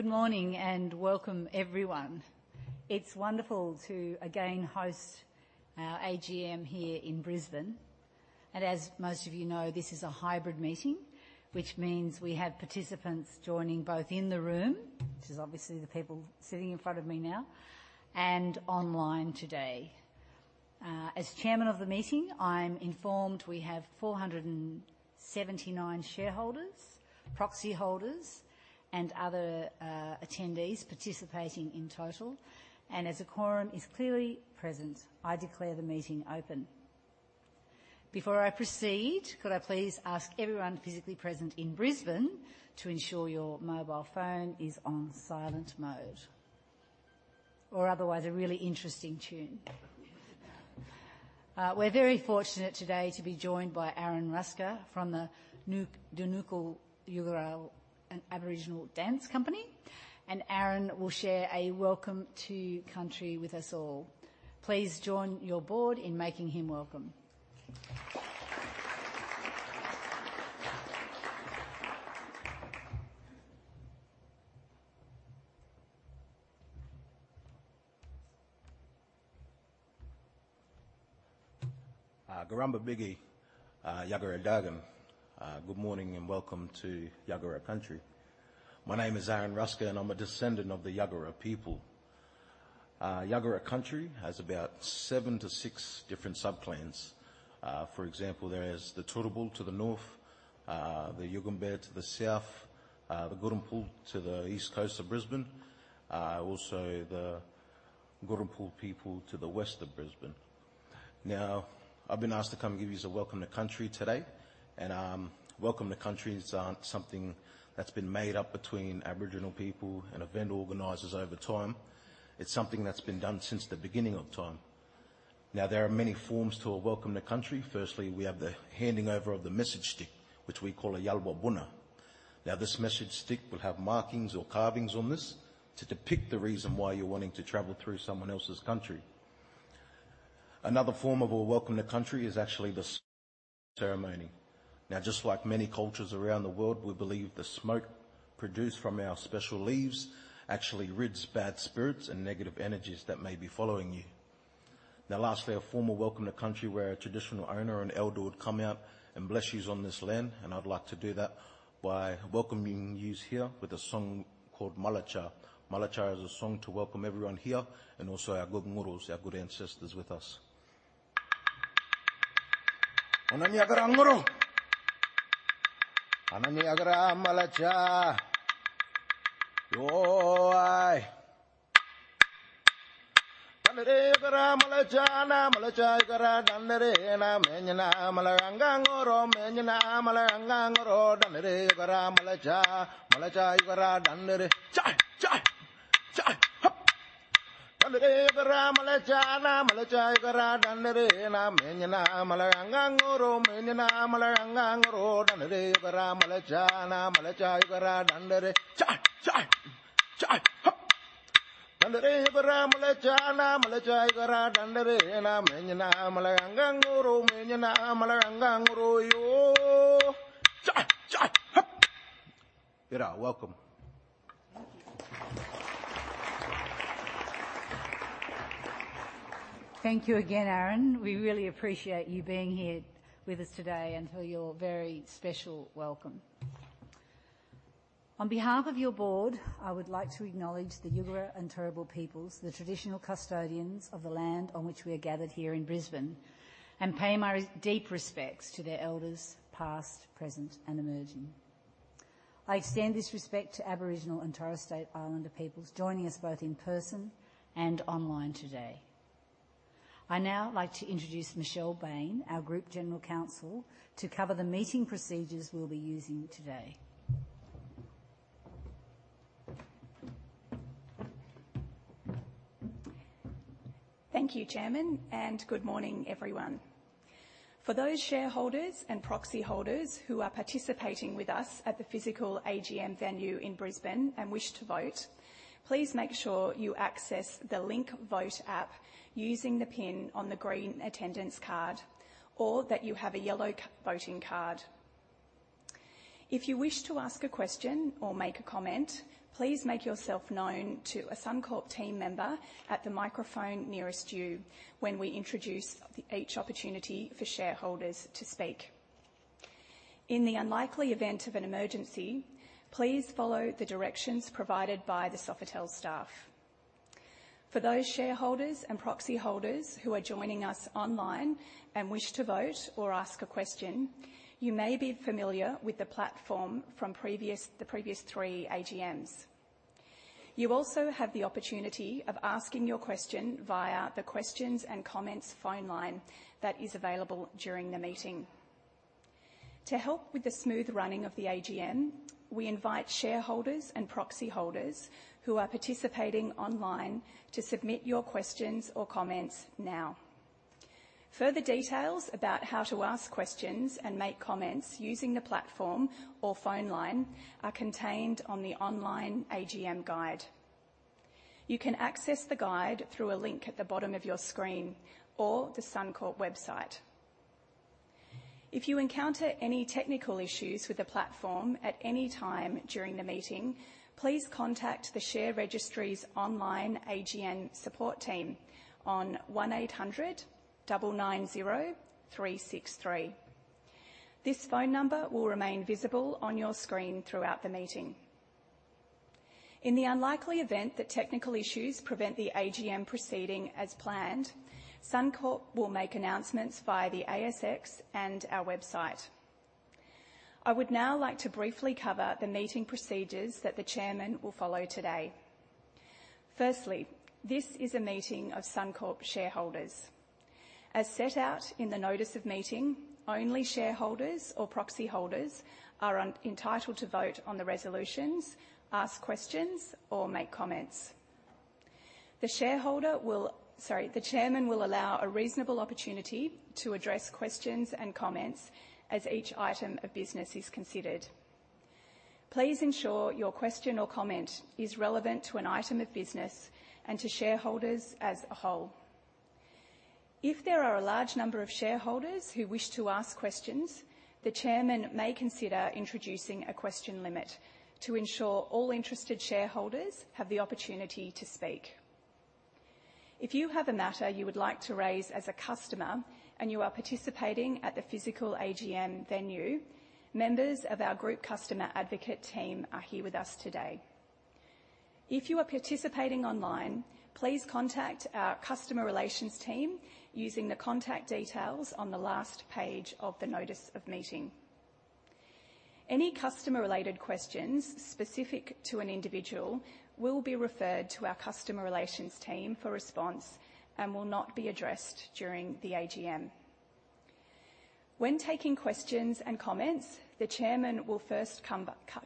Good morning, and welcome, everyone. It's wonderful to again host our AGM here in Brisbane. As most of you know, this is a hybrid meeting, which means we have participants joining both in the room, which is obviously the people sitting in front of me now, and online today. As chairman of the meeting, I'm informed we have 479 shareholders, proxy holders, and other attendees participating in total. As a quorum is clearly present, I declare the meeting open. Before I proceed, could I please ask everyone physically present in Brisbane to ensure your mobile phone is on silent mode, or otherwise, a really interesting tune? We're very fortunate today to be joined by Aaron Ruska from the Nunukul Yuggera Aboriginal Dance Company, and Aaron will share a welcome to country with us all. Please join your board in making him welcome. Garumba Bigi, Yuggera Dargan. Good morning, and welcome to Yuggera Country. My name is Aaron Ruska, and I'm a descendant of the Yuggera people. Yuggera Country has about seven to six different sub-clans. For example, there is the Turrbal to the north, the Yugambeh to the south, the Gurrumpul to the east coast of Brisbane, also the Gurrumpul people to the west of Brisbane. Now, I've been asked to come and give you a welcome to country today, and welcome to countries aren't something that's been made up between Aboriginal people and event organizers over time. It's something that's been done since the beginning of time. Now, there are many forms to a welcome to country. Firstly, we have the handing over of the message stick, which we call a Yalwa Buna. Now, this message stick will have markings or carvings on this to depict the reason why you're wanting to travel through someone else's country. Another form of a welcome to country is actually the ceremony. Now, just like many cultures around the world, we believe the smoke produced from our special leaves actually rids bad spirits and negative energies that may be following you. Now, lastly, a formal welcome to country, where a traditional owner and elder would come out and bless you on this land. And I'd like to do that by welcoming youse here with a song called Malacha. Malacha is a song to welcome everyone here and also our good ngurus, our good ancestors with us. Thank you again, Aaron. We really appreciate you being here with us today and for your very special welcome. On behalf of your board, I would like to acknowledge the Yuggera and Turrbal peoples, the traditional custodians of the land on which we are gathered here in Brisbane, and pay my deep respects to their elders, past, present, and emerging. I extend this respect to Aboriginal and Torres Strait Islander peoples joining us both in person and online today. I'd now like to introduce Michelle Bain, our Group General Counsel, to cover the meeting procedures we'll be using today. Thank you, Chairman, and good morning, everyone. For those shareholders and proxy holders who are participating with us at the physical AGM venue in Brisbane and wish to vote, please make sure you access the LinkVote app using the pin on the green attendance card or that you have a yellow voting card. If you wish to ask a question or make a comment, please make yourself known to a Suncorp team member at the microphone nearest you when we introduce each opportunity for shareholders to speak. In the unlikely event of an emergency, please follow the directions provided by the Sofitel staff. For those shareholders and proxy holders who are joining us online and wish to vote or ask a question, you may be familiar with the platform from the previous three AGMs. You also have the opportunity of asking your question via the questions and comments phone line that is available during the meeting. To help with the smooth running of the AGM, we invite shareholders and proxy holders who are participating online to submit your questions or comments now. Further details about how to ask questions and make comments using the platform or phone line are contained on the online AGM guide. You can access the guide through a link at the bottom of your screen or the Suncorp website. If you encounter any technical issues with the platform at any time during the meeting, please contact the share registry's online AGM support team on 1-800-293-6363. This phone number will remain visible on your screen throughout the meeting. In the unlikely event that technical issues prevent the AGM proceeding as planned, Suncorp will make announcements via the ASX and our website. I would now like to briefly cover the meeting procedures that the chairman will follow today. Firstly, this is a meeting of Suncorp shareholders. As set out in the notice of meeting, only shareholders or proxy holders are entitled to vote on the resolutions, ask questions, or make comments. The chairman will allow a reasonable opportunity to address questions and comments as each item of business is considered. Please ensure your question or comment is relevant to an item of business and to shareholders as a whole. If there are a large number of shareholders who wish to ask questions, the chairman may consider introducing a question limit to ensure all interested shareholders have the opportunity to speak. If you have a matter you would like to raise as a customer and you are participating at the physical AGM venue, members of our group customer advocate team are here with us today. If you are participating online, please contact our customer relations team using the contact details on the last page of the notice of meeting. Any customer-related questions specific to an individual will be referred to our customer relations team for response and will not be addressed during the AGM. When taking questions and comments, the chairman will first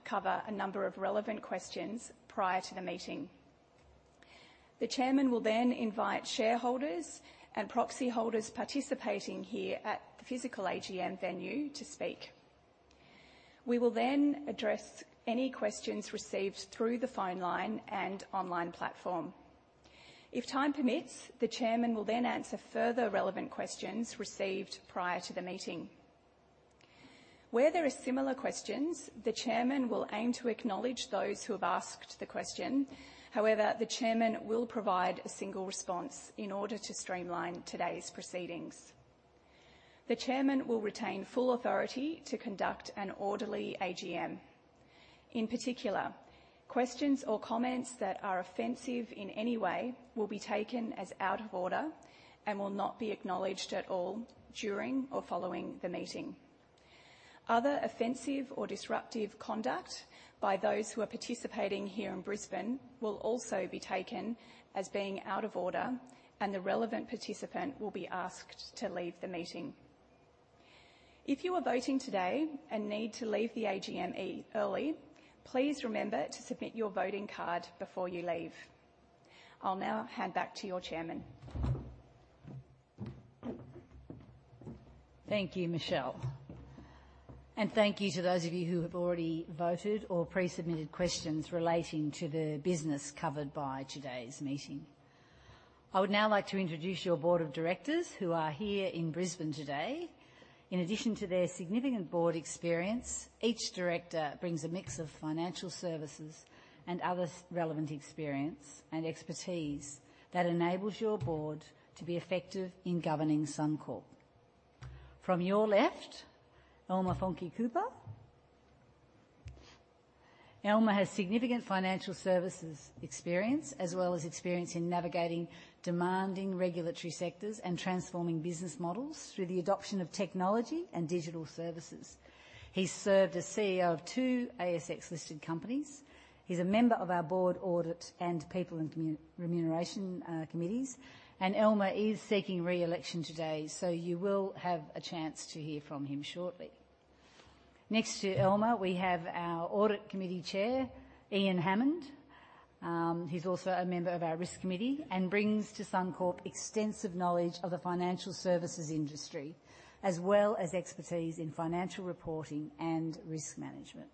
cover a number of relevant questions prior to the meeting. The chairman will then invite shareholders and proxy holders participating here at the physical AGM venue to speak. We will then address any questions received through the phone line and online platform. If time permits, the chairman will then answer further relevant questions received prior to the meeting. Where there are similar questions, the chairman will aim to acknowledge those who have asked the question. However, the chairman will provide a single response in order to streamline today's proceedings. The chairman will retain full authority to conduct an orderly AGM. In particular, questions or comments that are offensive in any way will be taken as out of order and will not be acknowledged at all during or following the meeting. Other offensive or disruptive conduct by those who are participating here in Brisbane will also be taken as being out of order, and the relevant participant will be asked to leave the meeting. If you are voting today and need to leave the AGM early, please remember to submit your voting card before you leave. I'll now hand back to your Chairman. Thank you, Michelle, and thank you to those of you who have already voted or pre-submitted questions relating to the business covered by today's meeting. I would now like to introduce your board of directors who are here in Brisbane today. In addition to their significant board experience, each director brings a mix of financial services and other relevant experience and expertise that enables your board to be effective in governing Suncorp. From your left, Elmer Funke Kupper. Elmer has significant financial services experience, as well as experience in navigating demanding regulatory sectors and transforming business models through the adoption of technology and digital services. He served as CEO of two ASX-listed companies. He's a member of our board audit and people and remuneration committees, and Elmer is seeking re-election today, so you will have a chance to hear from him shortly. Next to Elmer, we have our audit committee chair, Ian Hammond. He's also a member of our risk committee and brings to Suncorp extensive knowledge of the financial services industry, as well as expertise in financial reporting and risk management.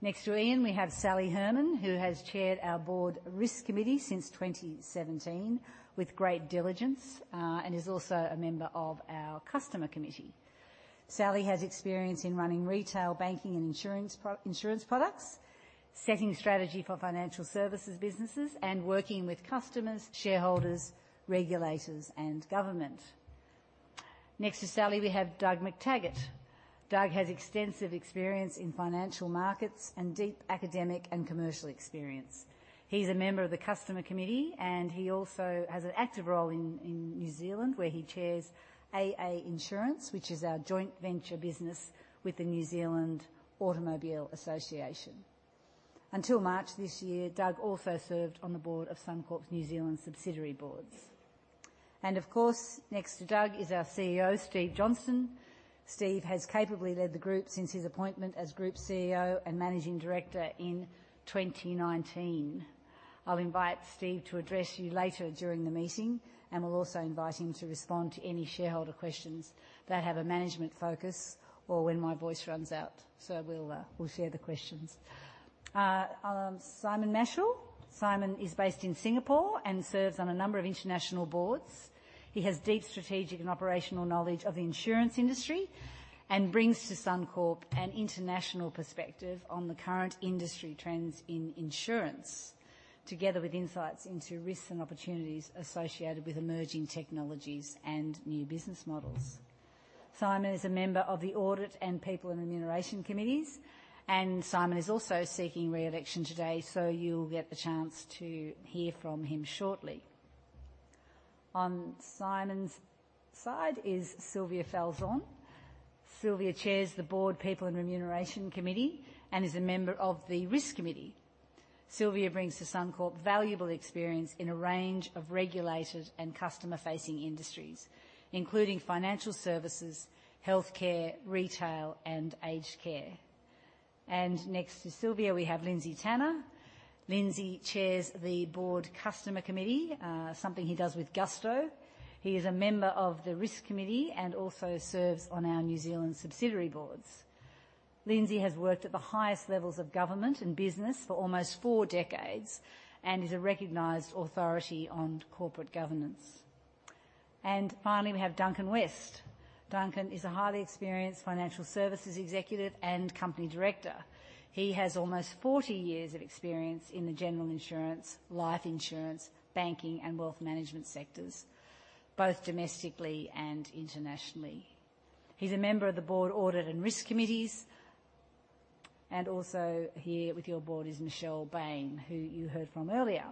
Next to Ian, we have Sally Herman, who has chaired our board risk committee since 2017 with great diligence, and is also a member of our customer committee. Sally has experience in running retail banking and insurance products, setting strategy for financial services businesses, and working with customers, shareholders, regulators, and government. Next to Sally, we have Doug McTaggart. Doug has extensive experience in financial markets and deep academic and commercial experience. He's a member of the customer committee, and he also has an active role in New Zealand, where he chairs AA Insurance, which is our joint venture business with the New Zealand Automobile Association. Until March this year, Doug also served on the board of Suncorp's New Zealand subsidiary boards. And of course, next to Doug is our CEO, Steve Johnston. Steve has capably led the group since his appointment as Group CEO and Managing Director in 2019. I'll invite Steve to address you later during the meeting, and we'll also invite him to respond to any shareholder questions that have a management focus... or when my voice runs out, so we'll share the questions. Simon Machell. Simon is based in Singapore and serves on a number of international boards. He has deep strategic and operational knowledge of the insurance industry and brings to Suncorp an international perspective on the current industry trends in insurance, together with insights into risks and opportunities associated with emerging technologies and new business models. Simon is a member of the Audit and People and Remuneration Committees, and Simon is also seeking re-election today, so you'll get the chance to hear from him shortly. On Simon's side is Sylvia Falzon. Sylvia chairs the Board People and Remuneration Committee and is a member of the Risk Committee. Sylvia brings to Suncorp valuable experience in a range of regulated and customer-facing industries, including financial services, healthcare, retail, and aged care. Next to Sylvia, we have Lindsay Tanner. Lindsay chairs the Board Customer Committee, something he does with gusto. He is a member of the Risk Committee and also serves on our New Zealand subsidiary boards. Lindsay has worked at the highest levels of government and business for almost four decades and is a recognized authority on corporate governance. Finally, we have Duncan West. Duncan is a highly experienced financial services executive and company director. He has almost 40 years of experience in the general insurance, life insurance, banking, and wealth management sectors, both domestically and internationally. He's a member of the Board Audit and Risk Committees. Also here with your board is Michelle Bain, who you heard from earlier.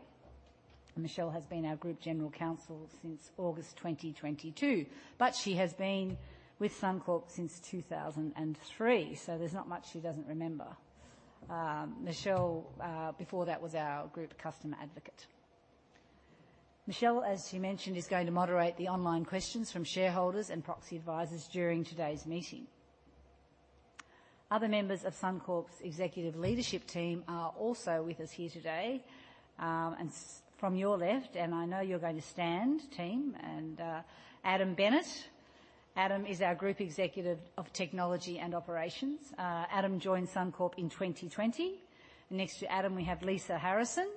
Michelle has been our Group General Counsel since August 2022, but she has been with Suncorp since 2003, so there's not much she doesn't remember. Michelle, before that, was our Group Customer Advocate. Michelle, as she mentioned, is going to moderate the online questions from shareholders and proxy advisors during today's meeting. Other members of Suncorp's executive leadership team are also with us here today. And from your left, and I know you're going to stand, team, and Adam Bennett. Adam is our Group Executive of Technology and Operations. Adam joined Suncorp in 2020. Next to Adam, we have Lisa Harrison.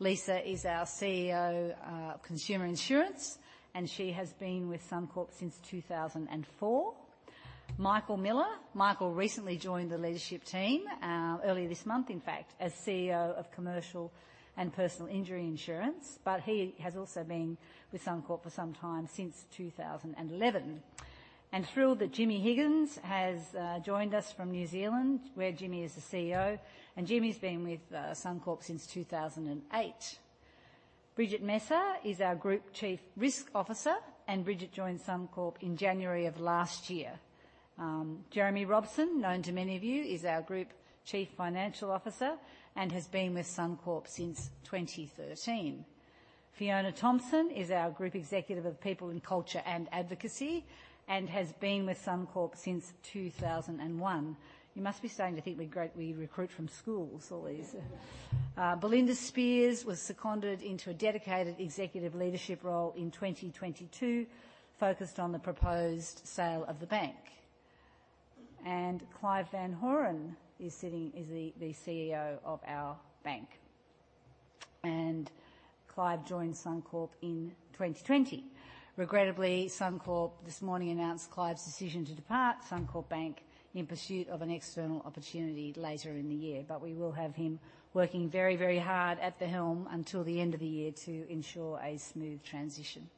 Lisa is our CEO of Consumer Insurance, and she has been with Suncorp since 2004. Michael Miller. Michael recently joined the leadership team earlier this month, in fact, as CEO of Commercial and Personal Injury Insurance, but he has also been with Suncorp for some time, since 2011. And thrilled that Jimmy Higgins has joined us from New Zealand, where Jimmy is the CEO, and Jimmy's been with Suncorp since 2008. Brigid Messer is our Group Chief Risk Officer, and Bridget joined Suncorp in January of last year. Jeremy Robson, known to many of you, is our Group Chief Financial Officer and has been with Suncorp since 2013. Fiona Thompson is our Group Executive of People and Culture and Advocacy and has been with Suncorp since 2001. You must be starting to think we're great, we recruit from schools, all these. Belinda Speirs was seconded into a dedicated executive leadership role in 2022, focused on the proposed sale of the bank. Clive van Horen is the CEO of our bank, and Clive joined Suncorp in 2020. Regrettably, Suncorp this morning announced Clive's decision to depart Suncorp Bank in pursuit of an external opportunity later in the year, but we will have him working very, very hard at the helm until the end of the year to ensure a smooth transition.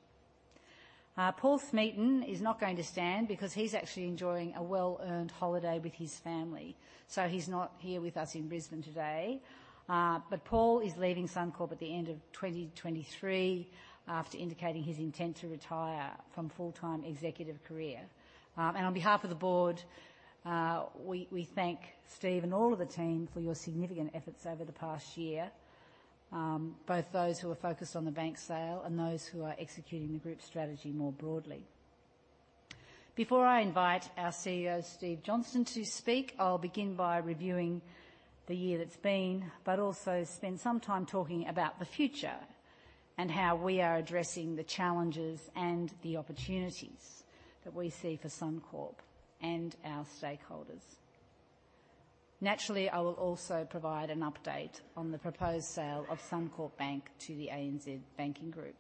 Paul Smeaton is not going to stand because he's actually enjoying a well-earned holiday with his family, so he's not here with us in Brisbane today. But Paul is leaving Suncorp at the end of 2023 after indicating his intent to retire from full-time executive career. On behalf of the board, we thank Steve and all of the team for your significant efforts over the past year, both those who are focused on the bank sale and those who are executing the group's strategy more broadly. Before I invite our CEO, Steve Johnston, to speak, I'll begin by reviewing the year that's been, but also spend some time talking about the future and how we are addressing the challenges and the opportunities that we see for Suncorp and our stakeholders. Naturally, I will also provide an update on the proposed sale of Suncorp Bank to the ANZ Banking Group.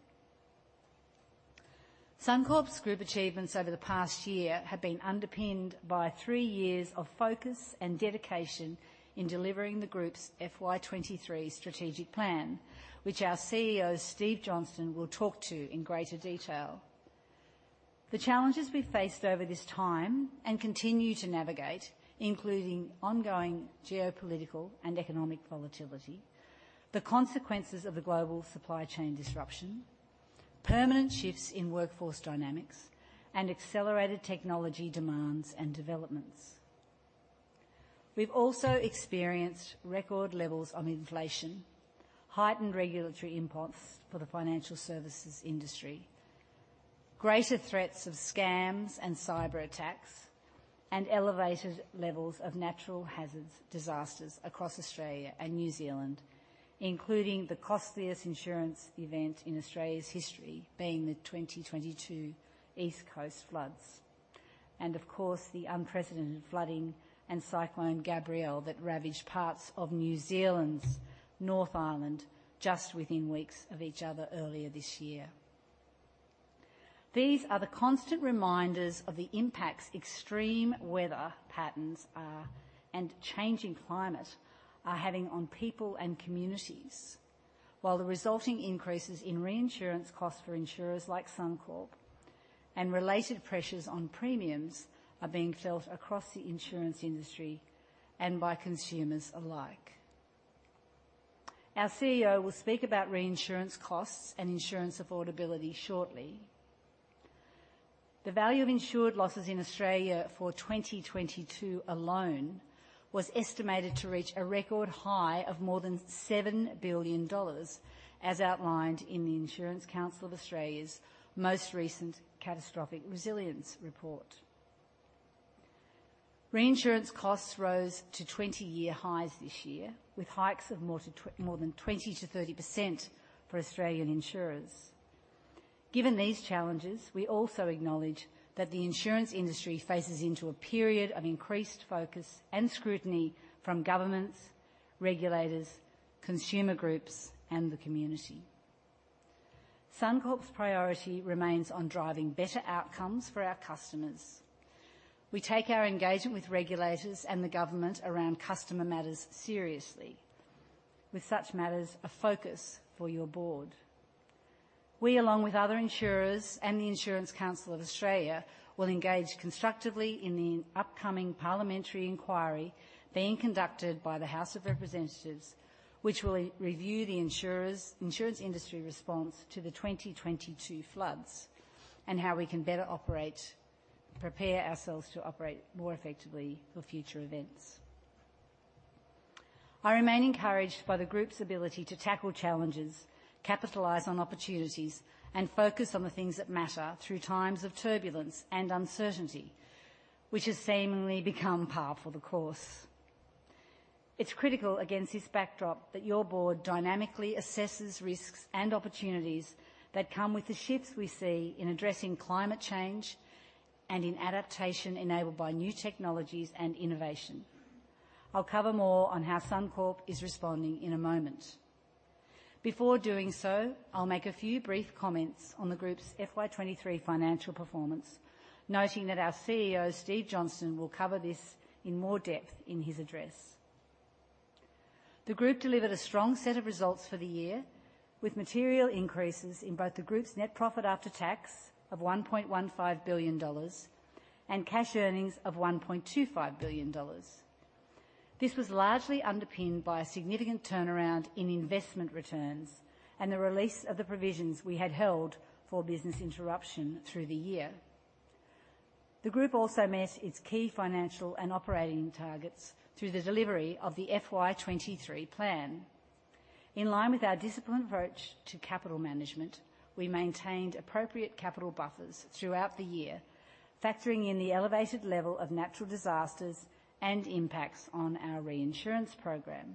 Suncorp's group achievements over the past year have been underpinned by three years of focus and dedication in delivering the group's FY 2023 strategic plan, which our CEO, Steve Johnston, will talk to in greater detail. The challenges we faced over this time, and continue to navigate, including ongoing geopolitical and economic volatility, the consequences of the global supply chain disruption, permanent shifts in workforce dynamics, and accelerated technology demands and developments. We've also experienced record levels of inflation, heightened regulatory inputs for the financial services industry, greater threats of scams and cyberattacks, and elevated levels of natural hazards, disasters across Australia and New Zealand, including the costliest insurance event in Australia's history, being the 2022 East Coast Floods, and of course, the unprecedented flooding and Cyclone Gabrielle that ravaged parts of New Zealand's North Island just within weeks of each other earlier this year. These are the constant reminders of the impacts extreme weather patterns are, and changing climate are having on people and communities, while the resulting increases in reinsurance costs for insurers like Suncorp and related pressures on premiums are being felt across the insurance industry and by consumers alike. Our CEO will speak about reinsurance costs and insurance affordability shortly. The value of insured losses in Australia for 2022 alone was estimated to reach a record high of more than 7 billion dollars, as outlined in the Insurance Council of Australia's most recent Catastrophic Resilience report. Reinsurance costs rose to 20-year highs this year, with hikes of more than 20%-30% for Australian insurers. Given these challenges, we also acknowledge that the insurance industry faces into a period of increased focus and scrutiny from governments, regulators, consumer groups, and the community. Suncorp's priority remains on driving better outcomes for our customers. We take our engagement with regulators and the government around customer matters seriously, with such matters a focus for your board. We, along with other insurers and the Insurance Council of Australia, will engage constructively in the upcoming parliamentary inquiry being conducted by the House of Representatives, which will re-review the insurance industry's response to the 2022 floods and how we can better prepare ourselves to operate more effectively for future events. I remain encouraged by the group's ability to tackle challenges, capitalize on opportunities, and focus on the things that matter through times of turbulence and uncertainty, which has seemingly become par for the course. It's critical, against this backdrop, that your board dynamically assesses risks and opportunities that come with the shifts we see in addressing climate change and in adaptation enabled by new technologies and innovation. I'll cover more on how Suncorp is responding in a moment. Before doing so, I'll make a few brief comments on the group's FY 2023 financial performance, noting that our CEO, Steve Johnston, will cover this in more depth in his address. The group delivered a strong set of results for the year, with material increases in both the group's net profit after tax of 1.15 billion dollars and cash earnings of 1.25 billion dollars. This was largely underpinned by a significant turnaround in investment returns and the release of the provisions we had held for business interruption through the year. The group also met its key financial and operating targets through the delivery of the FY 2023 plan. In line with our disciplined approach to capital management, we maintained appropriate capital buffers throughout the year, factoring in the elevated level of natural disasters and impacts on our reinsurance program.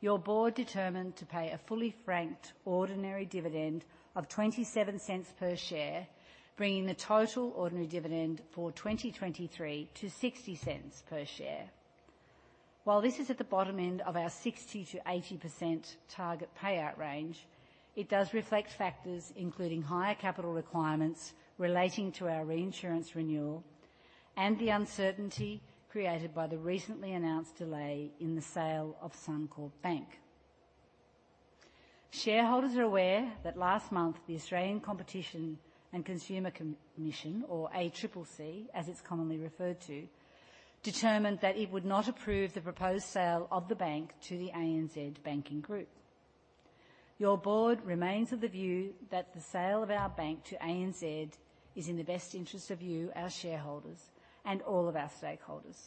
Your board determined to pay a fully franked ordinary dividend of 0.27 per share, bringing the total ordinary dividend for 2023 to 0.60 per share. While this is at the bottom end of our 60%-80% target payout range, it does reflect factors including higher capital requirements relating to our reinsurance renewal and the uncertainty created by the recently announced delay in the sale of Suncorp Bank. Shareholders are aware that last month, the Australian Competition and Consumer Commission, or ACCC, as it's commonly referred to, determined that it would not approve the proposed sale of the bank to the ANZ Banking Group. Your board remains of the view that the sale of our bank to ANZ is in the best interest of you, our shareholders, and all of our stakeholders.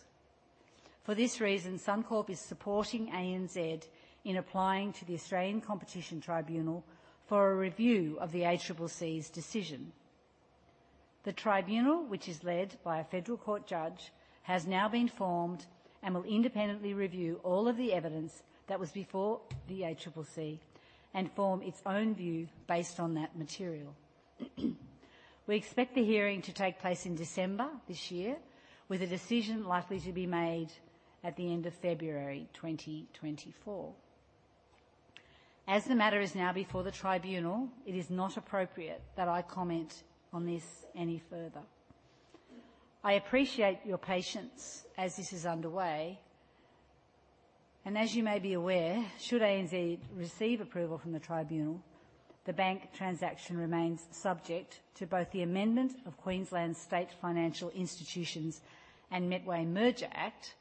For this reason, Suncorp is supporting ANZ in applying to the Australian Competition Tribunal for a review of the ACCC's decision. The tribunal, which is led by a Federal Court judge, has now been formed and will independently review all of the evidence that was before the ACCC and form its own view based on that material. We expect the hearing to take place in December this year, with a decision likely to be made at the end of February 2024. As the matter is now before the tribunal, it is not appropriate that I comment on this any further. I appreciate your patience as this is underway, and as you may be aware, should ANZ receive approval from the tribunal, the bank transaction remains subject to both the amendment of Queensland State Financial Institutions and Metway Merger Act,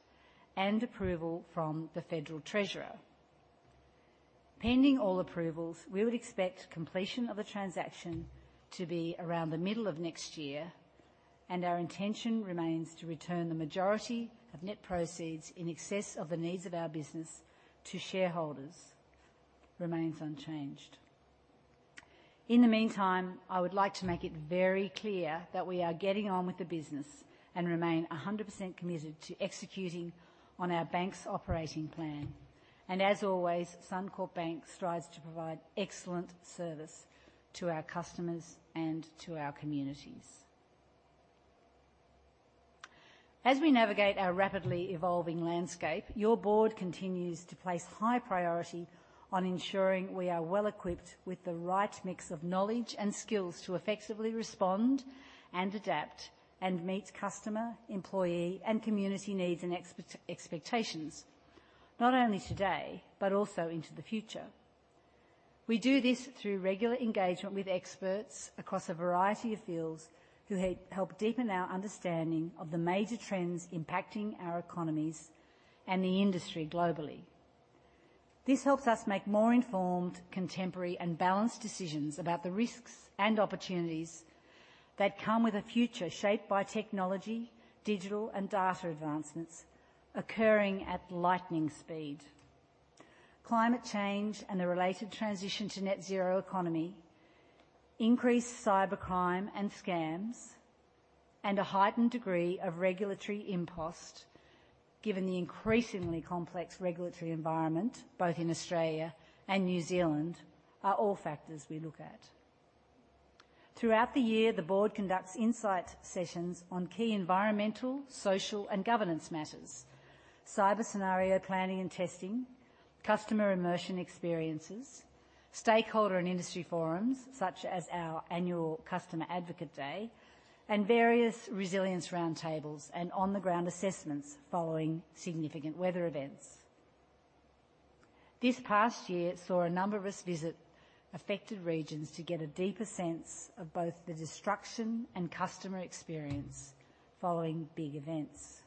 and approval from the Federal Treasurer. Pending all approvals, we would expect completion of the transaction to be around the middle of next year, and our intention remains to return the majority of net proceeds in excess of the needs of our business to shareholders. This remains unchanged. In the meantime, I would like to make it very clear that we are getting on with the business and remain 100% committed to executing on our bank's operating plan... and as always, Suncorp Bank strives to provide excellent service to our customers and to our communities. As we navigate our rapidly evolving landscape, your board continues to place high priority on ensuring we are well-equipped with the right mix of knowledge and skills to effectively respond and adapt, and meet customer, employee, and community needs and expectations, not only today, but also into the future. We do this through regular engagement with experts across a variety of fields, who help deepen our understanding of the major trends impacting our economies and the industry globally. This helps us make more informed, contemporary, and balanced decisions about the risks and opportunities that come with a future shaped by technology, digital, and data advancements occurring at lightning speed. Climate change and the related transition to net zero economy, increased cybercrime and scams, and a heightened degree of regulatory impost, given the increasingly complex regulatory environment both in Australia and New Zealand, are all factors we look at. Throughout the year, the board conducts insight sessions on key environmental, social, and governance matters, cyber scenario planning and testing, customer immersion experiences, stakeholder and industry forums, such as our annual Customer Advocate Day, and various resilience roundtables and on-the-ground assessments following significant weather events. This past year saw a number of us visit affected regions to get a deeper sense of both the destruction and customer experience following big events.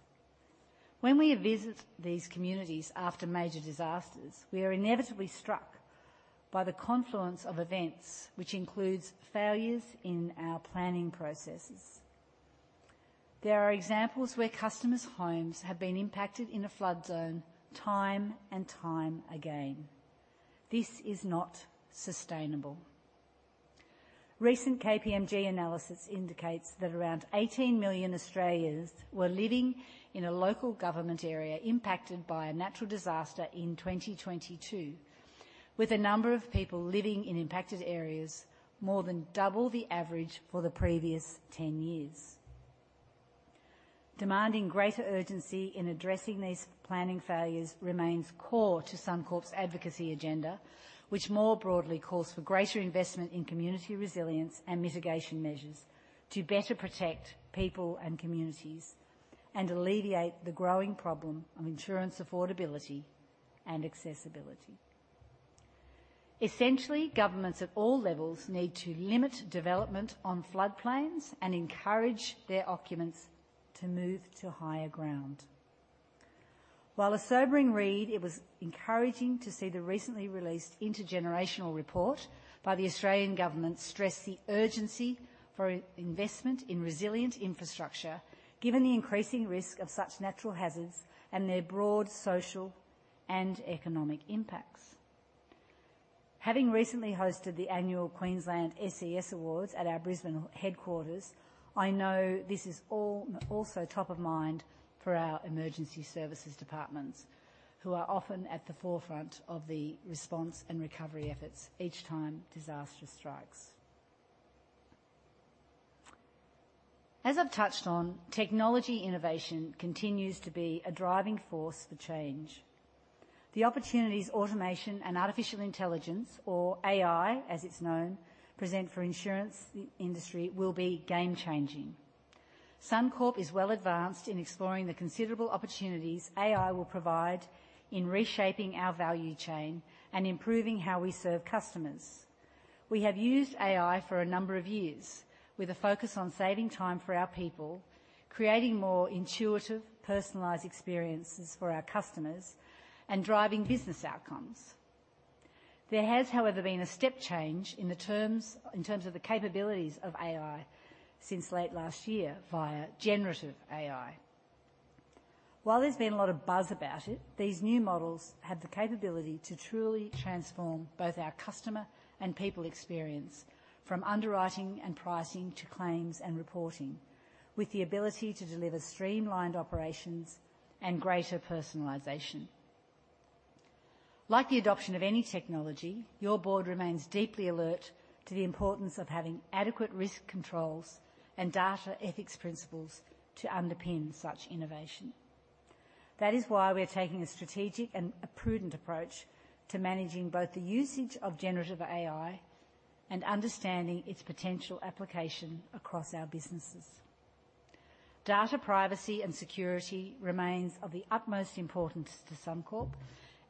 When we visit these communities after major disasters, we are inevitably struck by the confluence of events, which includes failures in our planning processes. There are examples where customers' homes have been impacted in a flood zone time and time again. This is not sustainable. Recent KPMG analysis indicates that around 18 million Australians were living in a local government area impacted by a natural disaster in 2022, with the number of people living in impacted areas more than double the average for the previous 10 years. Demanding greater urgency in addressing these planning failures remains core to Suncorp's advocacy agenda, which more broadly calls for greater investment in community resilience and mitigation measures to better protect people and communities, and alleviate the growing problem of insurance affordability and accessibility. Essentially, governments at all levels need to limit development on floodplains and encourage their occupants to move to higher ground. While a sobering read, it was encouraging to see the recently released intergenerational report by the Australian government stress the urgency for investment in resilient infrastructure, given the increasing risk of such natural hazards and their broad social and economic impacts. Having recently hosted the annual Queensland SES Awards at our Brisbane headquarters, I know this is also top of mind for our emergency services departments, who are often at the forefront of the response and recovery efforts each time disaster strikes. As I've touched on, technology innovation continues to be a driving force for change. The opportunities automation and artificial intelligence, or AI, as it's known, present for insurance industry will be game changing. Suncorp is well advanced in exploring the considerable opportunities AI will provide in reshaping our value chain and improving how we serve customers. We have used AI for a number of years, with a focus on saving time for our people, creating more intuitive, personalized experiences for our customers, and driving business outcomes. There has, however, been a step change in the terms, in terms of the capabilities of AI since late last year via Generative AI. While there's been a lot of buzz about it, these new models have the capability to truly transform both our customer and people experience, from underwriting and pricing to claims and reporting, with the ability to deliver streamlined operations and greater personalization. Like the adoption of any technology, your board remains deeply alert to the importance of having adequate risk controls and data ethics principles to underpin such innovation. That is why we are taking a strategic and a prudent approach to managing both the usage of generative AI and understanding its potential application across our businesses. Data privacy and security remains of the utmost importance to Suncorp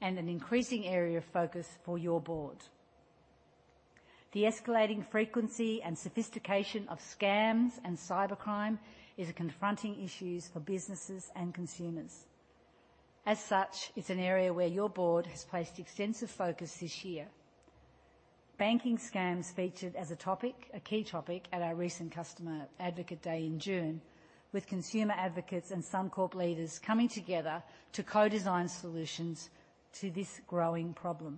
and an increasing area of focus for your board. The escalating frequency and sophistication of scams and cybercrime is a confronting issue for businesses and consumers. As such, it's an area where your board has placed extensive focus this year. Banking scams featured as a topic, a key topic, at our recent Customer Advocate Day in June, with consumer advocates and Suncorp leaders coming together to co-design solutions to this growing problem.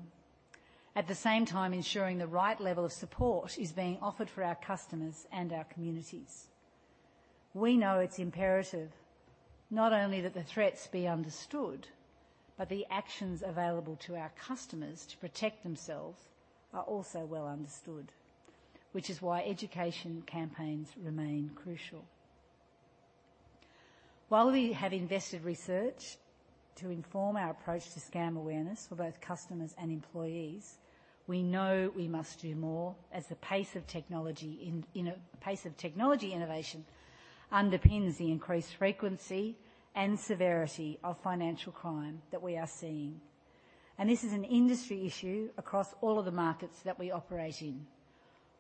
At the same time, ensuring the right level of support is being offered for our customers and our communities. We know it's imperative not only that the threats be understood, but the actions available to our customers to protect themselves are also well understood, which is why education campaigns remain crucial. While we have invested research to inform our approach to scam awareness for both customers and employees, we know we must do more as the pace of technology innovation underpins the increased frequency and severity of financial crime that we are seeing, and this is an industry issue across all of the markets that we operate in.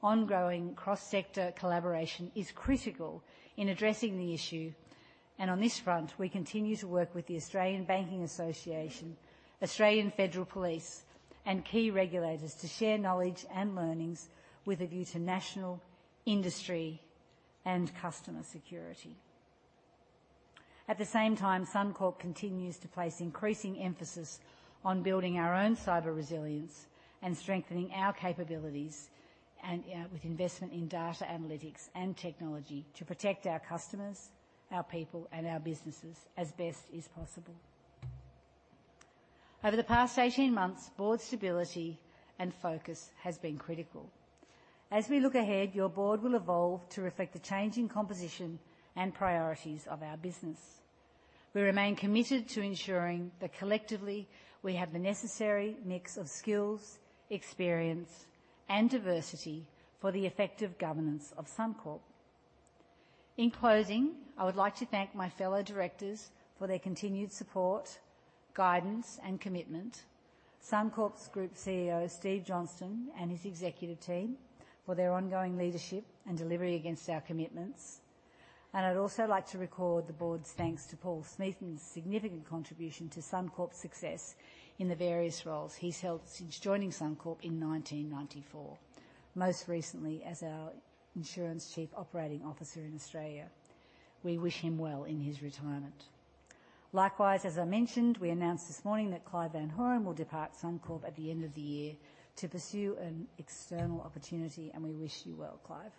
Ongoing cross-sector collaboration is critical in addressing the issue, and on this front, we continue to work with the Australian Banking Association, Australian Federal Police, and key regulators to share knowledge and learnings with a view to national, industry, and customer security. At the same time, Suncorp continues to place increasing emphasis on building our own cyber resilience and strengthening our capabilities and with investment in data analytics and technology to protect our customers, our people, and our businesses as best is possible. Over the past 18 months, board stability and focus has been critical. As we look ahead, your board will evolve to reflect the changing composition and priorities of our business. We remain committed to ensuring that collectively, we have the necessary mix of skills, experience, and diversity for the effective governance of Suncorp. In closing, I would like to thank my fellow directors for their continued support, guidance, and commitment. Suncorp's Group CEO, Steve Johnston, and his executive team for their ongoing leadership and delivery against our commitments. I'd also like to record the board's thanks to Paul Smeaton's significant contribution to Suncorp's success in the various roles he's held since joining Suncorp in 1994, most recently as our Insurance Chief Operating Officer in Australia. We wish him well in his retirement. Likewise, as I mentioned, we announced this morning that Clive van Horen will depart Suncorp at the end of the year to pursue an external opportunity, and we wish you well, Clive.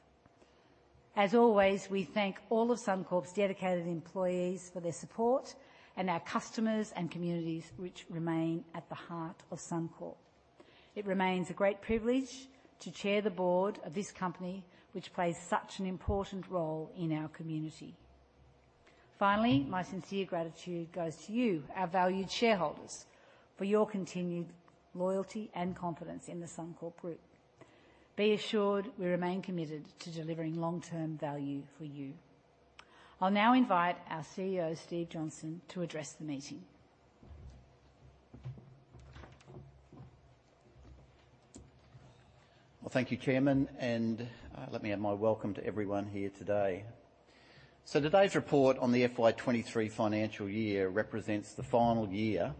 As always, we thank all of Suncorp's dedicated employees for their support, and our customers and communities, which remain at the heart of Suncorp. It remains a great privilege to chair the board of this company, which plays such an important role in our community. Finally, my sincere gratitude goes to you, our valued shareholders, for your continued loyalty and confidence in the Suncorp Group. Be assured, we remain committed to delivering long-term value for you. I'll now invite our CEO, Steve Johnston, to address the meeting. Well, thank you, Chairman, and let me add my welcome to everyone here today. Today's report on the FY 2023 financial year represents the final year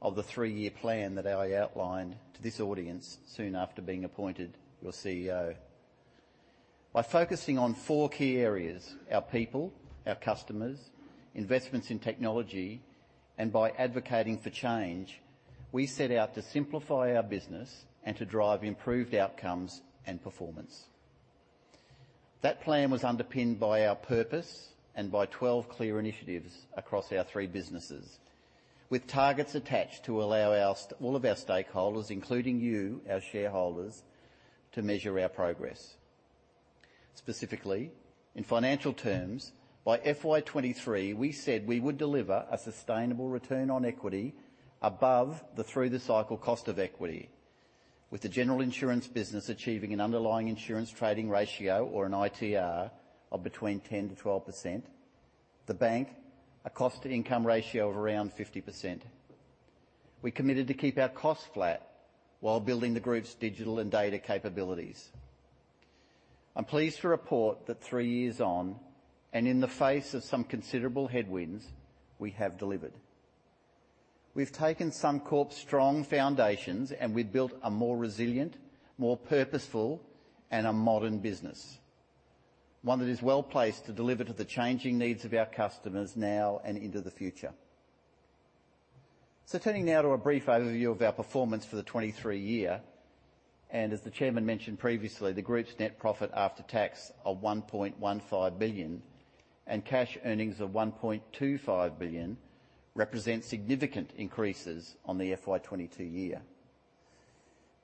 of the three-year plan that I outlined to this audience soon after being appointed your CEO. By focusing on four key areas: our people, our customers, investments in technology, and by advocating for change, we set out to simplify our business and to drive improved outcomes and performance. That plan was underpinned by our purpose and by 12 clear initiatives across our three businesses, with targets attached to allow us, all of our stakeholders, including you, our shareholders, to measure our progress. Specifically, in financial terms, by FY 2023, we said we would deliver a sustainable return on equity above the through-the-cycle cost of equity, with the general insurance business achieving an underlying insurance trading ratio, or an ITR, of between 10%-12%. The bank, a cost-to-income ratio of around 50%. We committed to keep our costs flat while building the Group's digital and data capabilities. I'm pleased to report that three years on, and in the face of some considerable headwinds, we have delivered. We've taken Suncorp's strong foundations, and we've built a more resilient, more purposeful, and a modern business, one that is well placed to deliver to the changing needs of our customers now and into the future. Turning now to a brief overview of our performance for the 2023 year, and as the Chairman mentioned previously, the Group's net profit after tax of AUD 1.15 billion and cash earnings of AUD 1.25 billion represent significant increases on the FY 2022 year.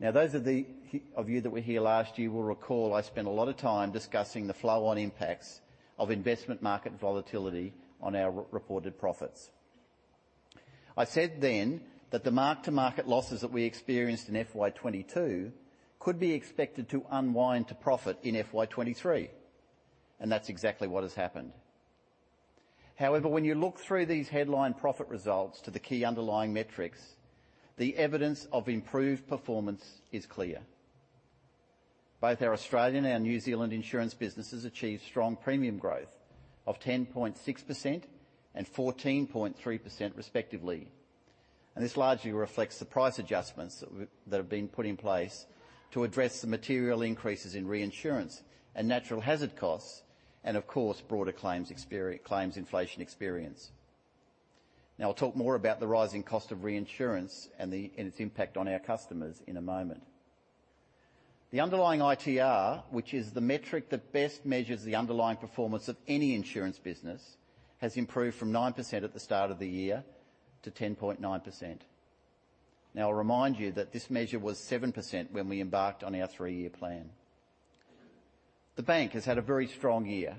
Now, those of you that were here last year will recall I spent a lot of time discussing the flow-on impacts of investment market volatility on our reported profits. I said then that the mark-to-market losses that we experienced in FY 2022 could be expected to unwind to profit in FY 2023, and that's exactly what has happened. However, when you look through these headline profit results to the key underlying metrics, the evidence of improved performance is clear. Both our Australian and our New Zealand insurance businesses achieved strong premium growth of 10.6% and 14.3%, respectively, and this largely reflects the price adjustments that have been put in place to address the material increases in reinsurance and natural hazard costs and, of course, broader claims inflation experience. Now, I'll talk more about the rising cost of reinsurance and its impact on our customers in a moment. The underlying ITR, which is the metric that best measures the underlying performance of any insurance business, has improved from 9% at the start of the year to 10.9%. Now, I'll remind you that this measure was 7% when we embarked on our three-year plan. The bank has had a very strong year,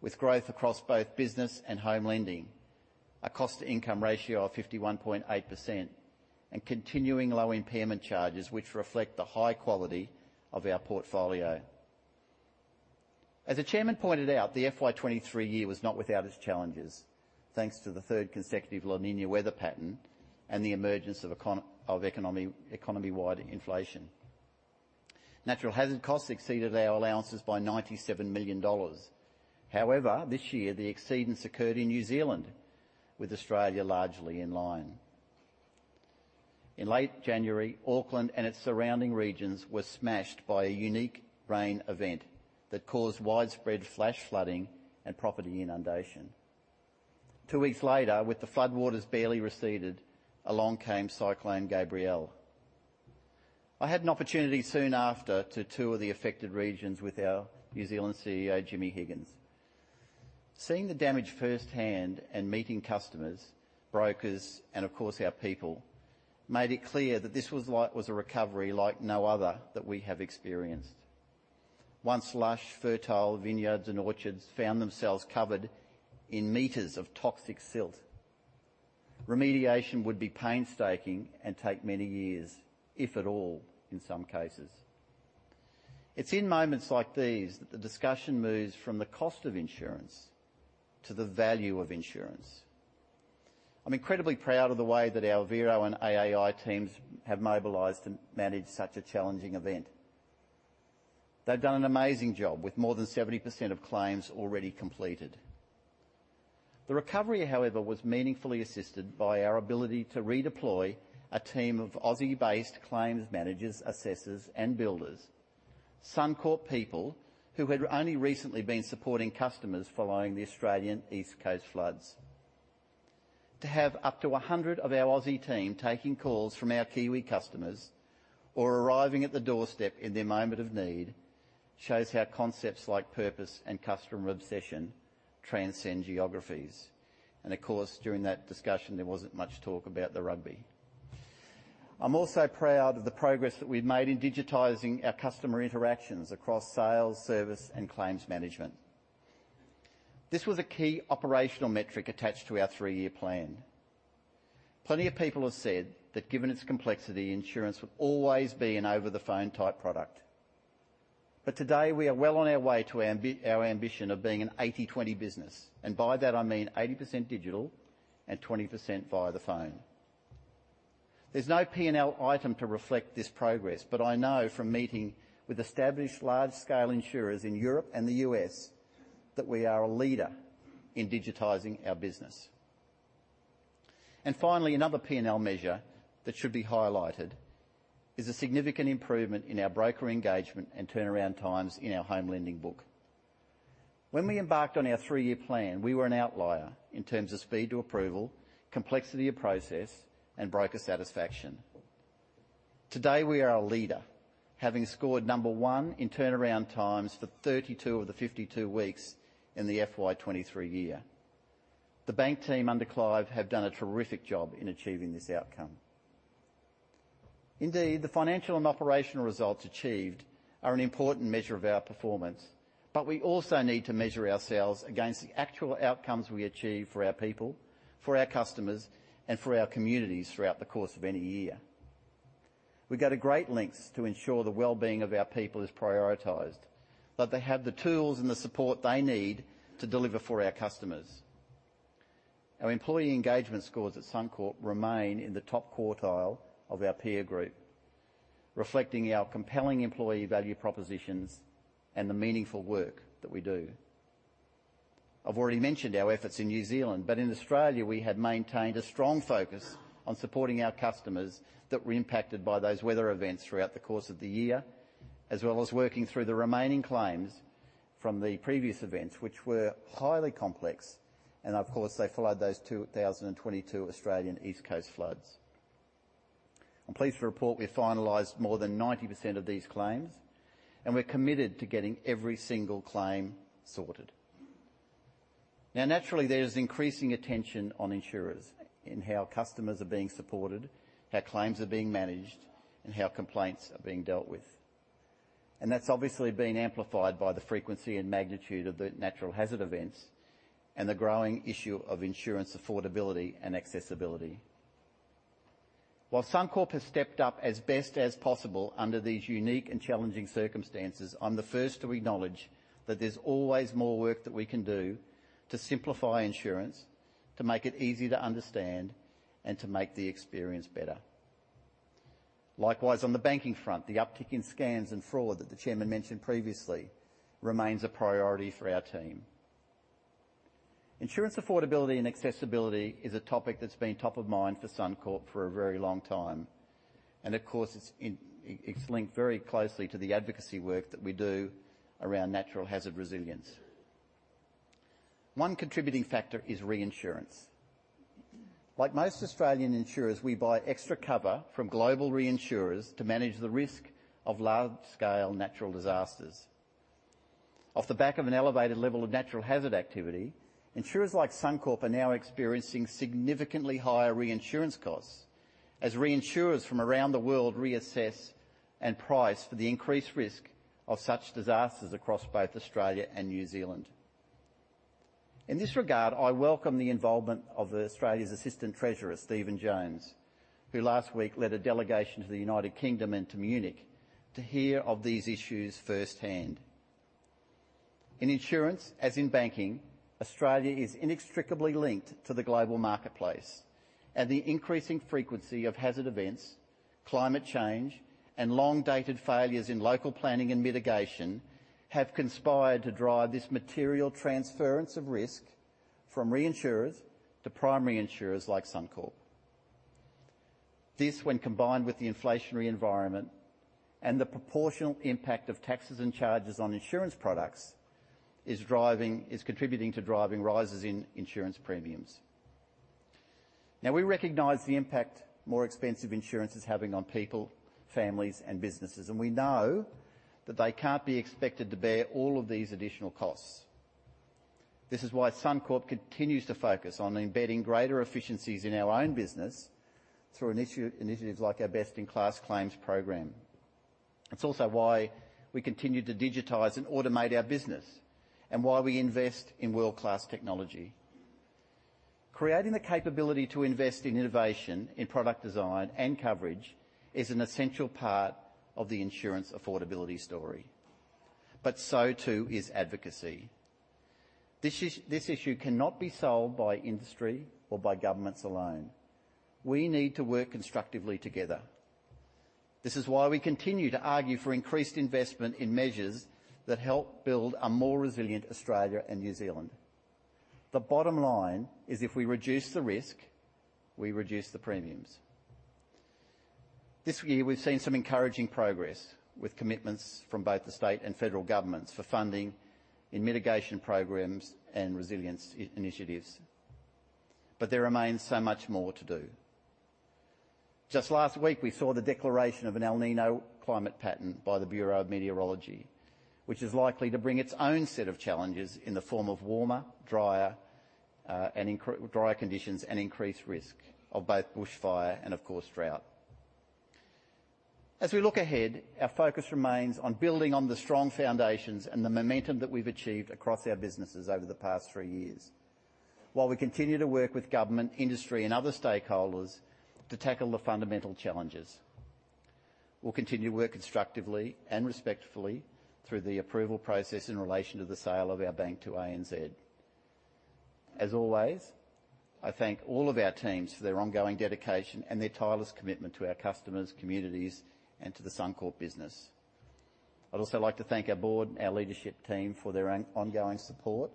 with growth across both business and home lending, a cost to income ratio of 51.8%, and continuing low impairment charges, which reflect the high quality of our portfolio. As the chairman pointed out, the FY 2023 year was not without its challenges, thanks to the third consecutive La Niña weather pattern and the emergence of economy-wide inflation. Natural hazard costs exceeded our allowances by 97 million dollars. However, this year, the exceedance occurred in New Zealand, with Australia largely in line. In late January, Auckland and its surrounding regions were smashed by a unique rain event that caused widespread flash flooding and property inundation. Two weeks later, with the floodwaters barely receded, along came Cyclone Gabrielle. I had an opportunity soon after to tour the affected regions with our New Zealand CEO, Jimmy Higgins. Seeing the damage firsthand and meeting customers, brokers, and of course, our people, made it clear that this was a recovery like no other that we have experienced. Once lush, fertile vineyards and orchards found themselves covered in meters of toxic silt. Remediation would be painstaking and take many years, if at all, in some cases. It's in moments like these that the discussion moves from the cost of insurance to the value of insurance. I'm incredibly proud of the way that our Vero and AAMI teams have mobilized and managed such a challenging event. They've done an amazing job with more than 70% of claims already completed. The recovery, however, was meaningfully assisted by our ability to redeploy a team of Aussie-based claims managers, assessors, and builders. Suncorp people who had only recently been supporting customers following the Australian East Coast floods. To have up to 100 of our Aussie team taking calls from our Kiwi customers or arriving at the doorstep in their moment of need shows how concepts like purpose and customer obsession transcend geographies. Of course, during that discussion, there wasn't much talk about the rugby. I'm also proud of the progress that we've made in digitizing our customer interactions across sales, service, and claims management. This was a key operational metric attached to our three-year plan. Plenty of people have said that given its complexity, insurance would always be an over-the-phone type product. Today, we are well on our way to our ambition of being an 80/20 business, and by that I mean 80% digital and 20% via the phone. There's no P&L item to reflect this progress, but I know from meeting with established large-scale insurers in Europe and the US, that we are a leader in digitizing our business. And finally, another P&L measure that should be highlighted is a significant improvement in our broker engagement and turnaround times in our home lending book. When we embarked on our three-year plan, we were an outlier in terms of speed to approval, complexity of process, and broker satisfaction. Today, we are a leader, having scored number one in turnaround times for 32 of the 52 weeks in the FY 2023 year. The bank team under Clive, have done a terrific job in achieving this outcome. Indeed, the financial and operational results achieved are an important measure of our performance, but we also need to measure ourselves against the actual outcomes we achieve for our people, for our customers, and for our communities throughout the course of any year. We go to great lengths to ensure the well-being of our people is prioritized, that they have the tools and the support they need to deliver for our customers. Our employee engagement scores at Suncorp remain in the top quartile of our peer group, reflecting our compelling employee value propositions and the meaningful work that we do. I've already mentioned our efforts in New Zealand, but in Australia we have maintained a strong focus on supporting our customers that were impacted by those weather events throughout the course of the year, as well as working through the remaining claims from the previous events, which were highly complex, and of course, they followed those 2022 Australian East Coast Floods. I'm pleased to report we've finalized more than 90% of these claims, and we're committed to getting every single claim sorted. Now, naturally, there is increasing attention on insurers in how customers are being supported, how claims are being managed, and how complaints are being dealt with. That's obviously been amplified by the frequency and magnitude of the natural hazard events and the growing issue of insurance affordability and accessibility. While Suncorp has stepped up as best as possible under these unique and challenging circumstances, I'm the first to acknowledge that there's always more work that we can do to simplify insurance, to make it easy to understand, and to make the experience better. Likewise, on the banking front, the uptick in scams and fraud that the chairman mentioned previously remains a priority for our team. Insurance affordability and accessibility is a topic that's been top of mind for Suncorp for a very long time, and of course, it's linked very closely to the advocacy work that we do around natural hazard resilience. One contributing factor is reinsurance. Like most Australian insurers, we buy extra cover from global reinsurers to manage the risk of large-scale natural disasters. Off the back of an elevated level of natural hazard activity, insurers like Suncorp are now experiencing significantly higher reinsurance costs, as reinsurers from around the world reassess and price for the increased risk of such disasters across both Australia and New Zealand. In this regard, I welcome the involvement of Australia's Assistant Treasurer, Stephen Jones, who last week led a delegation to the United Kingdom and to Munich to hear of these issues firsthand. In insurance, as in banking, Australia is inextricably linked to the global marketplace, and the increasing frequency of hazard events, climate change, and long-dated failures in local planning and mitigation, have conspired to drive this material transference of risk from reinsurers to primary insurers like Suncorp. This, when combined with the inflationary environment and the proportional impact of taxes and charges on insurance products, is driving, is contributing to driving rises in insurance premiums. Now, we recognize the impact more expensive insurance is having on people, families, and businesses, and we know that they can't be expected to bear all of these additional costs. This is why Suncorp continues to focus on embedding greater efficiencies in our own business through initiatives like our Best-in-Class Claims program. It's also why we continue to digitize and automate our business, and why we invest in world-class technology. Creating the capability to invest in innovation, in product design and coverage, is an essential part of the insurance affordability story, but so, too, is advocacy. This issue cannot be solved by industry or by governments alone. We need to work constructively together. This is why we continue to argue for increased investment in measures that help build a more resilient Australia and New Zealand. The bottom line is, if we reduce the risk, we reduce the premiums. This year, we've seen some encouraging progress with commitments from both the state and federal governments for funding in mitigation programs and resilience initiatives, but there remains so much more to do. Just last week, we saw the declaration of an El Niño climate pattern by the Bureau of Meteorology, which is likely to bring its own set of challenges in the form of warmer, drier, and drier conditions and increased risk of both bushfire and, of course, drought. As we look ahead, our focus remains on building on the strong foundations and the momentum that we've achieved across our businesses over the past three years, while we continue to work with government, industry, and other stakeholders to tackle the fundamental challenges. We'll continue to work constructively and respectfully through the approval process in relation to the sale of our bank to ANZ. As always, I thank all of our teams for their ongoing dedication and their tireless commitment to our customers, communities, and to the Suncorp business. I'd also like to thank our board and our leadership team for their ongoing support,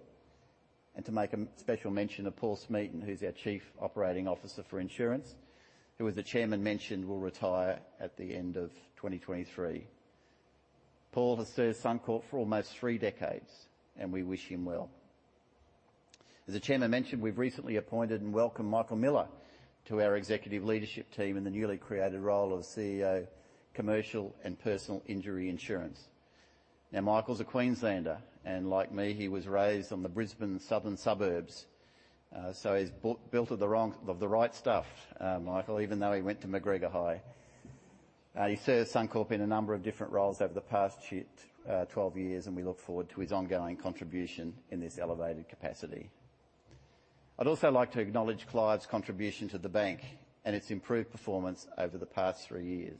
and to make a special mention of Paul Smeaton, who's our Chief Operating Officer for Insurance, who, as the chairman mentioned, will retire at the end of 2023. Paul has served Suncorp for almost three decades, and we wish him well. As the chairman mentioned, we've recently appointed and welcomed Michael Miller to our executive leadership team in the newly created role of CEO, Commercial and Personal Injury Insurance. Now, Michael's a Queenslander, and like me, he was raised on the Brisbane southern suburbs, so he's built of the right stuff, Michael, even though he went to MacGregor High. He served Suncorp in a number of different roles over the past 12 years, and we look forward to his ongoing contribution in this elevated capacity. I'd also like to acknowledge Clive's contribution to the bank and its improved performance over the past 3 years.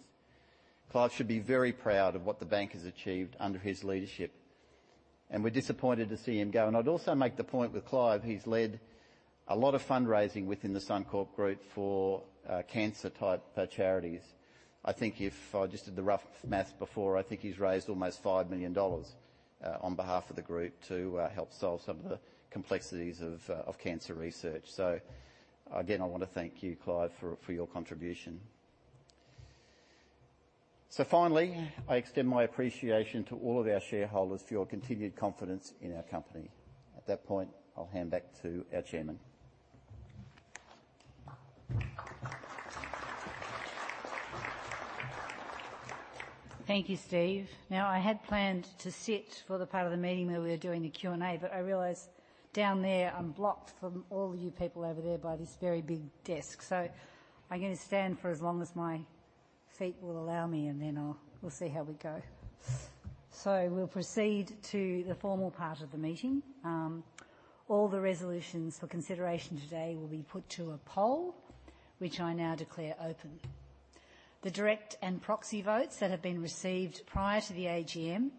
Clive should be very proud of what the bank has achieved under his leadership, and we're disappointed to see him go. I'd also make the point with Clive, he's led a lot of fundraising within the Suncorp group for cancer-type charities. I think if I just did the rough math before, I think he's raised almost 5 million dollars on behalf of the group to help solve some of the complexities of cancer research. So again, I want to thank you, Clive, for your contribution. So finally, I extend my appreciation to all of our shareholders for your continued confidence in our company. At that point, I'll hand back to our chairman. Thank you, Steve. Now, I had planned to sit for the part of the meeting where we were doing the Q&A, but I realized down there I'm blocked from all of you people over there by this very big desk. So I'm going to stand for as long as my feet will allow me, and then I'll, we'll see how we go. So we'll proceed to the formal part of the meeting. All the resolutions for consideration today will be put to a poll, which I now declare open. The direct and proxy votes that have been received prior to the AGM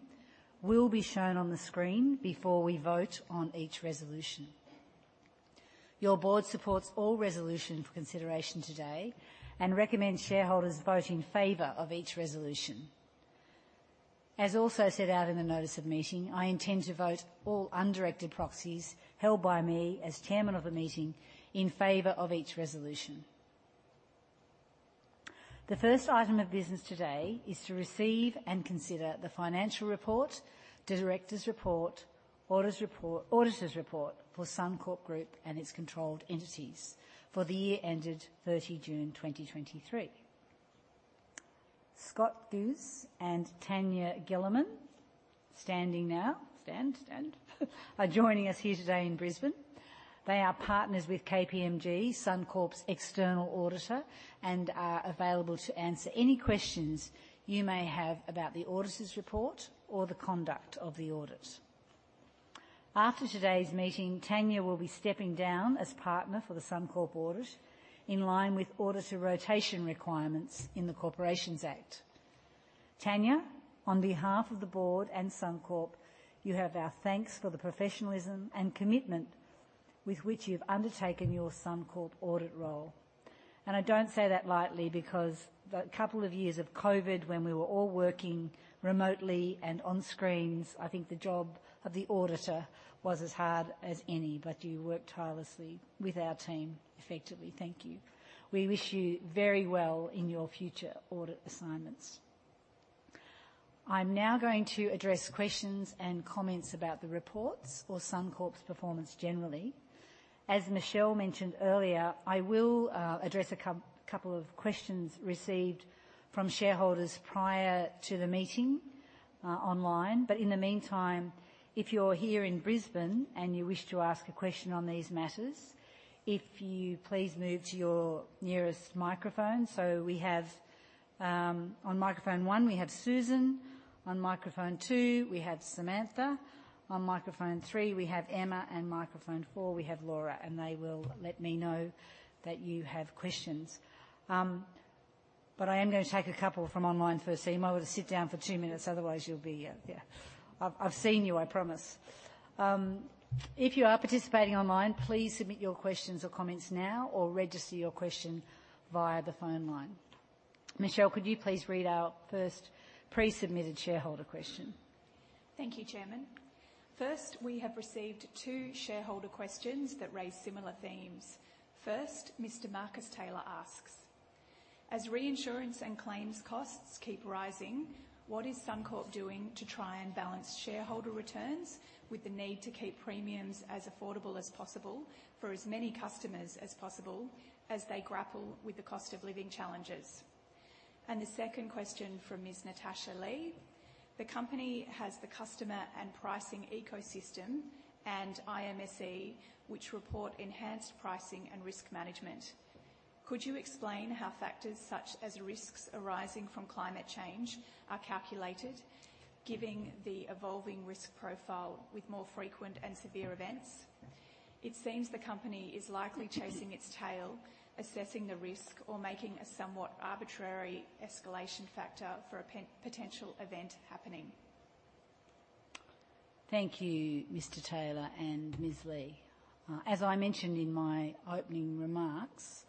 will be shown on the screen before we vote on each resolution. Your board supports all resolutions for consideration today and recommends shareholders vote in favor of each resolution. As also set out in the notice of meeting, I intend to vote all undirected proxies held by me as chairman of the meeting in favor of each resolution. The first item of business today is to receive and consider the financial report, the directors' report, and auditor's report for Suncorp Group and its controlled entities for the year ended 30 June 2023. Scott Guse and Tanya Gilerman, standing now, are joining us here today in Brisbane. They are partners with KPMG, Suncorp's external auditor, and are available to answer any questions you may have about the auditor's report or the conduct of the audit. After today's meeting, Tanya will be stepping down as partner for the Suncorp audit in line with auditor rotation requirements in the Corporations Act. Tanya, on behalf of the board and Suncorp, you have our thanks for the professionalism and commitment with which you've undertaken your Suncorp audit role. And I don't say that lightly, because the couple of years of COVID, when we were all working remotely and on screens, I think the job of the auditor was as hard as any, but you worked tirelessly with our team effectively. Thank you. We wish you very well in your future audit assignments. I'm now going to address questions and comments about the reports or Suncorp's performance generally. As Michelle mentioned earlier, I will address a couple of questions received from shareholders prior to the meeting online. But in the meantime, if you're here in Brisbane and you wish to ask a question on these matters, if you please move to your nearest microphone. So we have... On microphone one, we have Susan. On microphone two, we have Samantha. On microphone three, we have Emma, and microphone four, we have Laura, and they will let me know that you have questions. But I am going to take a couple from online first so you might want to sit down for two minutes, otherwise you'll be... Yeah. I've seen you, I promise. If you are participating online, please submit your questions or comments now, or register your question via the phone line. Michelle, could you please read our first pre-submitted shareholder question? Thank you, Chairman. First, we have received two shareholder questions that raise similar themes. First, Mr. Marcus Taylor asks: As reinsurance and claims costs keep rising, what is Suncorp doing to try and balance shareholder returns with the need to keep premiums as affordable as possible for as many customers as possible, as they grapple with the cost of living challenges? And the second question from Ms. Natasha Lee: The company has the customer and pricing ecosystem and iSME, which report enhanced pricing and risk management. Could you explain how factors such as risks arising from climate change are calculated, giving the evolving risk profile with more frequent and severe events? It seems the company is likely chasing its tail, assessing the risk or making a somewhat arbitrary escalation factor for a potential event happening. Thank you, Mr. Taylor and Ms. Lee. As I mentioned in my opening remarks,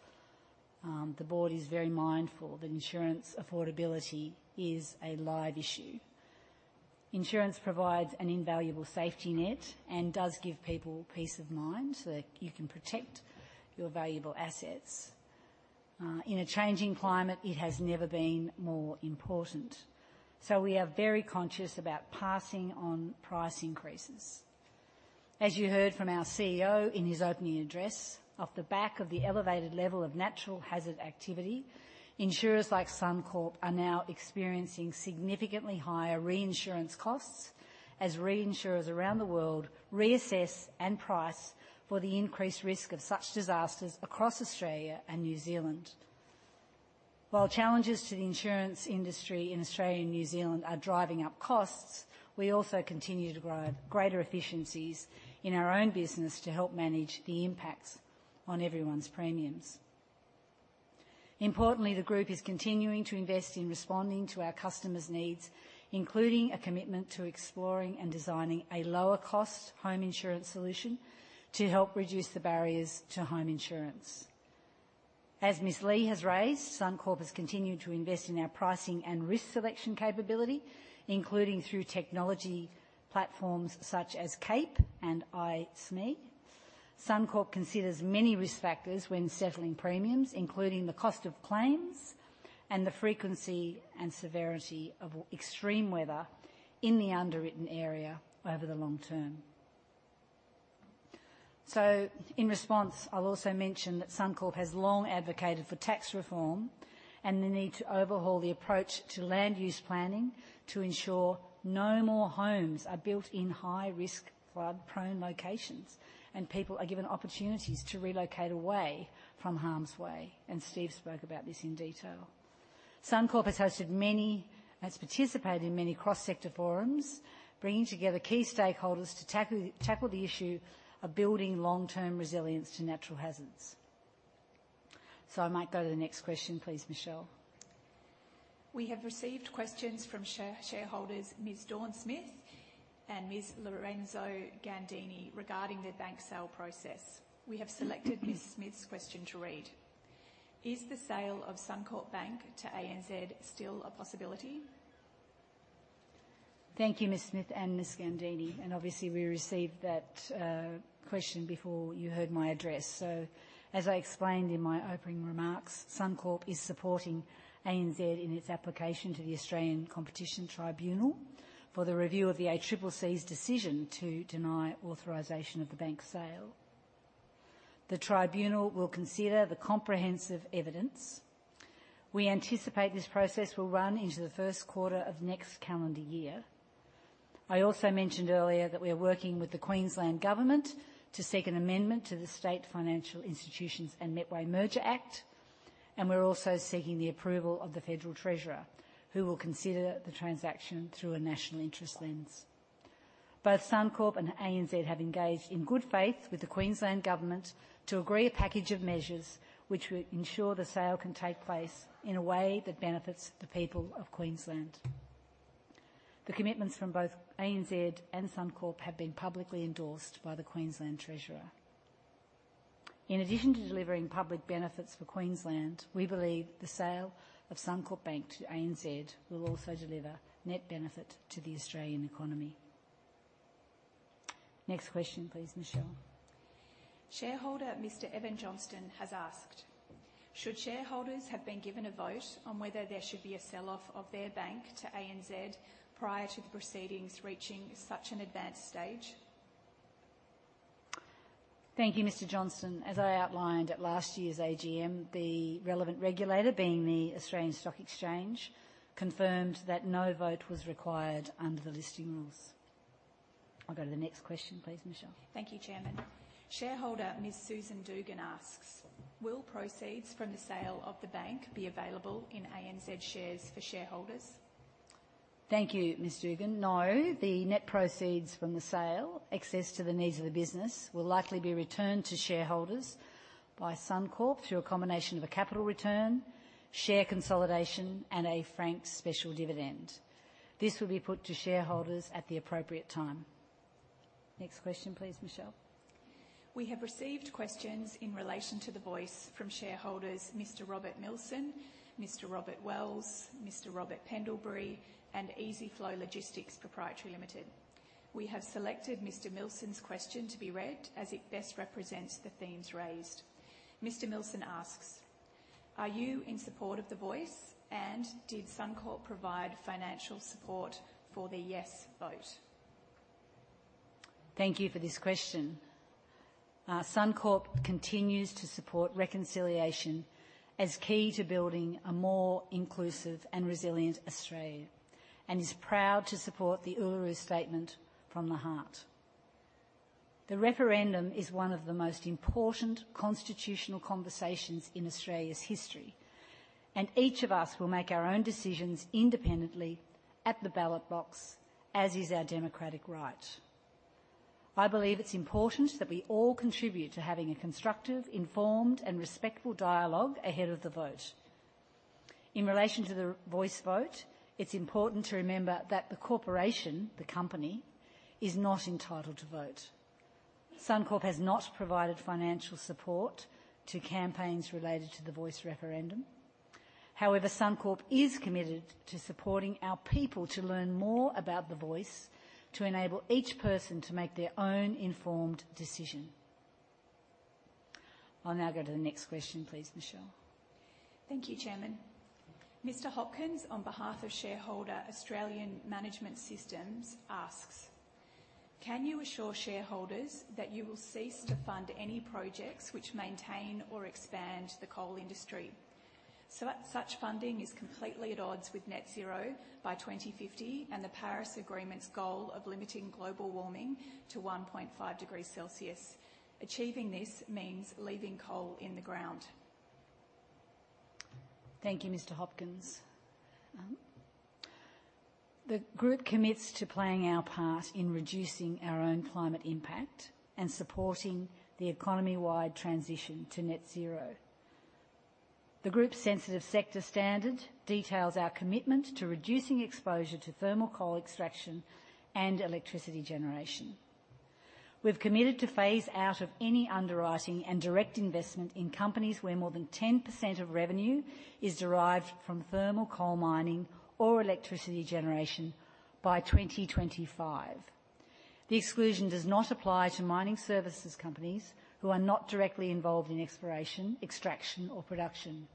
the board is very mindful that insurance affordability is a live issue. Insurance provides an invaluable safety net and does give people peace of mind so that you can protect your valuable assets. In a changing climate, it has never been more important, so we are very conscious about passing on price increases. As you heard from our CEO in his opening address, off the back of the elevated level of natural hazard activity, insurers like Suncorp are now experiencing significantly higher reinsurance costs as reinsurers around the world reassess and price for the increased risk of such disasters across Australia and New Zealand. While challenges to the insurance industry in Australia and New Zealand are driving up costs, we also continue to drive greater efficiencies in our own business to help manage the impacts on everyone's premiums. Importantly, the group is continuing to invest in responding to our customers' needs, including a commitment to exploring and designing a lower cost home insurance solution to help reduce the barriers to home insurance. As Ms. Lee has raised, Suncorp has continued to invest in our pricing and risk selection capability, including through technology platforms such as CAPE and iSMIE. Suncorp considers many risk factors when settling premiums, including the cost of claims and the frequency and severity of extreme weather in the underwritten area over the long term. In response, I'll also mention that Suncorp has long advocated for tax reform and the need to overhaul the approach to land use planning to ensure no more homes are built in high-risk, flood-prone locations, and people are given opportunities to relocate away from harm's way, and Steve spoke about this in detail. Suncorp has hosted many- has participated in many cross-sector forums, bringing together key stakeholders to tackle the issue of building long-term resilience to natural hazards. So I might go to the next question, please, Michelle. We have received questions from shareholders, Ms. Dawn Smith and Ms. Lorenza Gandini, regarding the bank sale process. We have selected Ms. Smith's question to read: Is the sale of Suncorp Bank to ANZ still a possibility?... Thank you, Ms. Smith and Ms. Gandini, and obviously we received that question before you heard my address. So as I explained in my opening remarks, Suncorp is supporting ANZ in its application to the Australian Competition Tribunal for the review of the ACCC's decision to deny authorization of the bank sale. The tribunal will consider the comprehensive evidence. We anticipate this process will run into the first quarter of next calendar year. I also mentioned earlier that we are working with the Queensland Government to seek an amendment to the State Financial Institutions and Metway Merger Act, and we're also seeking the approval of the Federal Treasurer, who will consider the transaction through a national interest lens. Both Suncorp and ANZ have engaged in good faith with the Queensland Government to agree a package of measures which will ensure the sale can take place in a way that benefits the people of Queensland. The commitments from both ANZ and Suncorp have been publicly endorsed by the Queensland Treasurer. In addition to delivering public benefits for Queensland, we believe the sale of Suncorp Bank to ANZ will also deliver net benefit to the Australian economy. Next question, please, Michelle. Shareholder, Mr. Evan Johnston, has asked: Should shareholders have been given a vote on whether there should be a sell-off of their bank to ANZ prior to the proceedings reaching such an advanced stage? Thank you, Mr. Johnston. As I outlined at last year's AGM, the relevant regulator, being the Australian Securities Exchange, confirmed that no vote was required under the listing rules. I'll go to the next question, please, Michelle. Thank you, Chairman. Shareholder, Ms. Susan Dugan, asks: Will proceeds from the sale of the bank be available in ANZ shares for shareholders? Thank you, Ms. Dugan. No, the net proceeds from the sale, excess to the needs of the business, will likely be returned to shareholders by Suncorp through a combination of a capital return, share consolidation, and a franked special dividend. This will be put to shareholders at the appropriate time. Next question, please, Michelle. We have received questions in relation to the Voice from shareholders, Mr. Robert Milson, Mr. Robert Wells, Mr. Robert Pendlebury, and Eziflow Logistics Proprietary Limited. We have selected Mr. Milson's question to be read as it best represents the themes raised. Mr. Milson asks: Are you in support of the Voice, and did Suncorp provide financial support for the yes vote? Thank you for this question. Suncorp continues to support reconciliation as key to building a more inclusive and resilient Australia, and is proud to support the Uluru Statement from the Heart. The referendum is one of the most important constitutional conversations in Australia's history, and each of us will make our own decisions independently at the ballot box, as is our democratic right. I believe it's important that we all contribute to having a constructive, informed, and respectful dialogue ahead of the vote. In relation to the Voice vote, it's important to remember that the corporation, the company, is not entitled to vote. Suncorp has not provided financial support to campaigns related to the Voice referendum. However, Suncorp is committed to supporting our people to learn more about the Voice, to enable each person to make their own informed decision. I'll now go to the next question, please, Michelle. Thank you, Chairman. Mr. Hopkins, on behalf of shareholder Australian Management Systems, asks: Can you assure shareholders that you will cease to fund any projects which maintain or expand the coal industry? So such funding is completely at odds with net zero by 2050 and the Paris Agreement's goal of limiting global warming to 1.5 degrees Celsius. Achieving this means leaving coal in the ground. Thank you, Mr. Hopkins. The group commits to playing our part in reducing our own climate impact and supporting the economy-wide transition to net zero. The group's Sensitive Sector Standard details our commitment to reducing exposure to thermal coal extraction and electricity generation. We've committed to phase out of any underwriting and direct investment in companies where more than 10% of revenue is derived from thermal coal mining or electricity generation by 2025. The exclusion does not apply to mining services companies who are not directly involved in exploration, extraction, or production.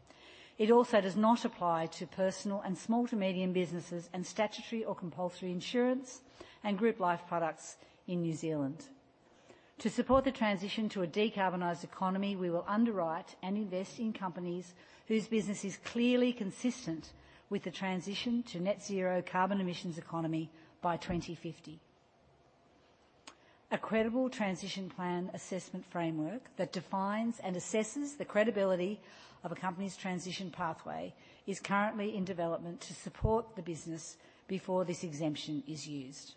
It also does not apply to personal and small to medium businesses, and statutory or compulsory insurance and group life products in New Zealand. To support the transition to a decarbonized economy, we will underwrite and invest in companies whose business is clearly consistent with the transition to Net Zero carbon emissions economy by 2050. A credible transition plan assessment framework that defines and assesses the credibility of a company's transition pathway is currently in development to support the business before this exemption is used.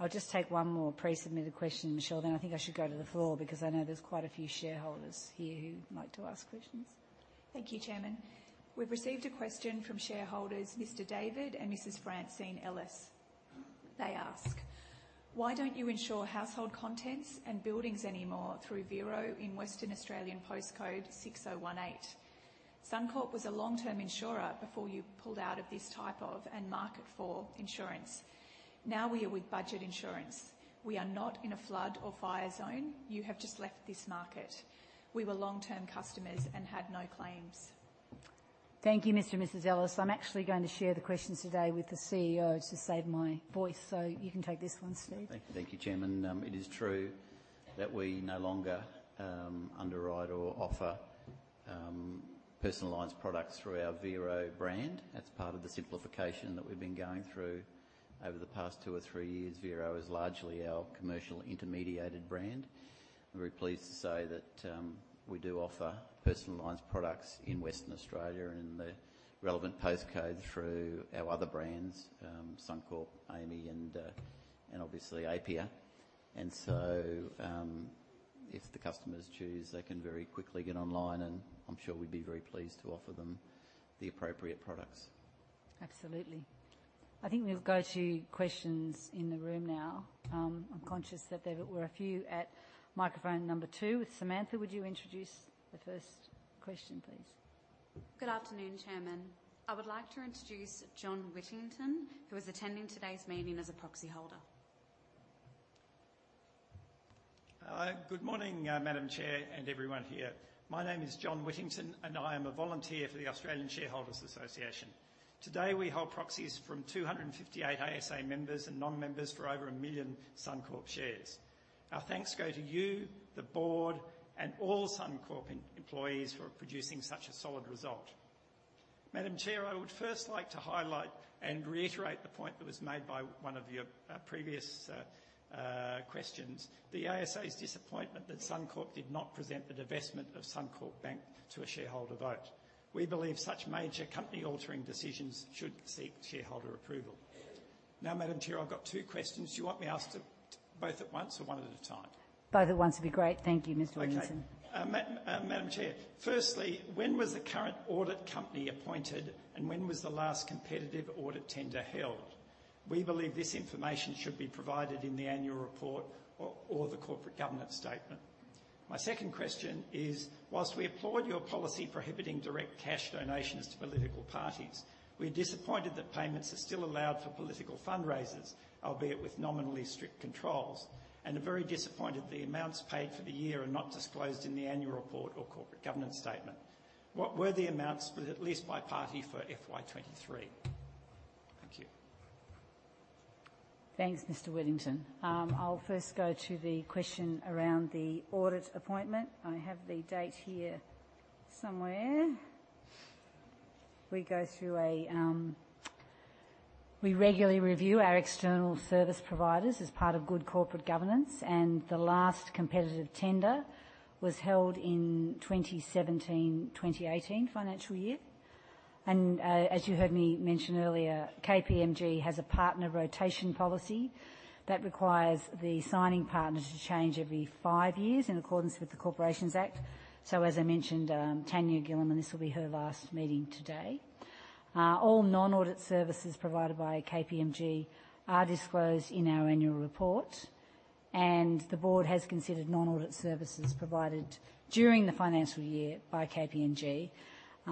I'll just take one more pre-submitted question, Michelle, then I think I should go to the floor because I know there's quite a few shareholders here who'd like to ask questions. Thank you, Chairman. We've received a question from shareholders, Mr. David and Mrs. Francine Ellis. They ask: Why don't you insure household contents and buildings anymore through Vero in Western Australia postcode 6018? Suncorp was a long-term insurer before you pulled out of this type of, and market for, insurance. Now we are with Budget Insurance. We are not in a flood or fire zone. You have just left this market. We were long-term customers and had no claims. Thank you, Mr. and Mrs. Ellis. I'm actually going to share the questions today with the CEO to save my voice, so you can take this one, Steve. Thank you, Chairman. It is true that we no longer underwrite or offer personal lines products through our Vero brand. That's part of the simplification that we've been going through over the past two or three years. Vero is largely our commercial intermediated brand. We're very pleased to say that we do offer personal lines products in Western Australia and in the relevant postcodes through our other brands, Suncorp, AAMI, and obviously Apia. If the customers choose, they can very quickly get online, and I'm sure we'd be very pleased to offer them the appropriate products. Absolutely. I think we'll go to questions in the room now. I'm conscious that there were a few at microphone number two. Samantha, would you introduce the first question, please? Good afternoon, Chairman. I would like to introduce John Whittington, who is attending today's meeting as a proxy holder. Hi. Good morning, Madam Chair and everyone here. My name is John Whittington, and I am a volunteer for the Australian Shareholders Association. Today, we hold proxies from 258 ASA members and non-members for over $1 million Suncorp shares. Our thanks go to you, the board, and all Suncorp employees for producing such a solid result. Madam Chair, I would first like to highlight and reiterate the point that was made by one of your previous questions, the ASA's disappointment that Suncorp did not present the divestment of Suncorp Bank to a shareholder vote. We believe such major company-altering decisions should seek shareholder approval. Now, Madam Chair, I've got two questions. Do you want me to ask them both at once or one at a time? Both at once would be great. Thank you, Mr. Whittington. Okay. Madam Chair, firstly, when was the current audit company appointed, and when was the last competitive audit tender held? We believe this information should be provided in the annual report or the corporate governance statement. My second question is, whilst we applaud your policy prohibiting direct cash donations to political parties, we're disappointed that payments are still allowed for political fundraisers, albeit with nominally strict controls, and are very disappointed the amounts paid for the year are not disclosed in the annual report or corporate governance statement. What were the amounts, at least by party, for FY 2023? Thank you. Thanks, Mr. Whittington. I'll first go to the question around the audit appointment. I have the date here somewhere. We go through a... We regularly review our external service providers as part of good corporate governance, and the last competitive tender was held in 2017/2018 financial year. As you heard me mention earlier, KPMG has a partner rotation policy that requires the signing partner to change every five years in accordance with the Corporations Act. As I mentioned, Tanya Gillam, and this will be her last meeting today. All non-audit services provided by KPMG are disclosed in our annual report, and the board has considered non-audit services provided during the financial year by KPMG,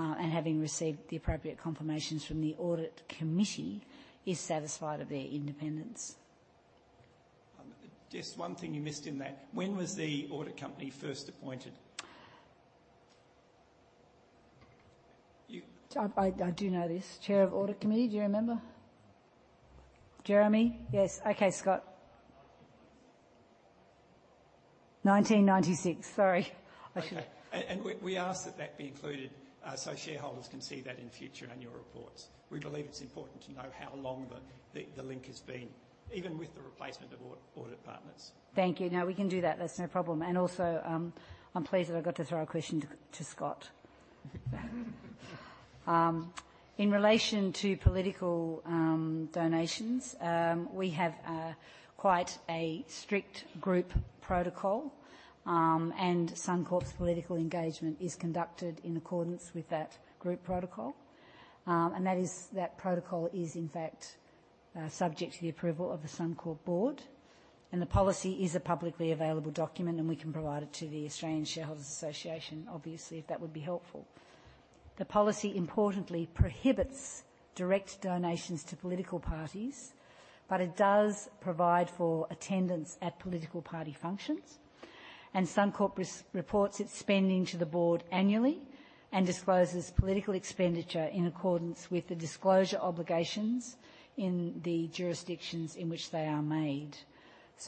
and having received the appropriate confirmations from the audit committee, is satisfied of their independence. Just one thing you missed in that. When was the audit company first appointed? You, I do know this. Chair of Audit Committee, do you remember? Jeremy? Yes. Okay, Scott. 1996. Sorry, I should- Okay. And we ask that that be included, so shareholders can see that in future annual reports. We believe it's important to know how long the link has been, even with the replacement of audit partners. Thank you. No, we can do that. That's no problem. And also, I'm pleased that I got to throw a question to Scott. In relation to political donations, we have quite a strict group protocol, and Suncorp's political engagement is conducted in accordance with that group protocol. And that protocol is, in fact, subject to the approval of the Suncorp board, and the policy is a publicly available document, and we can provide it to the Australian Shareholders Association, obviously, if that would be helpful. The policy importantly prohibits direct donations to political parties, but it does provide for attendance at political party functions. And Suncorp reports its spending to the board annually and discloses political expenditure in accordance with the disclosure obligations in the jurisdictions in which they are made.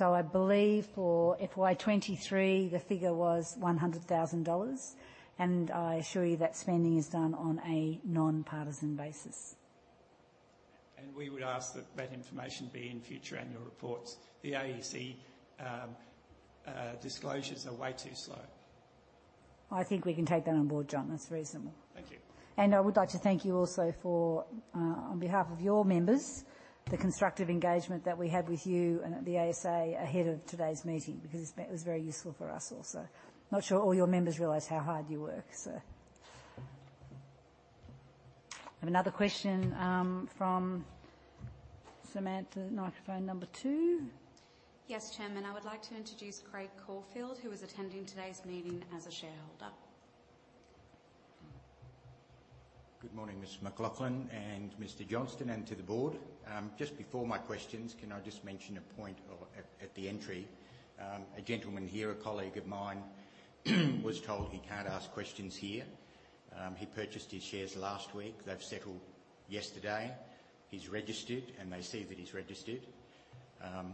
I believe for FY 2023, the figure was 100,000 dollars, and I assure you that spending is done on a non-partisan basis. We would ask that that information be in future annual reports. The AEC disclosures are way too slow. I think we can take that on board, John. That's reasonable. Thank you. And I would like to thank you also for, on behalf of your members, the constructive engagement that we had with you and at the ASA ahead of today's meeting, because it's been, it was very useful for us also. Not sure all your members realize how hard you work. I have another question from Samantha, microphone number two. Yes, Chairman. I would like to introduce Craig Caulfield, who is attending today's meeting as a shareholder. Good morning, Ms. McLoughlin and Mr. Johnston, and to the board. Just before my questions, can I just mention a point or at the entry? A gentleman here, a colleague of mine, was told he can't ask questions here. He purchased his shares last week. They've settled yesterday. He's registered, and they see that he's registered.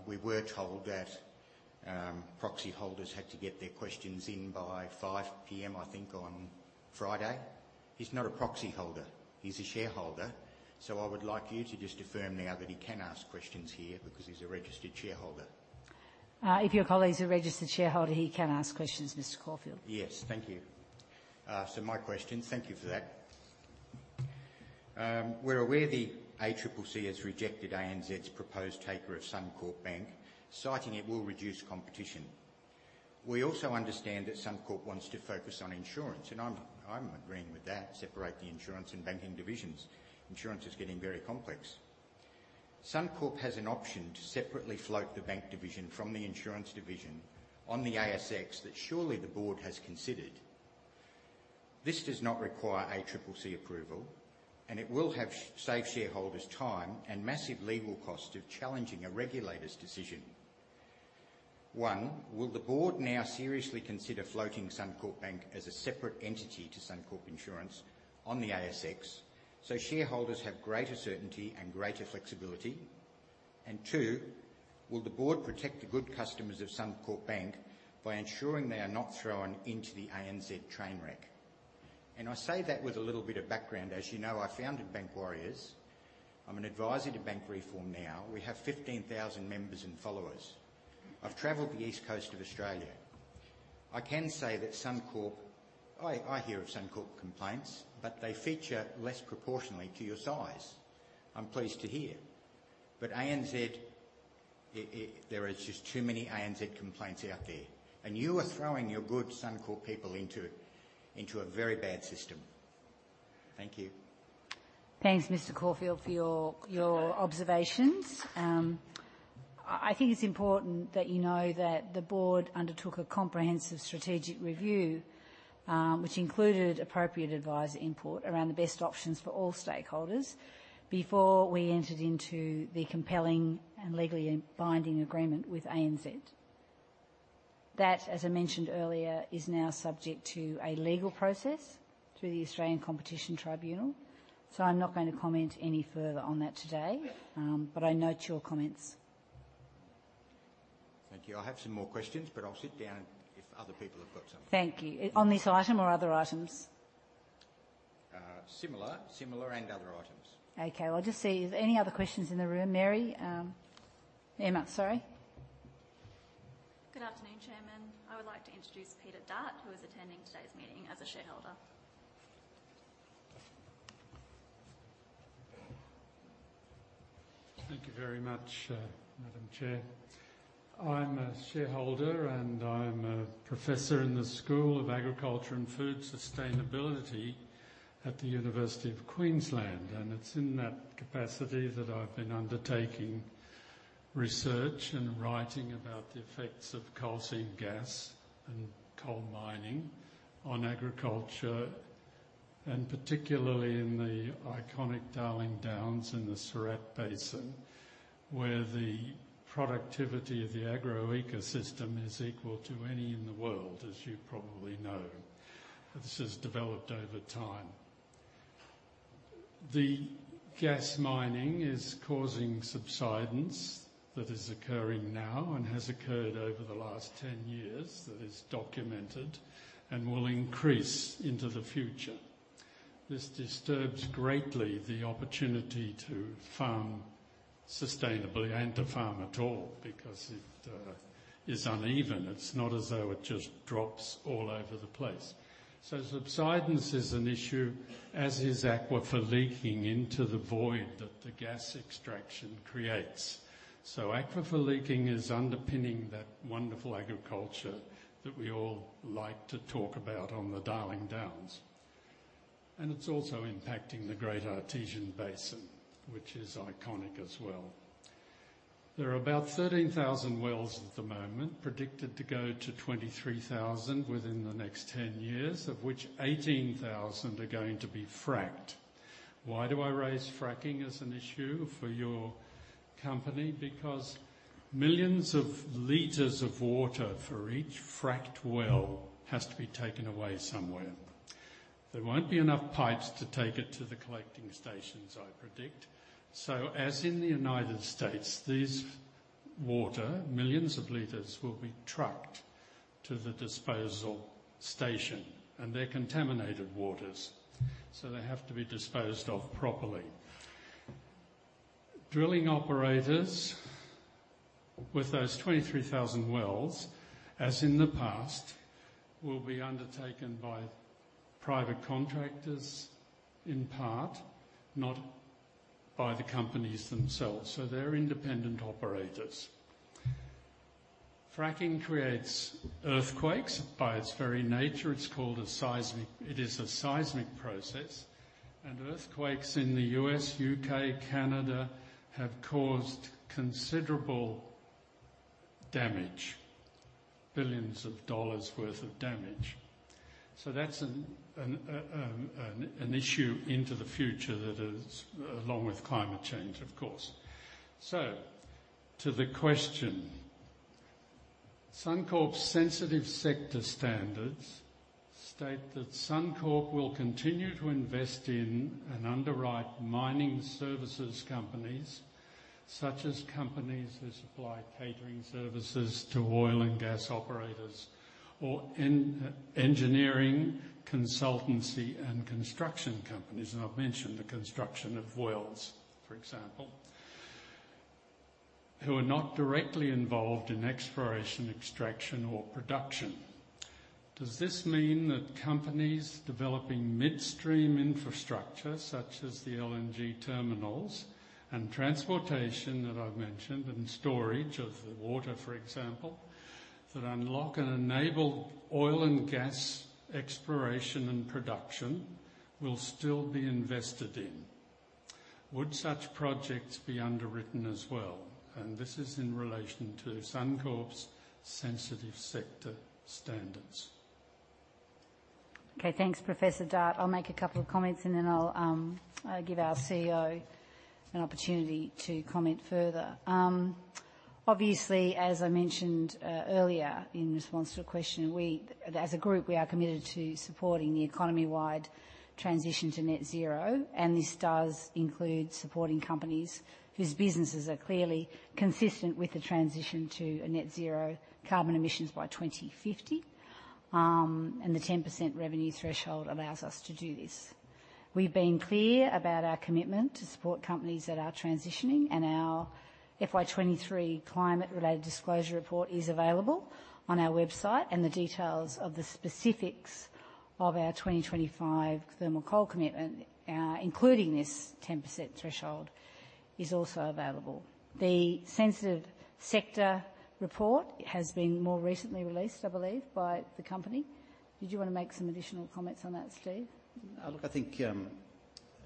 We were told that proxy holders had to get their questions in by 5:00 P.M., I think, on Friday. He's not a proxy holder, he's a shareholder. So I would like you to just affirm now that he can ask questions here because he's a registered shareholder. If your colleague's a registered shareholder, he can ask questions, Mr. Caulfield. Yes. Thank you. So my question... Thank you for that. We're aware the ACCC has rejected ANZ's proposed taker of Suncorp Bank, citing it will reduce competition. We also understand that Suncorp wants to focus on insurance, and I'm agreeing with that, separate the insurance and banking divisions. Insurance is getting very complex. Suncorp has an option to separately float the bank division from the insurance division on the ASX that surely the board has considered. This does not require ACCC approval, and it will save shareholders time and massive legal costs of challenging a regulator's decision. One, will the board now seriously consider floating Suncorp Bank as a separate entity to Suncorp Insurance on the ASX, so shareholders have greater certainty and greater flexibility? Two, will the board protect the good customers of Suncorp Bank by ensuring they are not thrown into the ANZ train wreck? And I say that with a little bit of background. As you know, I founded Bank Warriors. I'm an advisor to Bank Reform now. We have 15,000 members and followers. I've traveled the east coast of Australia. I can say that Suncorp, I hear of Suncorp complaints, but they feature less proportionally to your size, I'm pleased to hear. But ANZ, there is just too many ANZ complaints out there, and you are throwing your good Suncorp people into a very bad system. Thank you. Thanks, Mr. Caulfield, for your observations. I think it's important that you know that the board undertook a comprehensive strategic review, which included appropriate advisor input around the best options for all stakeholders before we entered into the compelling and legally binding agreement with ANZ. That, as I mentioned earlier, is now subject to a legal process through the Australian Competition Tribunal, so I'm not going to comment any further on that today, but I note your comments. Thank you. I have some more questions, but I'll sit down if other people have got some. Thank you. On this item or other items? Similar. Similar and other items. Okay, I'll just see if any other questions in the room. Mary, Emma, sorry. Good afternoon, Chairman. I would like to introduce Peter Dart, who is attending today's meeting as a shareholder. Thank you very much, Madam Chair. I'm a shareholder, and I'm a professor in the School of Agriculture and Food Sustainability at the University of Queensland, and it's in that capacity that I've been undertaking research and writing about the effects of coal seam gas and coal mining on agriculture, and particularly in the iconic Darling Downs in the Surat Basin, where the productivity of the agroecosystem is equal to any in the world, as you probably know. This has developed over time. The gas mining is causing subsidence that is occurring now and has occurred over the last 10 years, that is documented, and will increase into the future. This disturbs greatly the opportunity to farm sustainably and to farm at all, because it is uneven. It's not as though it just drops all over the place. Subsidence is an issue, as is aquifer leaking into the void that the gas extraction creates. Aquifer leaking is underpinning that wonderful agriculture that we all like to talk about on the Darling Downs, and it's also impacting the Great Artesian Basin, which is iconic as well. There are about 13,000 wells at the moment, predicted to go to 23,000 within the next 10 years, of which 18,000 are going to be fracked. Why do I raise fracking as an issue for your company? Because millions of liters of water for each fracked well has to be taken away somewhere. There won't be enough pipes to take it to the collecting stations, I predict. As in the United States, these water, millions of liters, will be trucked to the disposal station, and they're contaminated waters, so they have to be disposed of properly. Drilling operators with those 23,000 wells, as in the past, will be undertaken by private contractors in part, not by the companies themselves, so they're independent operators. Fracking creates earthquakes by its very nature. It's called a seismic. It is a seismic process, and earthquakes in the U.S., U.K., Canada, have caused considerable damage, billions dollars worth of damage. So that's an issue into the future that is along with climate change, of course. To the question, Suncorp's Sensitive Sector Standards state that Suncorp will continue to invest in and underwrite mining services companies, such as companies that supply catering services to oil and gas operators, or in engineering, consultancy, and construction companies, and I've mentioned the construction of wells, for example, who are not directly involved in exploration, extraction, or production. Does this mean that companies developing midstream infrastructure, such as the LNG terminals and transportation that I've mentioned, and storage of the water, for example, that unlock and enable oil and gas exploration and production will still be invested in? Would such projects be underwritten as well? This is in relation to Suncorp's Sensitive Sector Standards. Okay, thanks, Professor Dart. I'll make a couple of comments, and then I'll give our CEO an opportunity to comment further. Obviously, as I mentioned earlier in response to a question, we as a group are committed to supporting the economy-wide transition to Net Zero, and this does include supporting companies whose businesses are clearly consistent with the transition to a Net Zero carbon emissions by 2050. And the 10% revenue threshold allows us to do this. We've been clear about our commitment to support companies that are transitioning, and our FY 2023 climate-related disclosure report is available on our website, and the details of the specifics of our 2025 thermal coal commitment, including this 10% threshold, is also available. The sensitive sector report has been more recently released, I believe, by the company. Did you want to make some additional comments on that, Steve? Look, I think, you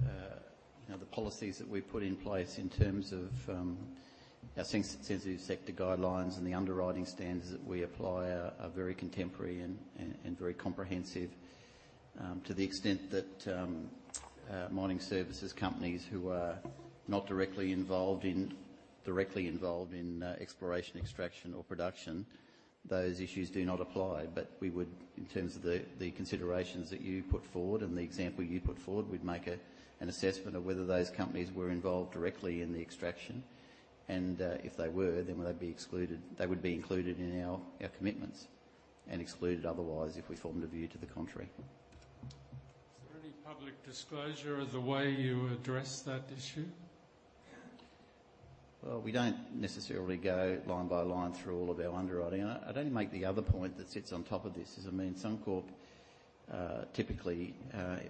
know, the policies that we've put in place in terms of our sensitive sector guidelines and the underwriting standards that we apply are very contemporary and very comprehensive, to the extent that mining services companies who are not directly involved in exploration, extraction or production, those issues do not apply. We would, in terms of the considerations that you put forward and the example you put forward, we'd make an assessment of whether those companies were involved directly in the extraction, and if they were, then would they be excluded—they would be included in our commitments and excluded otherwise, if we formed a view to the contrary. Is there any public disclosure of the way you address that issue? Well, we don't necessarily go line by line through all of our underwriting. I'd only make the other point that sits on top of this is, I mean, Suncorp typically,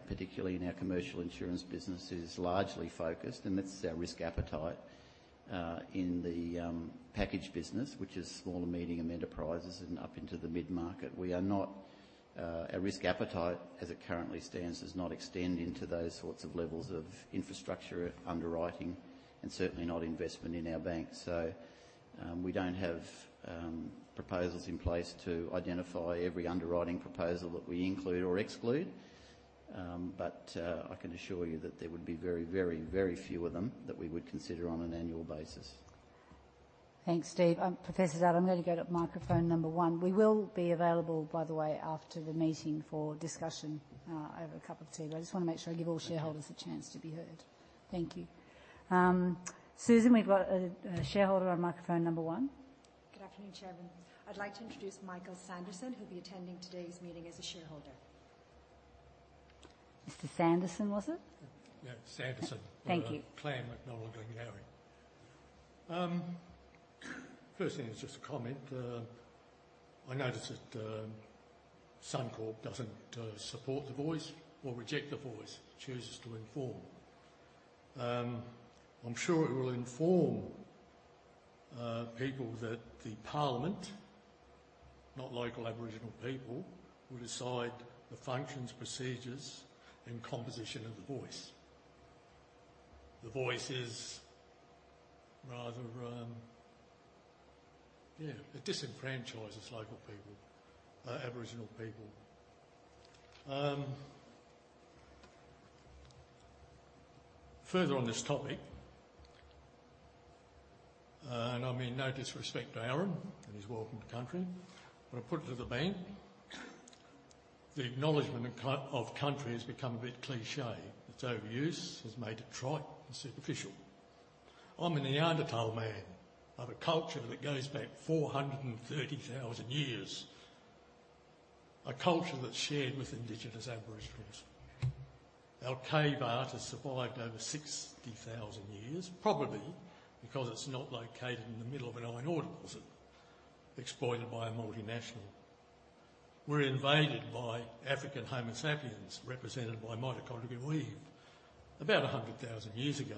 particularly in our commercial insurance business, is largely focused, and that's our risk appetite, in the package business, which is small and medium enterprises and up into the mid-market. We are not, our risk appetite, as it currently stands, does not extend into those sorts of levels of infrastructure underwriting and certainly not investment in our bank. We don't have proposals in place to identify every underwriting proposal that we include or exclude, but I can assure you that there would be very, very, very few of them that we would consider on an annual basis. Thanks, Steve. Professor Dart, I'm going to go to microphone number one. We will be available, by the way, after the meeting, for discussion, over a cup of tea. But I just want to make sure I give all shareholders a chance to be heard. Thank you. Susan, we've got a shareholder on microphone number one. Good afternoon, Chairman. I'd like to introduce Michael Sanderson, who'll be attending today's meeting as a shareholder. Mr. Sanderson, was it? Yeah, Sanderson. Thank you. Clan MacDonald and Gowrie. First thing is just a comment. I noticed that Suncorp doesn't support the Voice or reject the Voice, chooses to inform. I'm sure it will inform people that the parliament, not local Aboriginal people, will decide the functions, procedures, and composition of the Voice. The Voice is rather, it disenfranchises local people, Aboriginal people. Further on this topic, and I mean no disrespect to Aaron and his Welcome to Country, but I put it to the bank, the acknowledgement of Country has become a bit cliché. Its overuse has made it trite and superficial. I'm a Neanderthal man of a culture that goes back 430,000 years, a culture that's shared with indigenous Aboriginals. Our cave art has survived over 60,000 years, probably because it's not located in the middle of an iron ore deposit exploited by a multinational. We were invaded by African Homo sapiens, represented by mitochondrial Eve, about 100,000 years ago.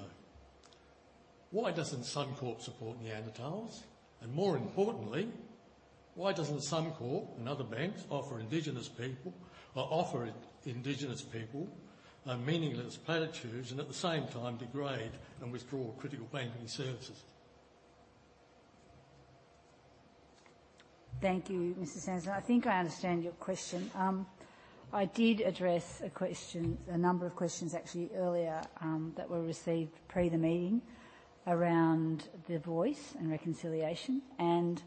Why doesn't Suncorp support Neanderthals? And more importantly, why doesn't Suncorp and other banks offer indigenous people meaningless platitudes and at the same time degrade and withdraw critical banking services? Thank you, Mr. Sanderson. I think I understand your question. I did address a question, a number of questions actually earlier, that were received pre the meeting around the Voice and reconciliation, and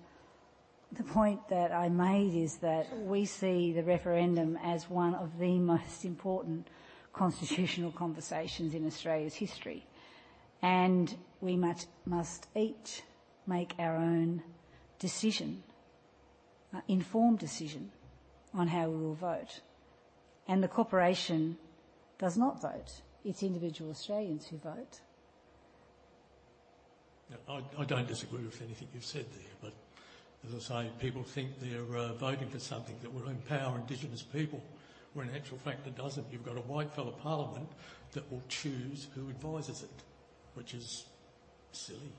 the point that I made is that we see the referendum as one of the most important constitutional conversations in Australia's history, and we must each make our own decision, informed decision on how we will vote, and the corporation does not vote. It's individual Australians who vote. Yeah, I don't disagree with anything you've said there, but as I say, people think they're voting for something that will empower Indigenous people, when in actual fact, it doesn't. You've got a white fellow parliament that will choose who advises it, which is silly.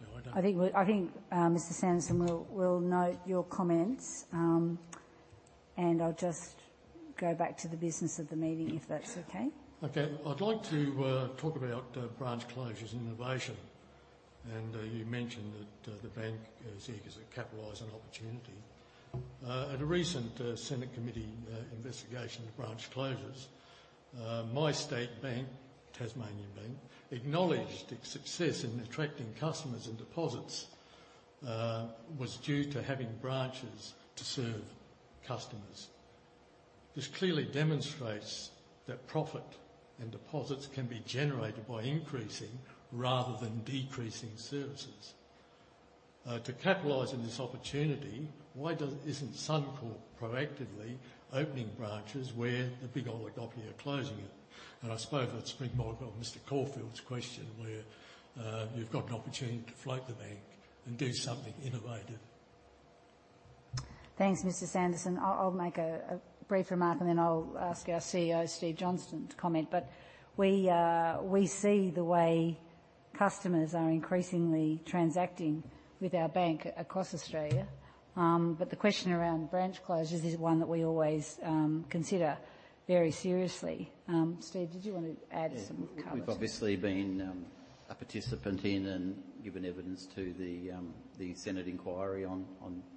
No, I don't- I think, Mr. Sanderson, we'll note your comments. I'll just go back to the business of the meeting, if that's okay. Okay. I'd like to talk about branch closures and innovation, and you mentioned that the bank is eager to capitalize on opportunity. At a recent Senate committee investigation of branch closures, MyState Bank, Tasmanian Bank, acknowledged its success in attracting customers and deposits was due to having branches to serve customers. This clearly demonstrates that profit and deposits can be generated by increasing rather than decreasing services. To capitalize on this opportunity, why isn't Suncorp proactively opening branches where the big oligopoly are closing it? And I suppose that's more of Mr. Caulfield's question, where you've got an opportunity to float the bank and do something innovative. Thanks, Mr. Sanderson. I'll make a brief remark, and then I'll ask our CEO, Steve Johnston, to comment. But we see the way customers are increasingly transacting with our bank across Australia. Steve, did you want to add some comments? Yeah. We've obviously been a participant in and given evidence to the Senate inquiry on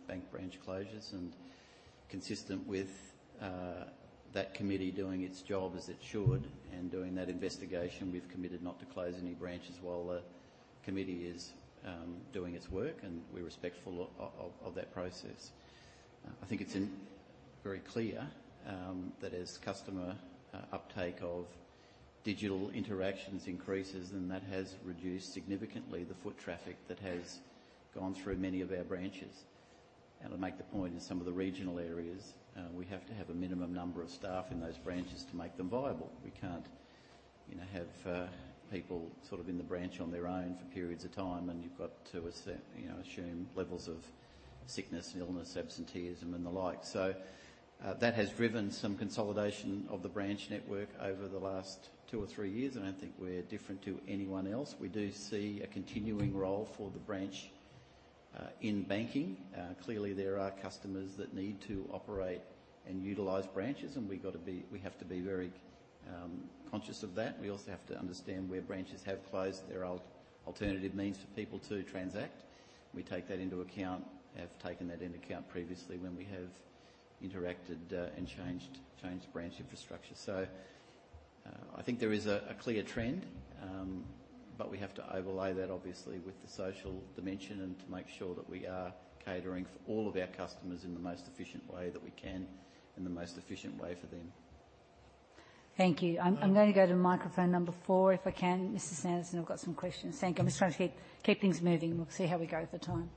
bank branch closures, and consistent with that committee doing its job as it should and doing that investigation, we've committed not to close any branches while the committee is doing its work, and we're respectful of that process. I think it's very clear that as customer uptake of digital interactions increases, then that has reduced significantly the foot traffic that has gone through many of our branches. And I'll make the point, in some of the regional areas, we have to have a minimum number of staff in those branches to make them viable. We can't, you know, have people sort of in the branch on their own for periods of time, and you've got to assess, you know, assume levels of sickness, illness, absenteeism, and the like. That has driven some consolidation of the branch network over the last two or three years, and I don't think we're different to anyone else. We do see a continuing role for the branch in banking. Clearly, there are customers that need to operate and utilize branches, and we've got to be, we have to be very conscious of that. We also have to understand where branches have closed, there are alternative means for people to transact. We take that into account, have taken that into account previously when we have interacted and changed branch infrastructure. I think there is a clear trend, but we have to overlay that obviously with the social dimension and to make sure that we are catering for all of our customers in the most efficient way that we can, and the most efficient way for them. Thank you. I'm going to go to microphone number four, if I can. Mr. Sanderson, I've got some questions. Thank you. I'm just trying to keep things moving. We'll see how we go with the time.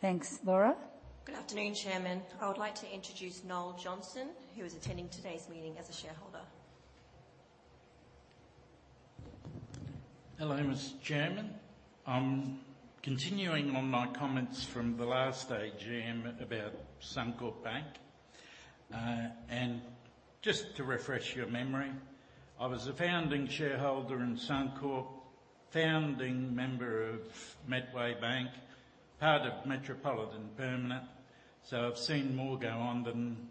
Thanks. Laura? Good afternoon, Chairman. I would like to introduce Noel Johnson, who is attending today's meeting as a shareholder. Hello, Mr. Chairman. I'm continuing on my comments from the last AGM about Suncorp Bank. And just to refresh your memory, I was a founding shareholder in Suncorp, founding member of Metway Bank, part of Metropolitan Permanent, so I've seen more go on than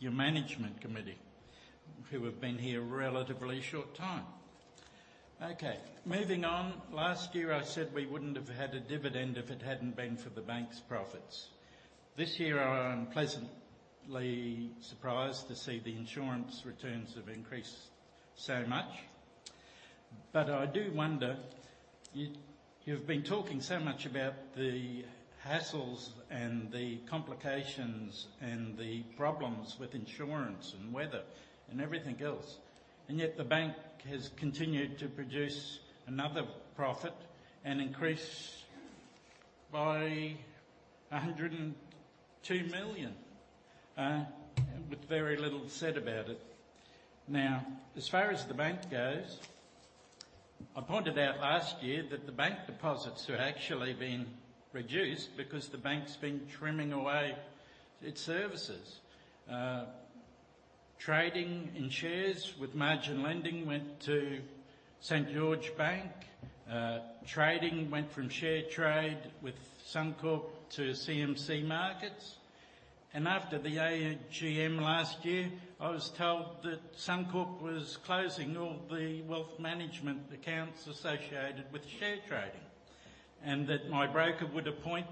your management committee, who have been here a relatively short time. Okay, moving on. Last year, I said we wouldn't have had a dividend if it hadn't been for the bank's profits. This year, I am pleasantly surprised to see the insurance returns have increased so much. But I do wonder, you, you've been talking so much about the hassles and the complications and the problems with insurance and weather and everything else, and yet the bank has continued to produce another profit and increase by 102 million, with very little said about it. Now, as far as the bank goes-... I pointed out last year that the bank deposits have actually been reduced because the bank's been trimming away its services. Trading in shares with margin lending went to St. George Bank. Trading went from share trade with Suncorp to CMC Markets. After the AGM last year, I was told that Suncorp was closing all the wealth management accounts associated with share trading, and that my broker would appoint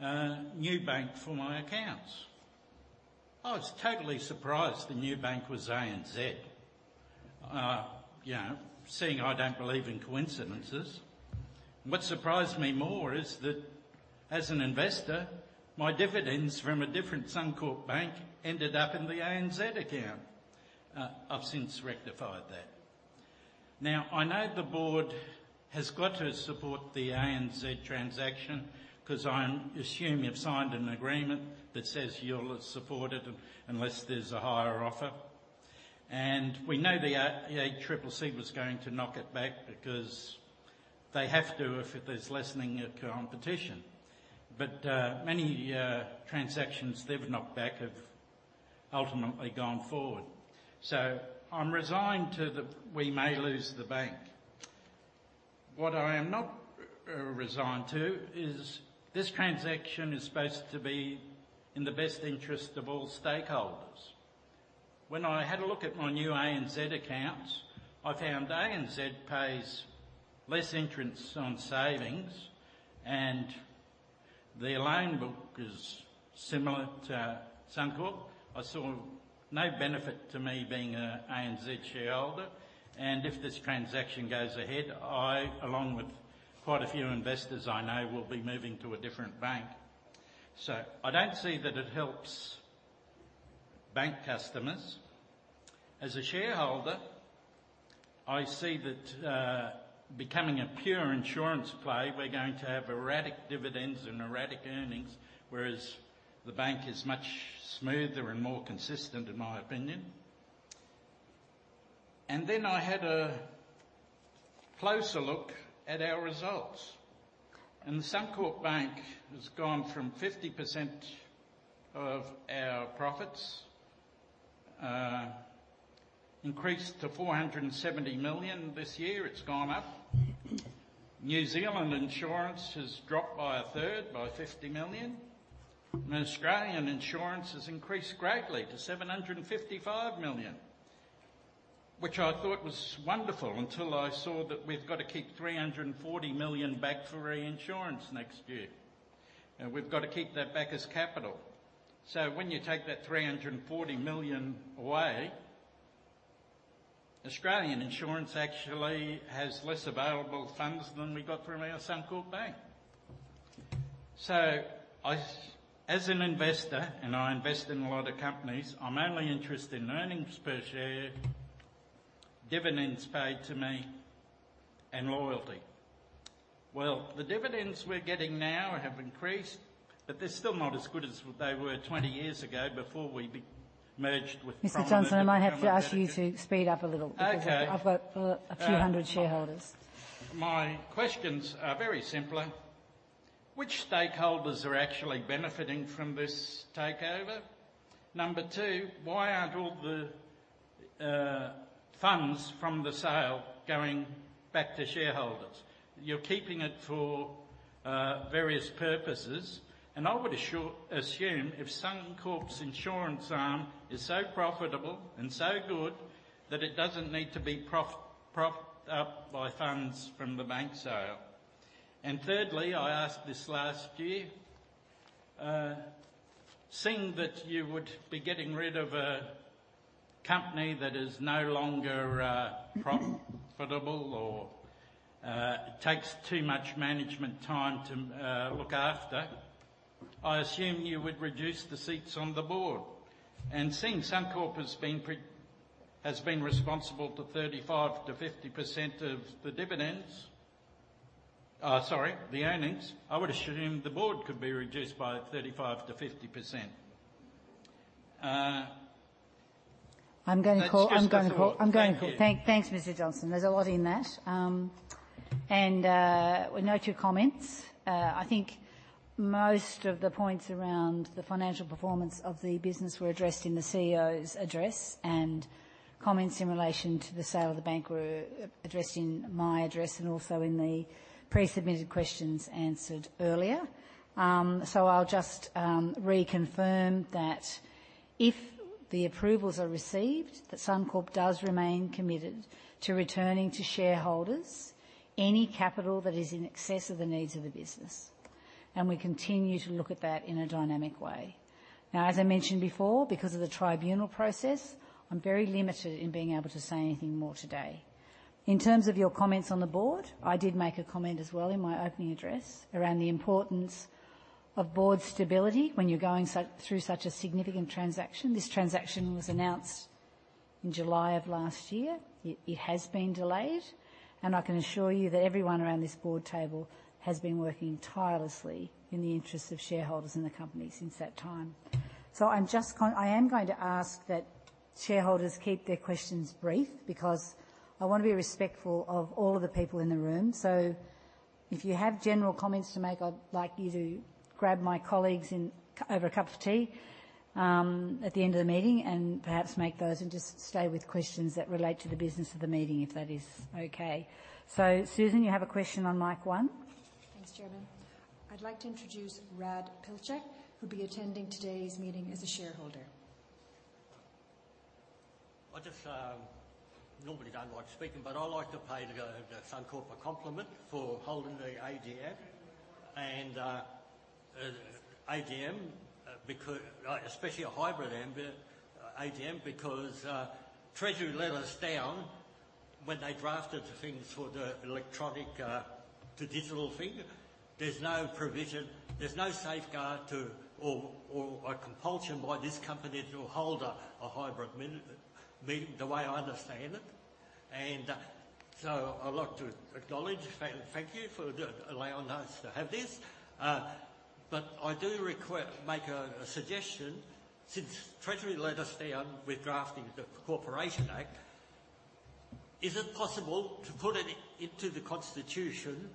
a new bank for my accounts. I was totally surprised the new bank was ANZ. You know, seeing I don't believe in coincidences. What surprised me more is that, as an investor, my dividends from a different Suncorp bank ended up in the ANZ account. I've since rectified that. Now, I know the board has got to support the ANZ transaction, 'cause I assume you've signed an agreement that says you'll support it unless there's a higher offer. We know the Triple C was going to knock it back because they have to if there's lessening of competition. But many transactions they've knocked back have ultimately gone forward. I'm resigned to, we may lose the bank. What I am not resigned to is, this transaction is supposed to be in the best interest of all stakeholders. When I had a look at my new ANZ accounts, I found ANZ pays less interest on savings, and their loan book is similar to Suncorp. I saw no benefit to me being a ANZ shareholder, and if this transaction goes ahead, I, along with quite a few investors I know, will be moving to a different bank. I don't see that it helps bank customers. As a shareholder, I see that, becoming a pure insurance play, we're going to have erratic dividends and erratic earnings, whereas the bank is much smoother and more consistent, in my opinion. And then I had a closer look at our results, and Suncorp Bank has gone from 50% of our profits, increased to 470 million this year. It's gone up. New Zealand Insurance has dropped by a third, by 50 million, and Australian Insurance has increased greatly to 755 million, which I thought was wonderful until I saw that we've got to keep 340 million back for reinsurance next year, and we've got to keep that back as capital. When you take that 340 million away, Australian Insurance actually has less available funds than we got from our Suncorp Bank. So I, as an investor, and I invest in a lot of companies, I'm only interested in earnings per share, dividends paid to me, and loyalty. Well, the dividends we're getting now have increased, but they're still not as good as they were 20 years ago before we merged with- Mr. Johnson, I might have to ask you to speed up a little- Okay. Because I've got a few hundred shareholders. My questions are very simple. Which stakeholders are actually benefiting from this takeover? Number two, why aren't all the funds from the sale going back to shareholders? You're keeping it for various purposes, and I would assume, assume if Suncorp's insurance arm is so profitable and so good, that it doesn't need to be propped up by funds from the bank sale. Thirdly, I asked this last year, seeing that you would be getting rid of a company that is no longer profitable or takes too much management time to look after, I assume you would reduce the seats on the board. And seeing Suncorp has been responsible to 35%-50% of the dividends, the earnings, I would assume the board could be reduced by 35%-50%. I'm going to call. Thank you. Thanks, Mr. Johnston. There's a lot in that. We note your comments. I think most of the points around the financial performance of the business were addressed in the CEO's address, and comments in relation to the sale of the bank were addressed in my address and also in the pre-submitted questions answered earlier. I'll just reconfirm that if the approvals are received, that Suncorp does remain committed to returning to shareholders any capital that is in excess of the needs of the business, and we continue to look at that in a dynamic way. Now, as I mentioned before, because of the tribunal process, I'm very limited in being able to say anything more today. In terms of your comments on the board, I did make a comment as well in my opening address around the importance of board stability when you're going through such a significant transaction. This transaction was announced in July of last year. It has been delayed, and I can assure you that everyone around this board table has been working tirelessly in the interests of shareholders and the company since that time. So I am going to ask that shareholders keep their questions brief, because I want to be respectful of all of the people in the room. So... If you have general comments to make, I'd like you to grab my colleagues in, over a cup of tea, at the end of the meeting and perhaps make those, and just stay with questions that relate to the business of the meeting, if that is okay. So, Susan, you have a question on mic 1? Thanks, Chairman. I'd like to introduce Rad Pilcher, who'll be attending today's meeting as a shareholder. I just normally don't like speaking, but I'd like to pay the Suncorp a compliment for holding the AGM and AGM, because especially a hybrid AGM, because Treasury let us down when they drafted the things for the electronic, the digital thing. There's no provision, there's no safeguard or a compulsion by this company to hold a hybrid meeting, the way I understand it. And so I'd like to acknowledge and thank you for allowing us to have this. But I do make a suggestion. Since Treasury let us down with drafting the Corporations Act, is it possible to put it into the constitution,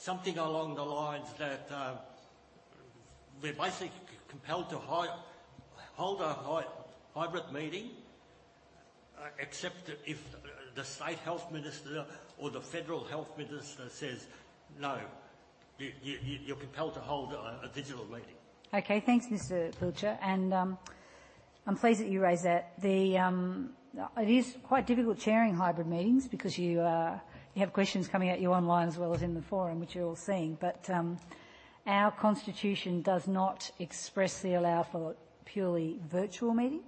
something along the lines that we're basically compelled to hold a hybrid meeting? Except if the State Health Minister or the Federal Health Minister says, "No," you're compelled to hold a digital meeting. Okay, thanks, Mr. Pilcher, and, I'm pleased that you raised that. It is quite difficult chairing hybrid meetings because you, you have questions coming at you online as well as in the forum, which you're all seeing. But, our constitution does not expressly allow for purely virtual meeting.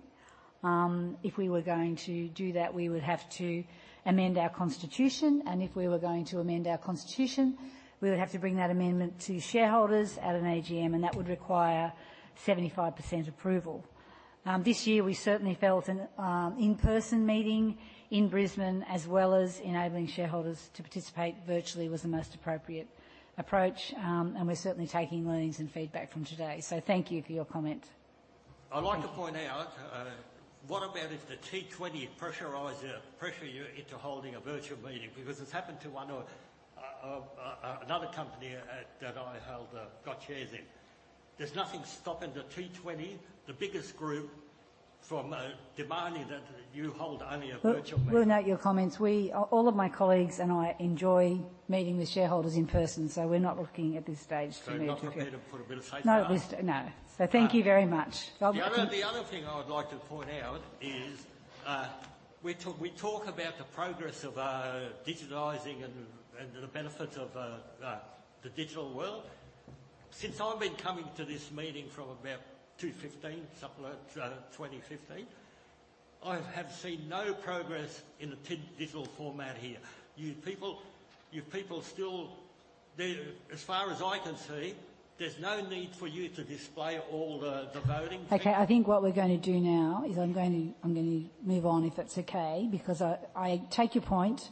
If we were going to do that, we would have to amend our constitution, and if we were going to amend our constitution, we would have to bring that amendment to shareholders at an AGM, and that would require 75% approval. This year we certainly felt an in-person meeting in Brisbane, as well as enabling shareholders to participate virtually, was the most appropriate approach. And we're certainly taking learnings and feedback from today. So thank you for your comment. I'd like to point out, what about if the T20 pressure you into holding a virtual meeting? Because it's happened to one of another company that I hold got shares in. There's nothing stopping the T20, the biggest group, from demanding that you hold only a virtual meeting. We'll note your comments. We, all of my colleagues and I, enjoy meeting the shareholders in person, so we're not looking at this stage to- So you're not prepared to put a bit of safeguard? Not at this... No. Thank you very much. I'll- The other thing I would like to point out is, we talk about the progress of digitizing and the benefits of the digital world. Since I've been coming to this meeting from about 2015, somewhere around 2015, I have seen no progress in the digital format here. You people still there. As far as I can see, there's no need for you to display all the voting. Okay, I think what we're going to do now is I'm going to move on, if that's okay, because I take your point.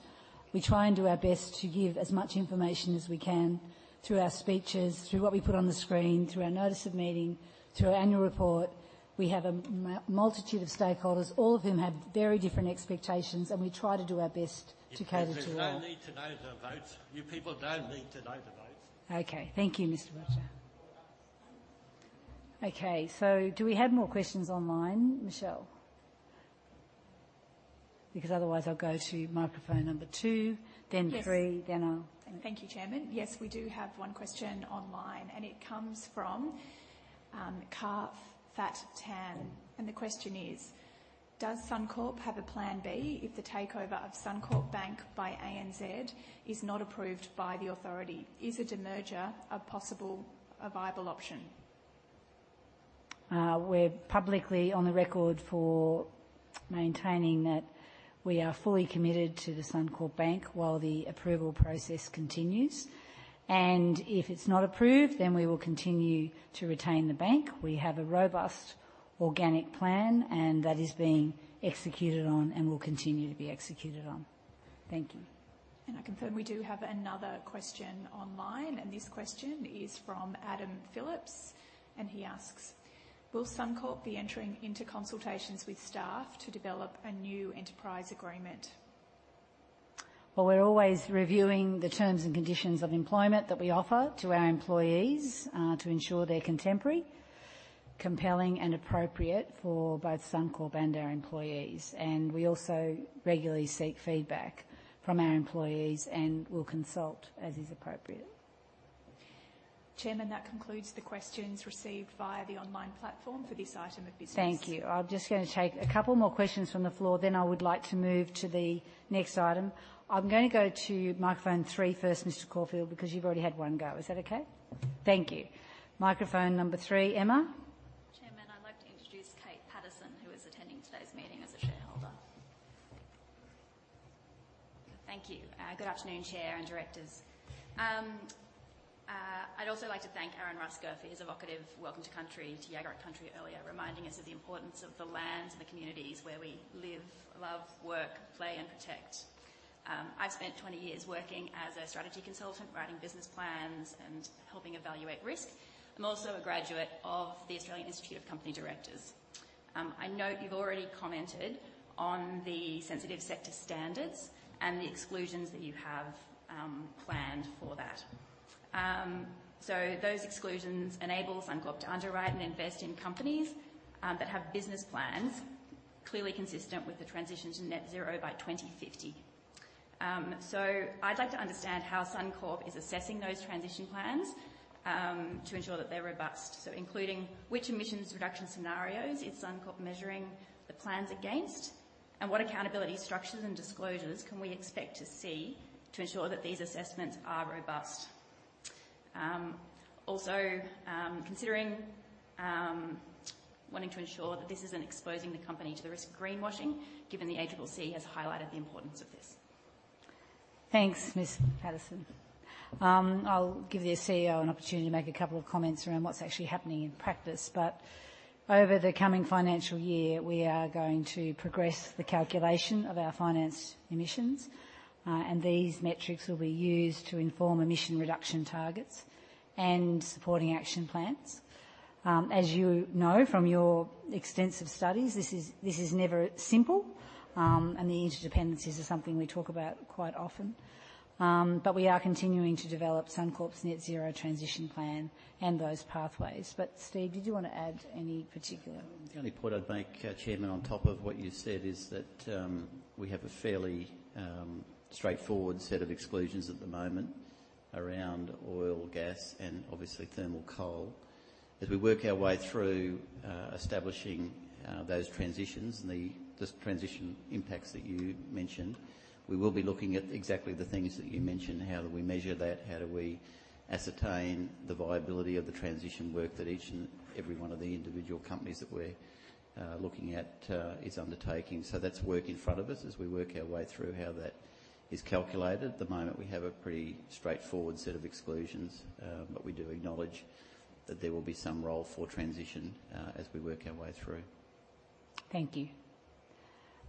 We try and do our best to give as much information as we can through our speeches, through what we put on the screen, through our notice of meeting, through our annual report. We have a multitude of stakeholders, all of whom have very different expectations, and we try to do our best to cater to all. There's no need to know the votes. You people don't need to know the votes. Okay. Thank you, Mr. Pilcher. Okay, so do we have more questions online, Michelle? Because otherwise, I'll go to microphone number two, then three- Yes. Then I'll- Thank you, Chairman. Yes, we do have one question online, and it comes from Kah Fatt Tan. And the question is: Does Suncorp have a plan B if the takeover of Suncorp Bank by ANZ is not approved by the authority? Is a demerger a possible, a viable option? We're publicly on the record for maintaining that we are fully committed to the Suncorp Bank while the approval process continues, and if it's not approved, then we will continue to retain the bank. We have a robust organic plan, and that is being executed on and will continue to be executed on. Thank you. I confirm we do have another question online, and this question is from Adam Phillips, and he asks: Will Suncorp be entering into consultations with staff to develop a new enterprise agreement? Well, we're always reviewing the terms and conditions of employment that we offer to our employees, to ensure they're contemporary, compelling, and appropriate for both Suncorp and our employees. We also regularly seek feedback from our employees and will consult as is appropriate. Chairman, that concludes the questions received via the online platform for this item of business. Thank you. I'm just going to take a couple more questions from the floor, then I would like to move to the next item. I'm going to go to microphone three first, Mr. Caulfield, because you've already had one go. Is that okay? Thank you. Microphone number three. Emma? Chairman, I'd like to introduce Kate Patterson, who is attending today's meeting as a shareholder. Thank you. Good afternoon, Chair and directors. I'd also like to thank Aaron Ruska for his evocative welcome to Country, to Yuggera Country, earlier, reminding us of the importance of the lands and the communities where we live, love, work, play, and protect. I've spent 20 years working as a strategy consultant, writing business plans and helping evaluate risk. I'm also a graduate of the Australian Institute of Company Directors. I know you've already commented on the sensitive sector standards and the exclusions that you have planned for that. So those exclusions enables Suncorp to underwrite and invest in companies that have business plans clearly consistent with the transition to Net Zero by 2050. I'd like to understand how Suncorp is assessing those transition plans to ensure that they're robust. So including which emissions reduction scenarios is Suncorp measuring the plans against, and what accountability structures and disclosures can we expect to see to ensure that these assessments are robust? Also, considering wanting to ensure that this isn't exposing the company to the risk of greenwashing, given the ACCC has highlighted the importance of this. Thanks, Miss Patterson. I'll give the CEO an opportunity to make a couple of comments around what's actually happening in practice. But over the coming financial year, we are going to progress the calculation of our finance emissions, and these metrics will be used to inform emission reduction targets and supporting action plans. As you know from your extensive studies, this is, this is never simple, and the interdependencies are something we talk about quite often. But we are continuing to develop Suncorp's Net Zero transition plan and those pathways. But Steve, did you want to add any particular? The only point I'd make, Chairman, on top of what you said, is that we have a fairly straightforward set of exclusions at the moment around oil, gas and obviously thermal coal. As we work our way through establishing those transitions and the transition impacts that you mentioned. We will be looking at exactly the things that you mentioned. How do we measure that? How do we ascertain the viability of the transition work that each and every one of the individual companies that we're looking at is undertaking? So that's work in front of us as we work our way through how that is calculated. At the moment, we have a pretty straightforward set of exclusions, but we do acknowledge that there will be some role for transition as we work our way through. Thank you.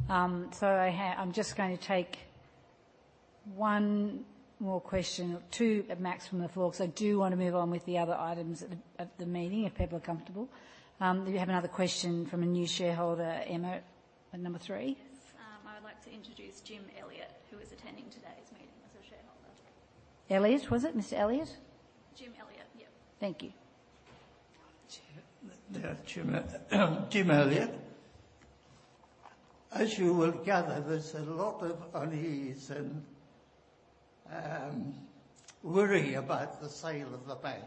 So I'm just going to take one more question, or two at max, from the floor, because I do want to move on with the other items at the meeting, if people are comfortable. We have another question from a new shareholder, Emma, at number three. Yes. I would like to introduce Jim Elliott, who is attending today's meeting as a shareholder. Elliott, was it? Mr. Elliott? Jim Elliott, yep. Thank you. Jim, Jim Elliott. As you will gather, there's a lot of unease and worry about the sale of the bank.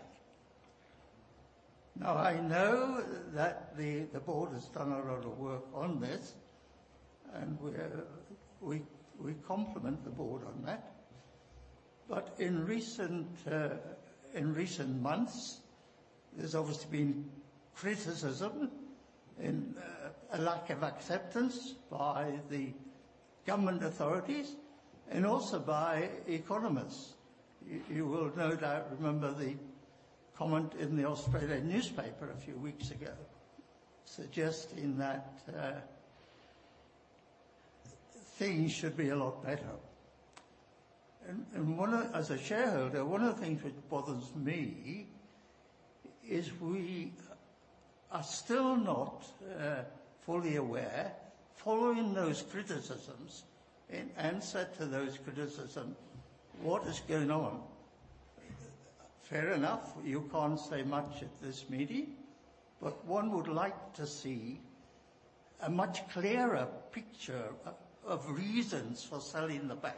Now, I know that the board has done a lot of work on this, and we compliment the board on that. But in recent months, there's obviously been criticism and a lack of acceptance by the government authorities and also by economists. You will no doubt remember the comment in the Australian newspaper a few weeks ago, suggesting that things should be a lot better. As a shareholder, one of the things which bothers me is we are still not fully aware, following those criticisms, in answer to those criticisms, what is going on? Fair enough, you can't say much at this meeting, but one would like to see a much clearer picture of reasons for selling the bank.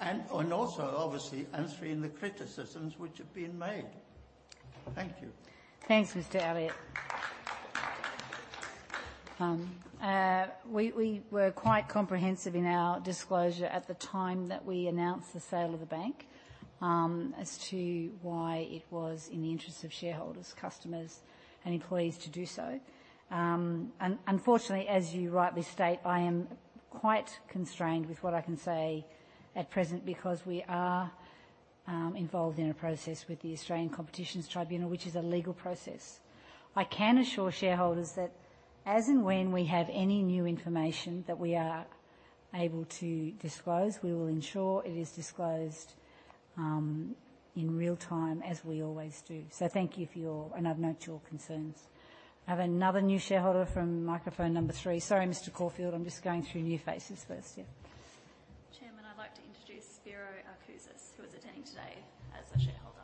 And also, obviously, answering the criticisms which have been made. Thank you. Thanks, Mr. Elliott. We were quite comprehensive in our disclosure at the time that we announced the sale of the bank, as to why it was in the interests of shareholders, customers, and employees to do so. Unfortunately, as you rightly state, I am quite constrained with what I can say at present because we are involved in a process with the Australian Competition Tribunal, which is a legal process. I can assure shareholders that as and when we have any new information that we are able to disclose, we will ensure it is disclosed in real time, as we always do. So thank you for your... And I've noted your concerns. I have another new shareholder from microphone number three. Sorry, Mr. Caufield, I'm just going through new faces first. Yeah. Chairman, I'd like to introduce Spiro Arkousis, who is attending today as a shareholder.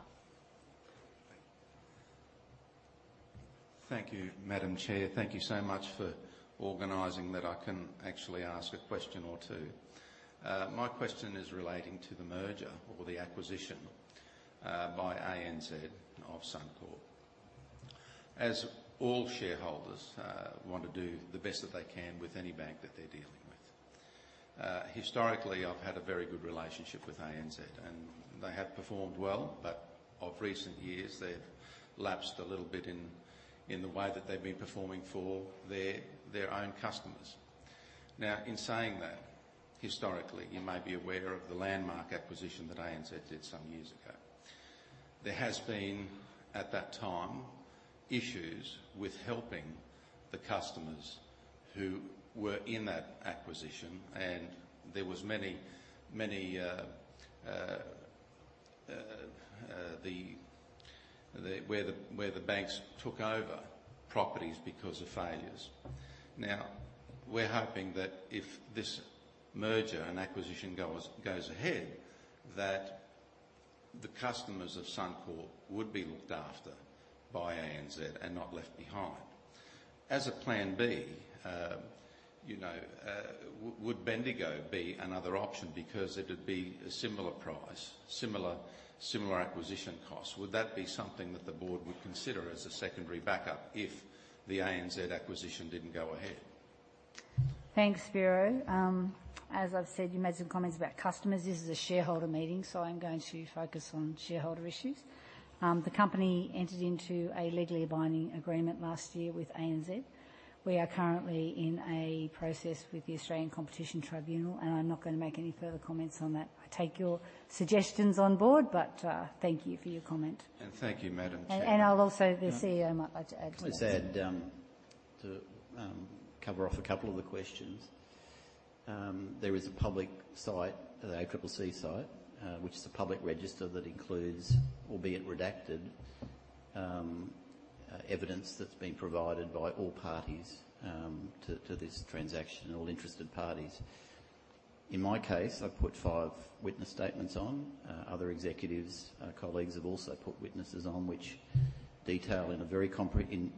Thank you, Madam Chair. Thank you so much for organizing that I can actually ask a question or two. My question is relating to the merger or the acquisition by ANZ of Suncorp. As all shareholders want to do the best that they can with any bank that they're dealing with, historically, I've had a very good relationship with ANZ, and they have performed well, but of recent years, they've lapsed a little bit in the way that they've been performing for their own customers. Now, in saying that, historically, you may be aware of the landmark acquisition that ANZ did some years ago. There has been, at that time, issues with helping the customers who were in that acquisition, and there was many, many banks took over properties because of failures. Now, we're hoping that if this merger and acquisition goes ahead, that the customers of Suncorp would be looked after by ANZ and not left behind. As a plan B, you know, would Bendigo be another option? Because it would be a similar price, similar acquisition costs. Would that be something that the board would consider as a secondary backup if the ANZ acquisition didn't go ahead? Thanks, Vero. As I've said, you made some comments about customers. This is a shareholder meeting, so I'm going to focus on shareholder issues. The company entered into a legally binding agreement last year with ANZ. We are currently in a process with the Australian Competition Tribunal, and I'm not gonna make any further comments on that. I take your suggestions on board, but, thank you for your comment. Thank you, Madam Chair. And I'll also, the CEO might like to add to that. Can I just add to cover off a couple of the questions. There is a public site, the ACCC site, which is a public register that includes, albeit redacted, evidence that's been provided by all parties to this transaction, all interested parties. In my case, I've put five witness statements on. Other executives, colleagues have also put witnesses on which detail in a very comprehensive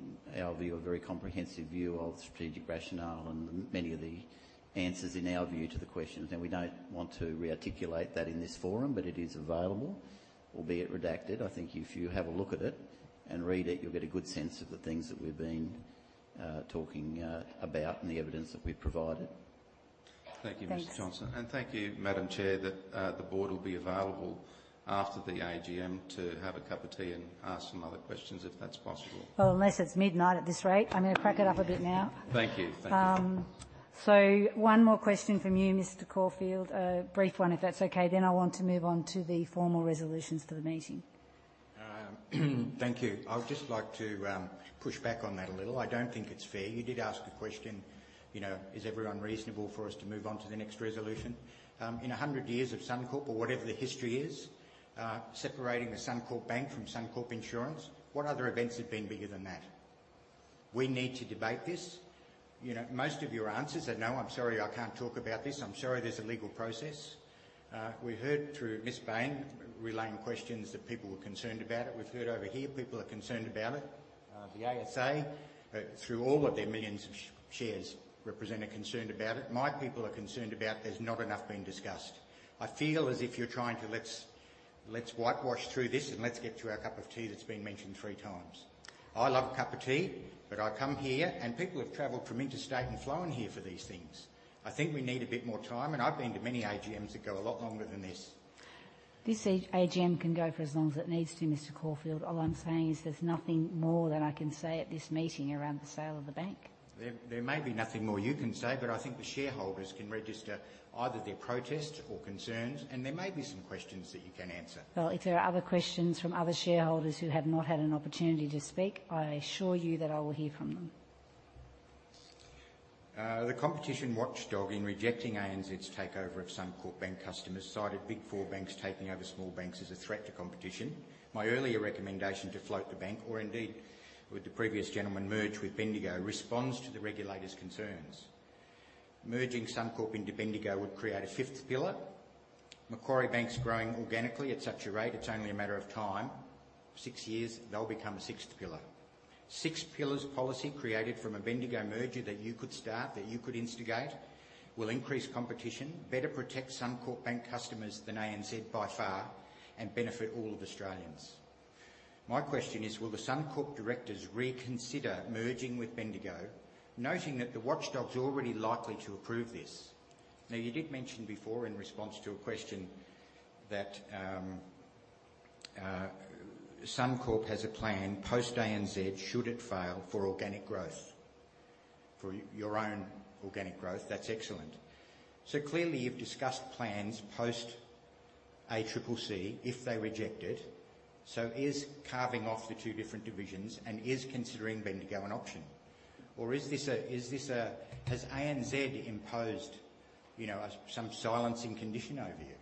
view of the strategic rationale and many of the answers, in our view, to the questions. We don't want to re-articulate that in this forum, but it is available, albeit redacted. I think if you have a look at it and read it, you'll get a good sense of the things that we've been talking about and the evidence that we've provided. Thanks. Thank you, Mr. Johnston. Thank you, Madam Chair, that the board will be available after the AGM to have a cup of tea and ask some other questions, if that's possible. Well, unless it's midnight at this rate. I'm going to crack it up a bit now. Thank you. Thank you. One more question from you, Mr. Corfield. A brief one, if that's okay. Then I want to move on to the formal resolutions for the meeting. Thank you. I would just like to push back on that a little. I don't think it's fair. You did ask a question, you know, is everyone reasonable for us to move on to the next resolution? In 100 years of Suncorp, or whatever the history is, separating the Suncorp Bank from Suncorp Insurance, what other events have been bigger than that? We need to debate this. You know, most of your answers are, "No, I'm sorry, I can't talk about this. I'm sorry, there's a legal process." We heard through Ms. Bain relaying questions that people were concerned about it. We've heard over here people are concerned about it. The ASA, through all of their millions of shares represented, concerned about it. My people are concerned about there's not enough being discussed. I feel as if you're trying to whitewash through this, and let's get to our cup of tea that's been mentioned three times. I love a cup of tea, but I come here, and people have traveled from interstate and flown here for these things. I think we need a bit more time, and I've been to many AGMs that go a lot longer than this. This AGM can go for as long as it needs to, Mr. Corfield. All I'm saying is there's nothing more that I can say at this meeting around the sale of the bank. There, there may be nothing more you can say, but I think the shareholders can register either their protests or concerns, and there may be some questions that you can answer. Well, if there are other questions from other shareholders who have not had an opportunity to speak, I assure you that I will hear from them. The competition watchdog, in rejecting ANZ's takeover of Suncorp Bank customers, cited Big Four banks taking over small banks as a threat to competition. My earlier recommendation to float the bank, or indeed, with the previous gentleman, merge with Bendigo, responds to the regulators' concerns. Merging Suncorp into Bendigo would create a fifth pillar. Macquarie Bank's growing organically at such a rate, it's only a matter of time. six years, they'll become a sixth pillar. six pillars policy created from a Bendigo merger that you could start, that you could instigate, will increase competition, better protect Suncorp bank customers than ANZ by far, and benefit all of Australians. My question is: will the Suncorp directors reconsider merging with Bendigo, noting that the watchdog's already likely to approve this? Now, you did mention before in response to a question that Suncorp has a plan post-ANZ, should it fail, for organic growth. For your own organic growth, that's excellent. So clearly, you've discussed plans post-ACCC, if they reject it. So is carving off the two different divisions and is considering Bendigo an option? Or is this a? Has ANZ imposed, you know, some silencing condition over you?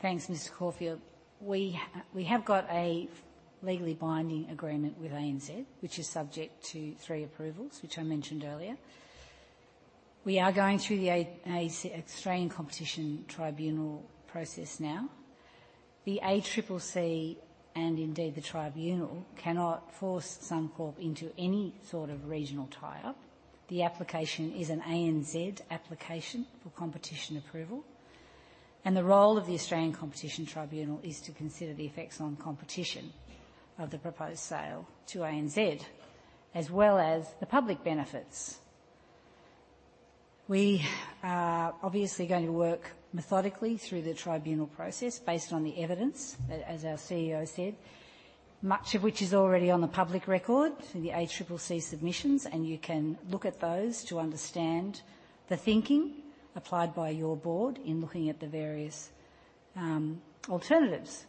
Thanks, Mr. Corfield. We have got a legally binding agreement with ANZ, which is subject to three approvals, which I mentioned earlier. We are going through the Australian Competition Tribunal process now. The ACCC, and indeed, the tribunal, cannot force Suncorp into any sort of regional tie-up. The application is an ANZ application for competition approval, and the role of the Australian Competition Tribunal is to consider the effects on competition of the proposed sale to ANZ, as well as the public benefits. We are obviously going to work methodically through the tribunal process based on the evidence, as our CEO said, much of which is already on the public record through the ACCC submissions, and you can look at those to understand the thinking applied by your board in looking at the various alternatives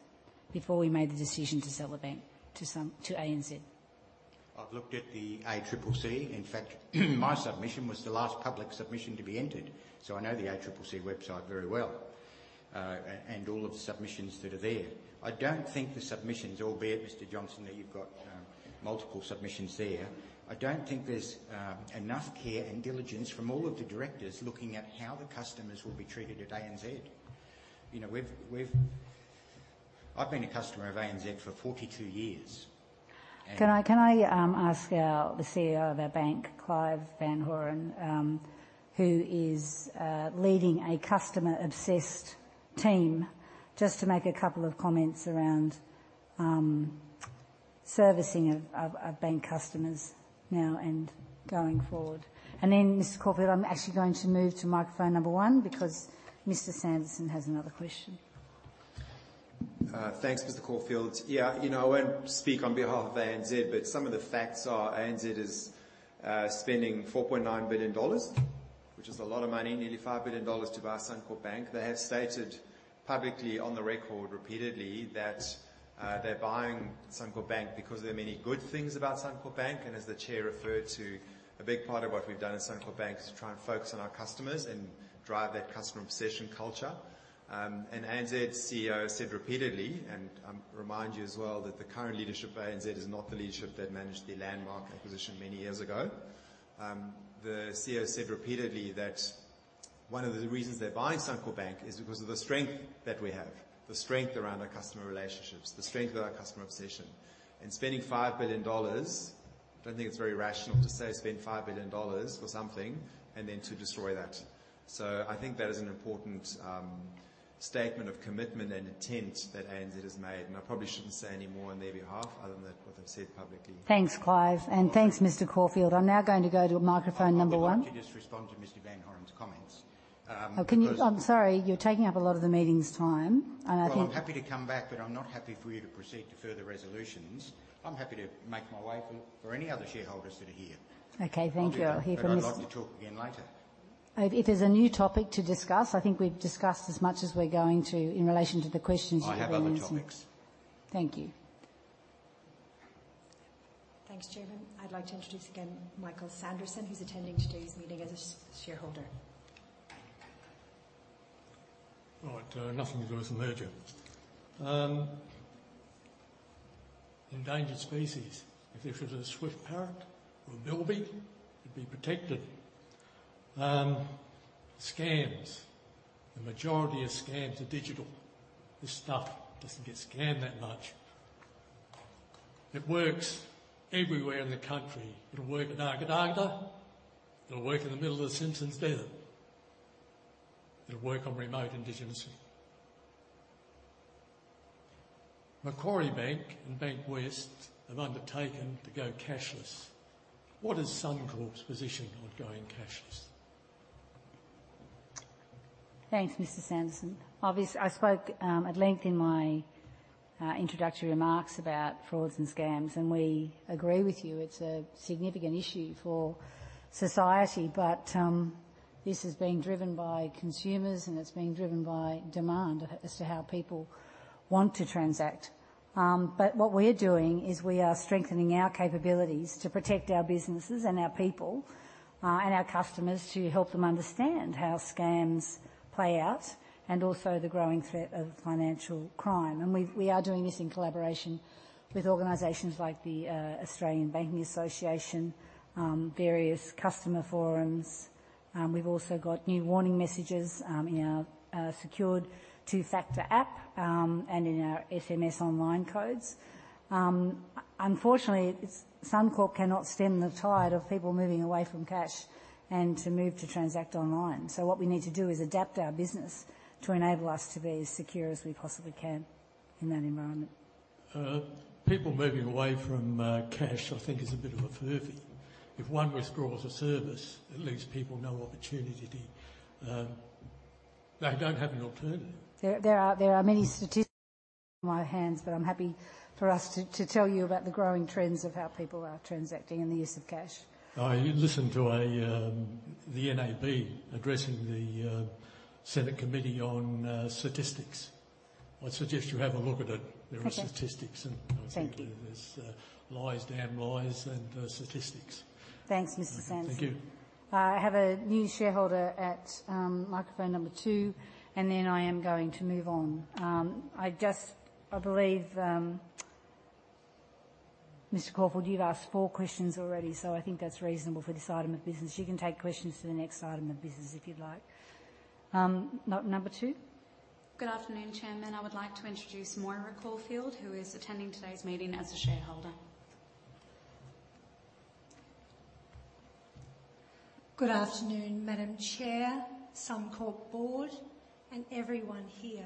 before we made the decision to sell the bank to ANZ. ... I've looked at the ACCC. In fact, my submission was the last public submission to be entered, so I know the ACCC website very well, and all of the submissions that are there. I don't think the submissions, albeit, Mr. Johnston, that you've got multiple submissions there, I don't think there's enough care and diligence from all of the directors looking at how the customers will be treated at ANZ. You know, I've been a customer of ANZ for 42 years, and- Can I ask our, the CEO of our bank, Clive van Horen, who is leading a customer-obsessed team, just to make a couple of comments around servicing of bank customers now and going forward? And then, Mr. Corfield, I'm actually going to move to microphone number one, because Mr. Sanderson has another question. Thanks, Mr. Corfield. Yeah, you know, I won't speak on behalf of ANZ, but some of the facts are ANZ is spending 4.9 billion dollars, which is a lot of money, nearly 5 billion dollars, to buy Suncorp Bank. They have stated publicly on the record repeatedly that they're buying Suncorp Bank because there are many good things about Suncorp Bank, and as the chair referred to, a big part of what we've done at Suncorp Bank is to try and focus on our customers and drive that customer obsession culture. ANZ CEO said repeatedly, and I'm remind you as well, that the current leadership of ANZ is not the leadership that managed the landmark acquisition many years ago. The CEO said repeatedly that one of the reasons they're buying Suncorp Bank is because of the strength that we have, the strength around our customer relationships, the strength of our customer obsession. Spending 5 billion dollars, I don't think it's very rational to say, spend 5 billion dollars for something and then to destroy that. So I think that is an important statement of commitment and intent that ANZ has made, and I probably shouldn't say any more on their behalf other than what they've said publicly. Thanks, Clive, and thanks, Mr. Corfield. I'm now going to go to microphone number one. I'd be happy to just respond to Mr. van Horen's comments, because- I'm sorry, you're taking up a lot of the meeting's time, and I think- Well, I'm happy to come back, but I'm not happy for you to proceed to further resolutions. I'm happy to make my way for any other shareholders that are here. Okay, thank you. I'll hear from- I'd like to talk again later. If there's a new topic to discuss, I think we've discussed as much as we're going to in relation to the questions you have. I have other topics. Thank you. Thanks, Chairman. I'd like to introduce again Michael Sanderson, who's attending today's meeting as a shareholder. All right, nothing is worth in there, Chair. Endangered species. If it was a swift parrot or a bilby, it'd be protected. Scams. The majority of scams are digital. This stuff doesn't get scammed that much. It works everywhere in the country. It'll work in Oodnadatta. It'll work in the middle of the Simpson Desert. It'll work on remote Indigenous. Macquarie Bank and Bankwest have undertaken to go cashless. What is Suncorp's position on going cashless? Thanks, Mr. Sanderson. Obviously, I spoke at length in my introductory remarks about frauds and scams, and we agree with you. It's a significant issue for society, but this is being driven by consumers, and it's being driven by demand as to how people want to transact. But what we're doing is we are strengthening our capabilities to protect our businesses and our people and our customers, to help them understand how scams play out and also the growing threat of financial crime. And we are doing this in collaboration with organizations like the Australian Banking Association, various customer forums. We've also got new warning messages in our secured two-factor app and in our SMS online codes. Unfortunately, it's Suncorp cannot stem the tide of people moving away from cash and to move to transact online. What we need to do is adapt our business to enable us to be as secure as we possibly can in that environment. People moving away from cash, I think, is a bit of a furphy. If one withdraws a service, it leaves people no opportunity. They don't have an alternative. There are many statistics in my hands, but I'm happy for us to tell you about the growing trends of how people are transacting and the use of cash. You listen to the NAB addressing the Senate committee on statistics. I'd suggest you have a look at it. Okay. There are statistics, and- Thank you... there's lies, damn lies, and statistics. Thanks, Mr. Sanderson. Thank you. I have a new shareholder at microphone number two, and then I am going to move on. I just... I believe, Mr. Corfield, you've asked four questions already, so I think that's reasonable for this item of business. You can take questions to the next item of business if you'd like. Number two? Good afternoon, Chairman. I would like to introduce Moira Corfield, who is attending today's meeting as a shareholder. Good afternoon, Madam Chair, Suncorp board, and everyone here.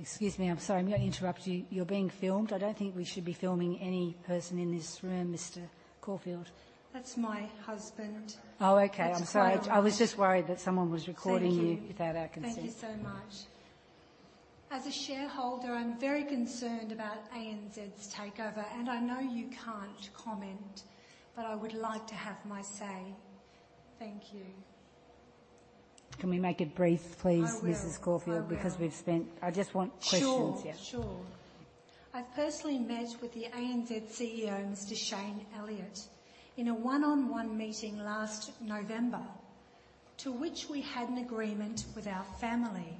Excuse me. I'm sorry, I'm going to interrupt you. You're being filmed. I don't think we should be filming any person in this room, Mr. Corfield. That's my husband. Oh, okay. That's right. I'm sorry. I was just worried that someone was recording you- Thank you without our consent. Thank you so much. As a shareholder, I'm very concerned about ANZ's takeover, and I know you can't comment, but I would like to have my say. Thank you. ... Can we make it brief, please, Mrs. Caulfield? I will. I will. Because we've spent-- I just want questions, yeah. Sure, sure. I personally met with the ANZ CEO, Mr. Shayne Elliott, in a one-on-one meeting last November, to which we had an agreement with our family.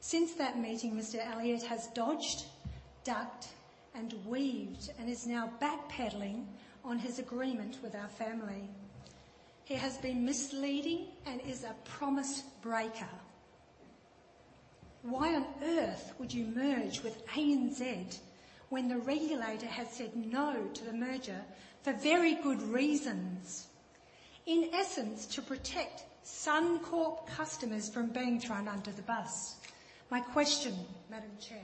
Since that meeting, Mr. Elliott has dodged, ducked, and weaved, and is now backpedaling on his agreement with our family. He has been misleading and is a promise breaker. Why on earth would you merge with ANZ when the regulator has said no to the merger for very good reasons? In essence, to protect Suncorp customers from being thrown under the bus. My question, Madam Chair,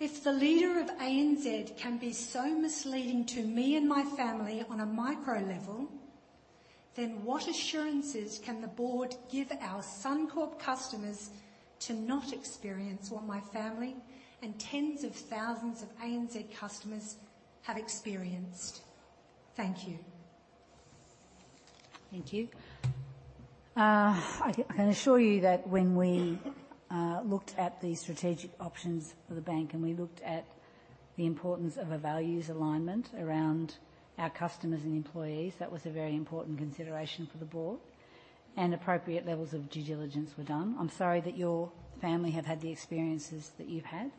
if the leader of ANZ can be so misleading to me and my family on a micro level, then what assurances can the board give our Suncorp customers to not experience what my family and tens of thousands of ANZ customers have experienced? Thank you. Thank you. I can, I can assure you that when we looked at the strategic options for the bank, and we looked at the importance of a values alignment around our customers and employees, that was a very important consideration for the board, and appropriate levels of due diligence were done. I'm sorry that your family have had the experiences that you've had,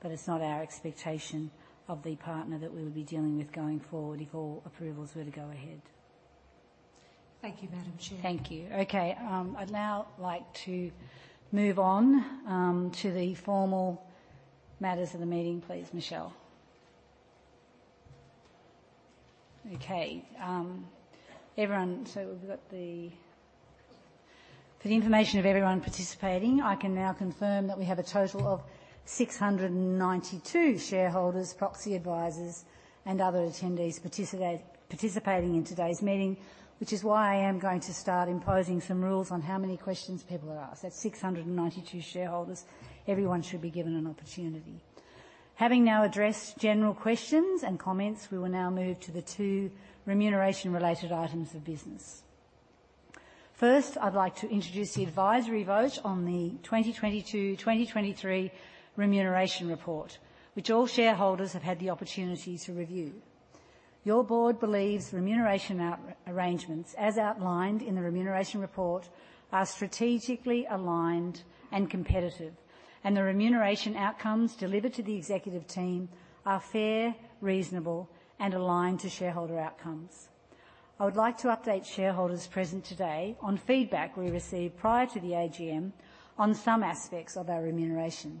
but it's not our expectation of the partner that we would be dealing with going forward if all approvals were to go ahead. Thank you, Madam Chair. Thank you. Okay, I'd now like to move on to the formal matters of the meeting, please, Michelle. Okay, everyone, so for the information of everyone participating, I can now confirm that we have a total of 692 shareholders, proxy advisors, and other attendees participating in today's meeting, which is why I am going to start imposing some rules on how many questions people are asked. That's 692 shareholders. Everyone should be given an opportunity. Having now addressed general questions and comments, we will now move to the two remuneration-related items of business. First, I'd like to introduce the advisory vote on the 2022/2023 remuneration report, which all shareholders have had the opportunity to review. Our board believes remuneration arrangements, as outlined in the remuneration report, are strategically aligned and competitive, and the remuneration outcomes delivered to the executive team are fair, reasonable, and aligned to shareholder outcomes. I would like to update shareholders present today on feedback we received prior to the AGM on some aspects of our remuneration.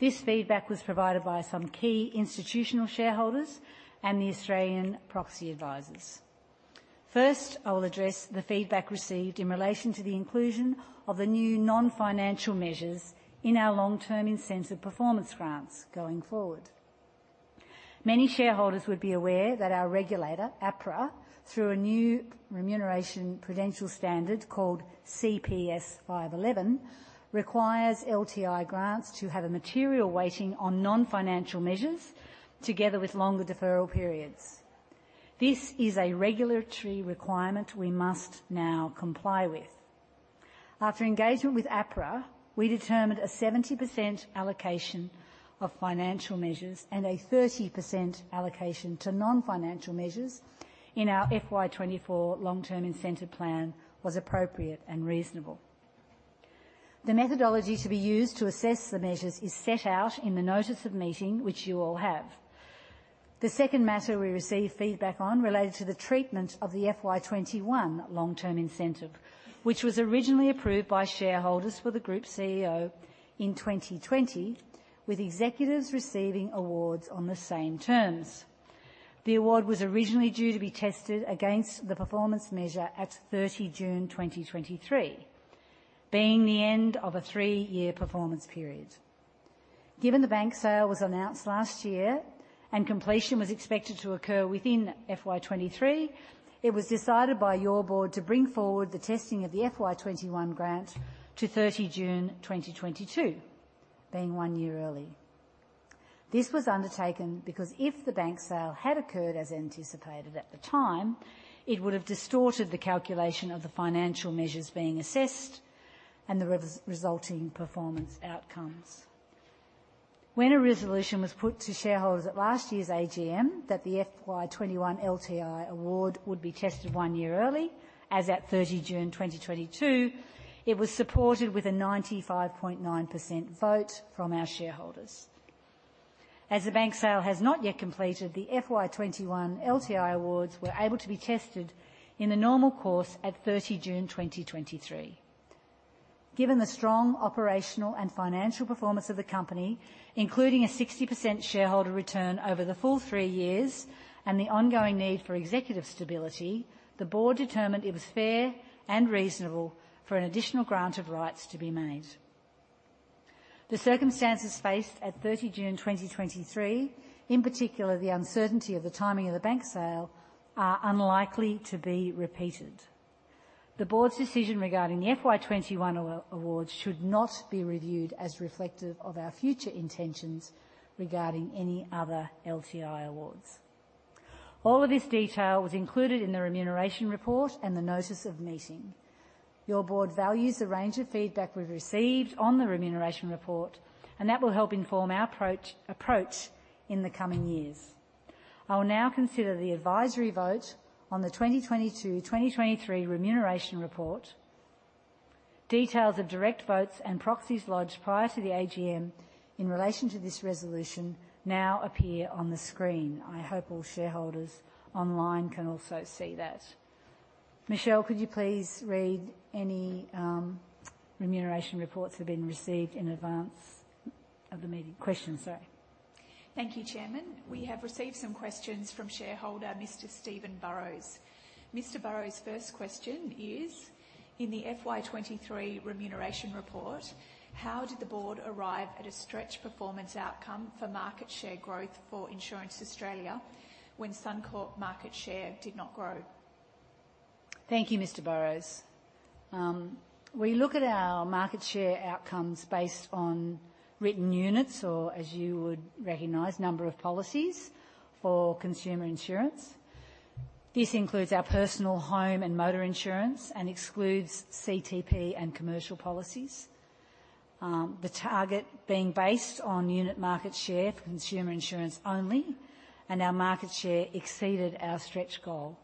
This feedback was provided by some key institutional shareholders and the Australian proxy advisors. First, I will address the feedback received in relation to the inclusion of the new non-financial measures in our long-term incentive performance grants going forward. Many shareholders would be aware that our regulator, APRA, through a new Remuneration Prudential Standard called CPS 511, requires LTI grants to have a material weighting on non-financial measures, together with longer deferral periods. This is a regulatory requirement we must now comply with. After engagement with APRA, we determined a 70% allocation of financial measures and a 30% allocation to non-financial measures in our FY 2024 long-term incentive plan was appropriate and reasonable. The methodology to be used to assess the measures is set out in the Notice of Meeting, which you all have. The second matter we received feedback on related to the treatment of the FY 2021 long-term incentive, which was originally approved by shareholders for the Group CEO in 2020, with executives receiving awards on the same terms. The award was originally due to be tested against the performance measure at 30 June 2023, being the end of a three year performance period. Given the bank sale was announced last year and completion was expected to occur within FY 2023, it was decided by your board to bring forward the testing of the FY 2021 grant to 30 June 2022, being one year early. This was undertaken because if the bank sale had occurred as anticipated at the time, it would have distorted the calculation of the financial measures being assessed and the resulting performance outcomes. When a resolution was put to shareholders at last year's AGM that the FY 2021 LTI award would be tested one year early, as at 30 June 2022, it was supported with a 95.9% vote from our shareholders. As the bank sale has not yet completed, the FY 2021 LTI awards were able to be tested in the normal course at 30 June 2023. Given the strong operational and financial performance of the company, including a 60% shareholder return over the full three years and the ongoing need for executive stability, the board determined it was fair and reasonable for an additional grant of rights to be made. The circumstances faced at 30 June 2023, in particular, the uncertainty of the timing of the bank sale, are unlikely to be repeated.... The board's decision regarding the FY 2021 award. Awards should not be reviewed as reflective of our future intentions regarding any other LTI awards. All of this detail was included in the remuneration report and the notice of meeting. Your board values the range of feedback we've received on the remuneration report, and that will help inform our approach, approach in the coming years. I will now consider the advisory vote on the 2022/2023 remuneration report. Details of direct votes and proxies lodged prior to the AGM in relation to this resolution now appear on the screen. I hope all shareholders online can also see that. Michelle, could you please read any remuneration reports that have been received in advance of the meeting? Questions, sorry. Thank you, Chairman. We have received some questions from shareholder, Mr. Steven Burrows. Mr. Burrows' first question is: In the FY 2023 remuneration report, how did the board arrive at a stretch performance outcome for market share growth for Insurance Australia when Suncorp market share did not grow? Thank you, Mr. Burrows. We look at our market share outcomes based on written units or, as you would recognize, number of policies for consumer insurance. This includes our personal home and motor insurance and excludes CTP and commercial policies. The target being based on unit market share for consumer insurance only, and our market share exceeded our stretch goal.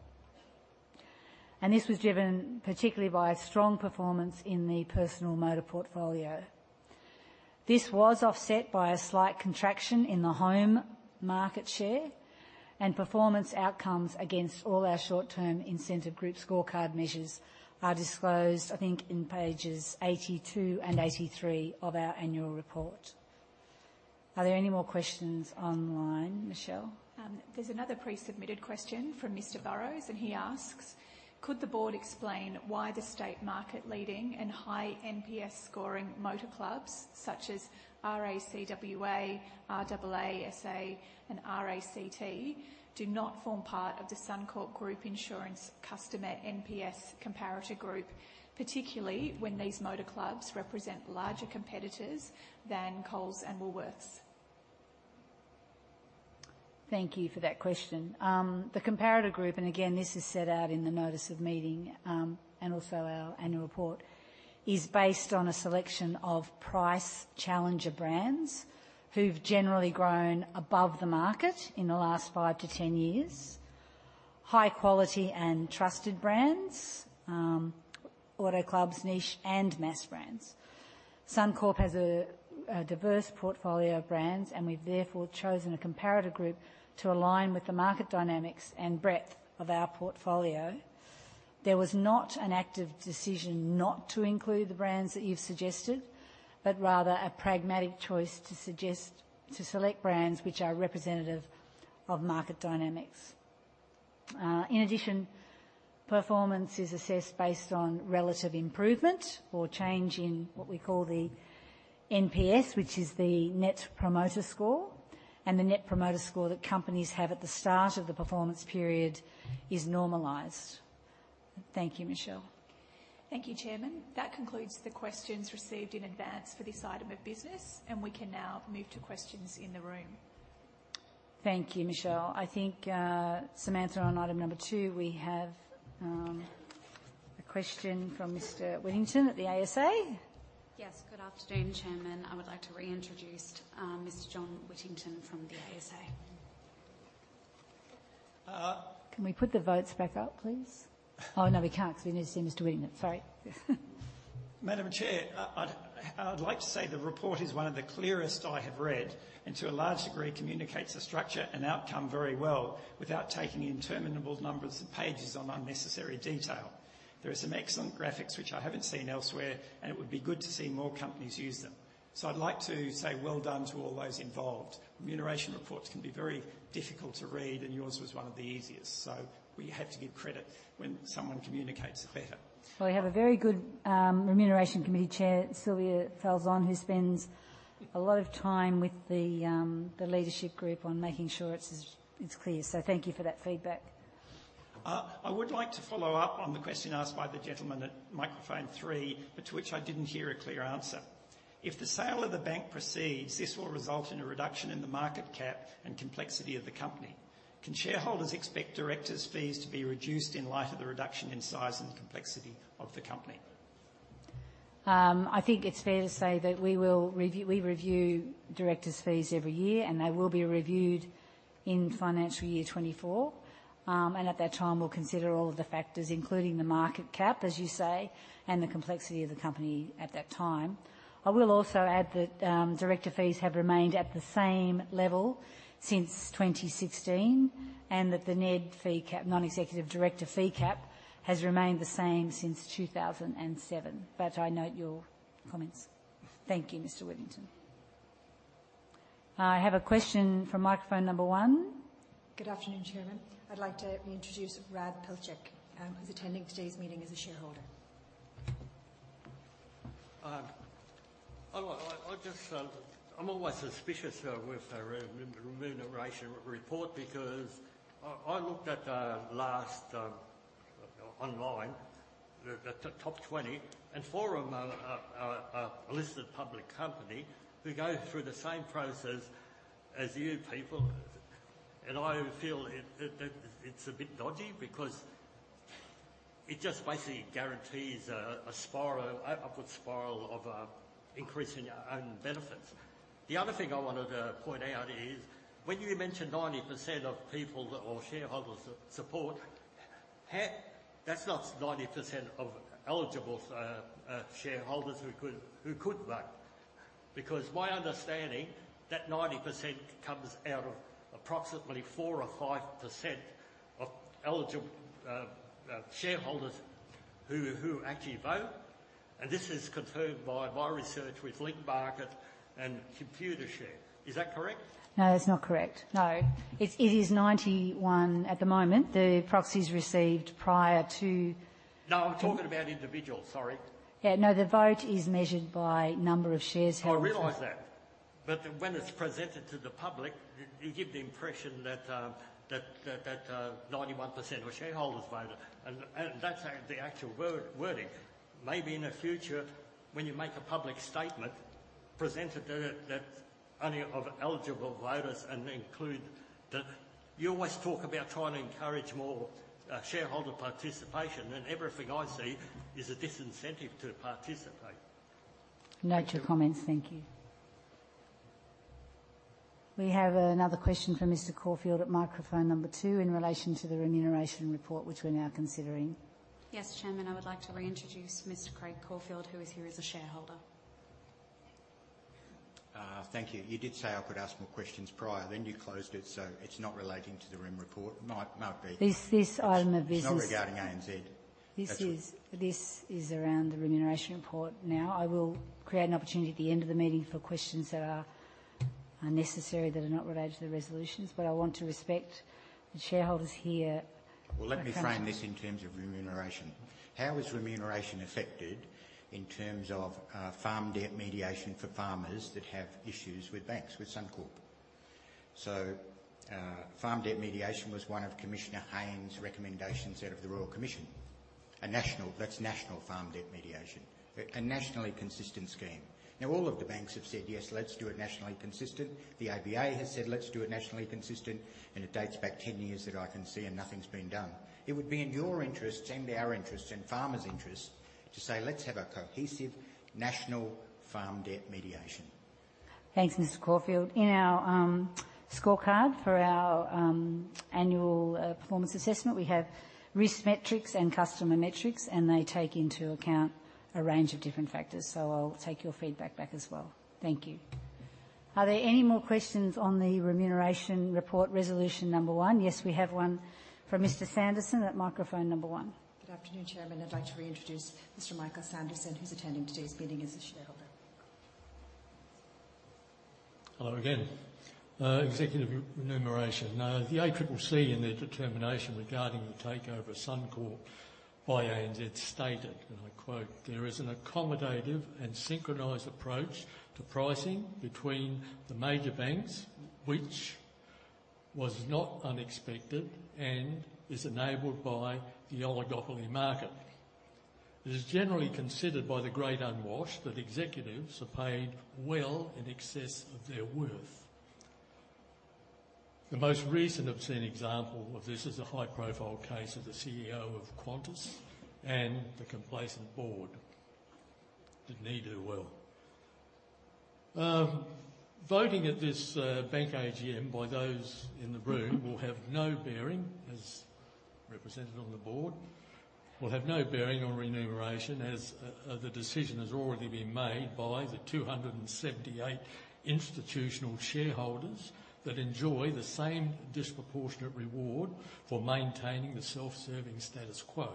This was driven particularly by a strong performance in the personal motor portfolio. This was offset by a slight contraction in the home market share, and performance outcomes against all our short-term incentive group scorecard measures are disclosed, I think, in pages 82 and 83 of our annual report. Are there any more questions online, Michelle? There's another pre-submitted question from Mr. Burrows, and he asks: Could the board explain why the state market-leading and high NPS scoring motor clubs such as RAC WA, RAA SA, and RACT, do not form part of the Suncorp Group Insurance Customer NPS comparator group, particularly when these motor clubs represent larger competitors than Coles and Woolworths? Thank you for that question. The comparator group, and again, this is set out in the notice of meeting, and also our annual report, is based on a selection of price challenger brands who've generally grown above the market in the last five to 10 years, high quality and trusted brands, auto clubs, niche and mass brands. Suncorp has a, a diverse portfolio of brands, and we've therefore chosen a comparator group to align with the market dynamics and breadth of our portfolio. There was not an active decision not to include the brands that you've suggested, but rather a pragmatic choice to select brands which are representative of market dynamics. In addition, performance is assessed based on relative improvement or change in what we call the NPS, which is the Net Promoter Score, and the Net Promoter Score that companies have at the start of the performance period is normalized. Thank you, Michelle. Thank you, Chairman. That concludes the questions received in advance for this item of business, and we can now move to questions in the room. Thank you, Michelle. I think, Samantha, on item number two, we have a question from Mr. Whittington at the ASA. Yes. Good afternoon, Chairman. I would like to reintroduce, Mr. John Whittington from the ASA. Can we put the votes back up, please? Oh, no, we can't, because we need to see Mr. Whittington. Sorry. Madam Chair, I'd like to say the report is one of the clearest I have read, and to a large degree, communicates the structure and outcome very well without taking interminable numbers of pages on unnecessary detail. There are some excellent graphics which I haven't seen elsewhere, and it would be good to see more companies use them. So I'd like to say well done to all those involved. Remuneration reports can be very difficult to read, and yours was one of the easiest, so we have to give credit when someone communicates better. Well, we have a very good remuneration committee chair, Sylvia Falzon, who spends a lot of time with the the leadership group on making sure it's as, it's clear. So thank you for that feedback. I would like to follow up on the question asked by the gentleman at microphone three, but to which I didn't hear a clear answer. If the sale of the bank proceeds, this will result in a reduction in the market cap and complexity of the company. Can shareholders expect directors' fees to be reduced in light of the reduction in size and complexity of the company? I think it's fair to say that we will review. We review directors' fees every year, and they will be reviewed in financial year 2024. And at that time, we'll consider all of the factors, including the market cap, as you say, and the complexity of the company at that time. I will also add that, director fees have remained at the same level since 2016, and that the NED fee cap, non-executive director fee cap, has remained the same since 2007. But I note your comments. Thank you, Mr. Whittington. I have a question from microphone number one. Good afternoon, Chairman. I'd like to introduce Rad Pilcher, who's attending today's meeting as a shareholder.... I just, I'm always suspicious with a remuneration report, because I looked at the last online, the top 20, and four of them are a listed public company who go through the same process as you people. And I feel it, that it's a bit dodgy, because it just basically guarantees a spiral, upward spiral of increasing your own benefits. The other thing I wanted to point out is, when you mentioned 90% of people or shareholders support, half-- That's not 90% of eligible shareholders who could vote, because my understanding, that 90% comes out of approximately 4% or 5% of eligible shareholders who actually vote, and this is confirmed by my research with Link Market and Computershare. Is that correct? No, that's not correct. No. It's, it is 91 at the moment, the proxies received prior to- No, I'm talking about individuals, sorry. Yeah, no, the vote is measured by number of shares held. I realize that, but when it's presented to the public, you give the impression that 91% of shareholders voted, and that's the actual wording. Maybe in the future, when you make a public statement, present it that only of eligible voters and include the... You always talk about trying to encourage more shareholder participation, and everything I see is a disincentive to participate. Note your comments. Thank you. We have another question from Mr. Corfield at microphone number 2 in relation to the remuneration report, which we're now considering. Yes, Chairman, I would like to reintroduce Mr. Craig Caufield, who is here as a shareholder. Thank you. You did say I could ask more questions prior, then you closed it, so it's not relating to the rem report. Might, might be- This item of business- It's not regarding ANZ. This is around the remuneration report now. I will create an opportunity at the end of the meeting for questions that are necessary, that are not related to the resolutions, but I want to respect the shareholders here. Well, let me frame this in terms of remuneration. How is remuneration affected in terms of farm debt mediation for farmers that have issues with banks, with Suncorp? So, farm debt mediation was one of Commissioner Hayne's recommendations out of the Royal Commission. A national, that's national farm debt mediation, a nationally consistent scheme. Now, all of the banks have said, "Yes, let's do it nationally consistent." The ABA has said, "Let's do it nationally consistent," and it dates back 10 years that I can see, and nothing's been done. It would be in your interests and our interests and farmers' interests to say, "Let's have a cohesive national farm debt mediation. Thanks, Mr. Caufield. In our scorecard for our annual performance assessment, we have risk metrics and customer metrics, and they take into account a range of different factors, so I'll take your feedback back as well. Thank you. Are there any more questions on the remuneration report, resolution number one? Yes, we have one from Mr. Sanderson at microphone number one. Good afternoon, Chairman. I'd like to reintroduce Mr. Michael Sanderson, who's attending today's meeting as a shareholder. Hello again. Executive remuneration. Now, the ACCC, in their determination regarding the takeover of Suncorp by ANZ, stated, and I quote, "There is an accommodative and synchronized approach to pricing between the major banks, which was not unexpected and is enabled by the oligopoly market." It is generally considered by the great unwashed that executives are paid well in excess of their worth. The most recent obscene example of this is a high-profile case of the CEO of Qantas and the complacent board. Didn't he do well? Voting at this bank AGM by those in the room will have no bearing, as represented on the board, will have no bearing on remuneration, as the decision has already been made by the 278 institutional shareholders that enjoy the same disproportionate reward for maintaining the self-serving status quo.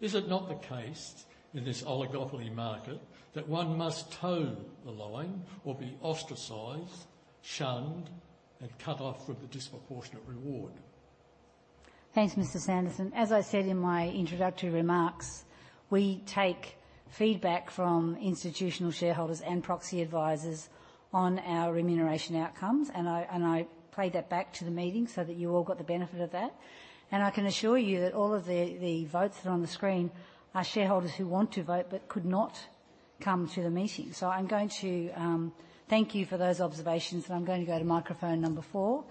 Is it not the case in this oligopoly market that one must toe the line or be ostracized, shunned, and cut off from the disproportionate reward? Thanks, Mr. Sanderson. As I said in my introductory remarks, we take feedback from institutional shareholders and proxy advisors on our remuneration outcomes, and I played that back to the meeting so that you all got the benefit of that. And I can assure you that all of the votes that are on the screen are shareholders who want to vote but could not come to the meeting. So I'm going to thank you for those observations, and I'm going to go to microphone number four,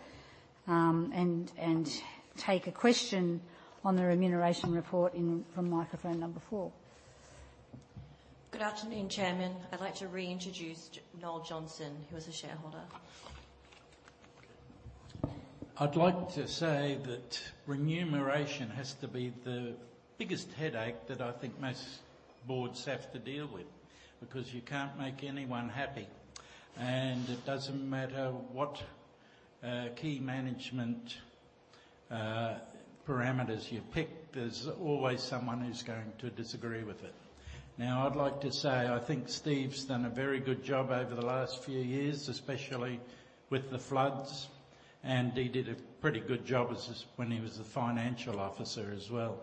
and take a question on the remuneration report from microphone number four. Good afternoon, Chairman. I'd like to reintroduce Noel Johnson, who is a shareholder. I'd like to say that remuneration has to be the biggest headache that I think most boards have to deal with, because you can't make anyone happy. It doesn't matter what key management parameters you pick, there's always someone who's going to disagree with it. Now, I'd like to say, I think Steve's done a very good job over the last few years, especially with the floods, and he did a pretty good job as, when he was the financial officer as well.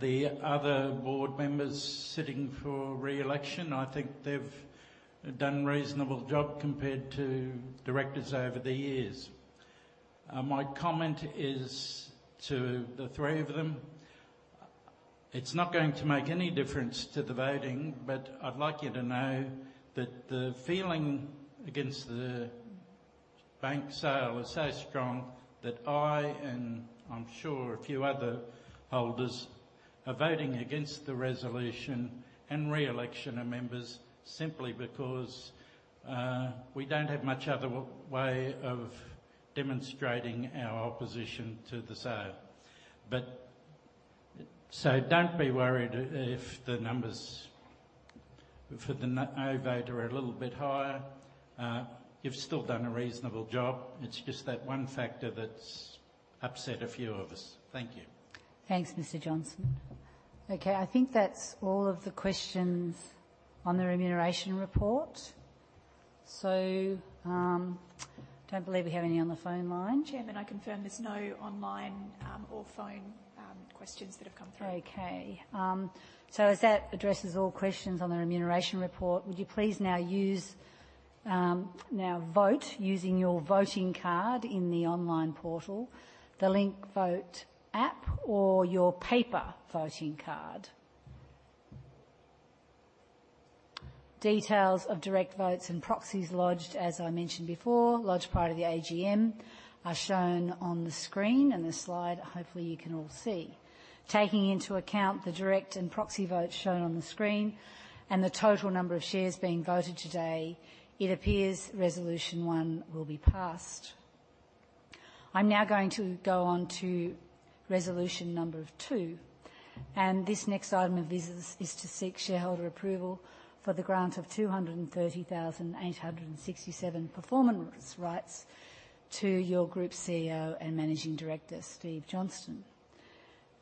The other board members sitting for re-election, I think they've done a reasonable job compared to directors over the years. My comment is to the three of them. It's not going to make any difference to the voting, but I'd like you to know that the feeling against the bank sale is so strong that I, and I'm sure a few other holders, are voting against the resolution and re-election of members simply because we don't have much other way of demonstrating our opposition to the sale. But so don't be worried if the numbers for the no vote are a little bit higher. You've still done a reasonable job. It's just that one factor that's upset a few of us. Thank you. Thanks, Mr. Johnson. Okay, I think that's all of the questions on the remuneration report. So, don't believe we have any on the phone line. Chair, then I confirm there's no online, or phone, questions that have come through. Okay. So as that addresses all questions on the remuneration report, would you please now use, now vote using your voting card in the online portal, the Link Vote app, or your paper voting card? Details of direct votes and proxies lodged, as I mentioned before, large part of the AGM, are shown on the screen and the slide, hopefully you can all see. Taking into account the direct and proxy votes shown on the screen and the total number of shares being voted today, it appears Resolution one will be passed. I'm now going to go on to resolution number two, and this next item of business is to seek shareholder approval for the grant of 230,867 performance rights to your Group CEO and Managing Director, Steve Johnston.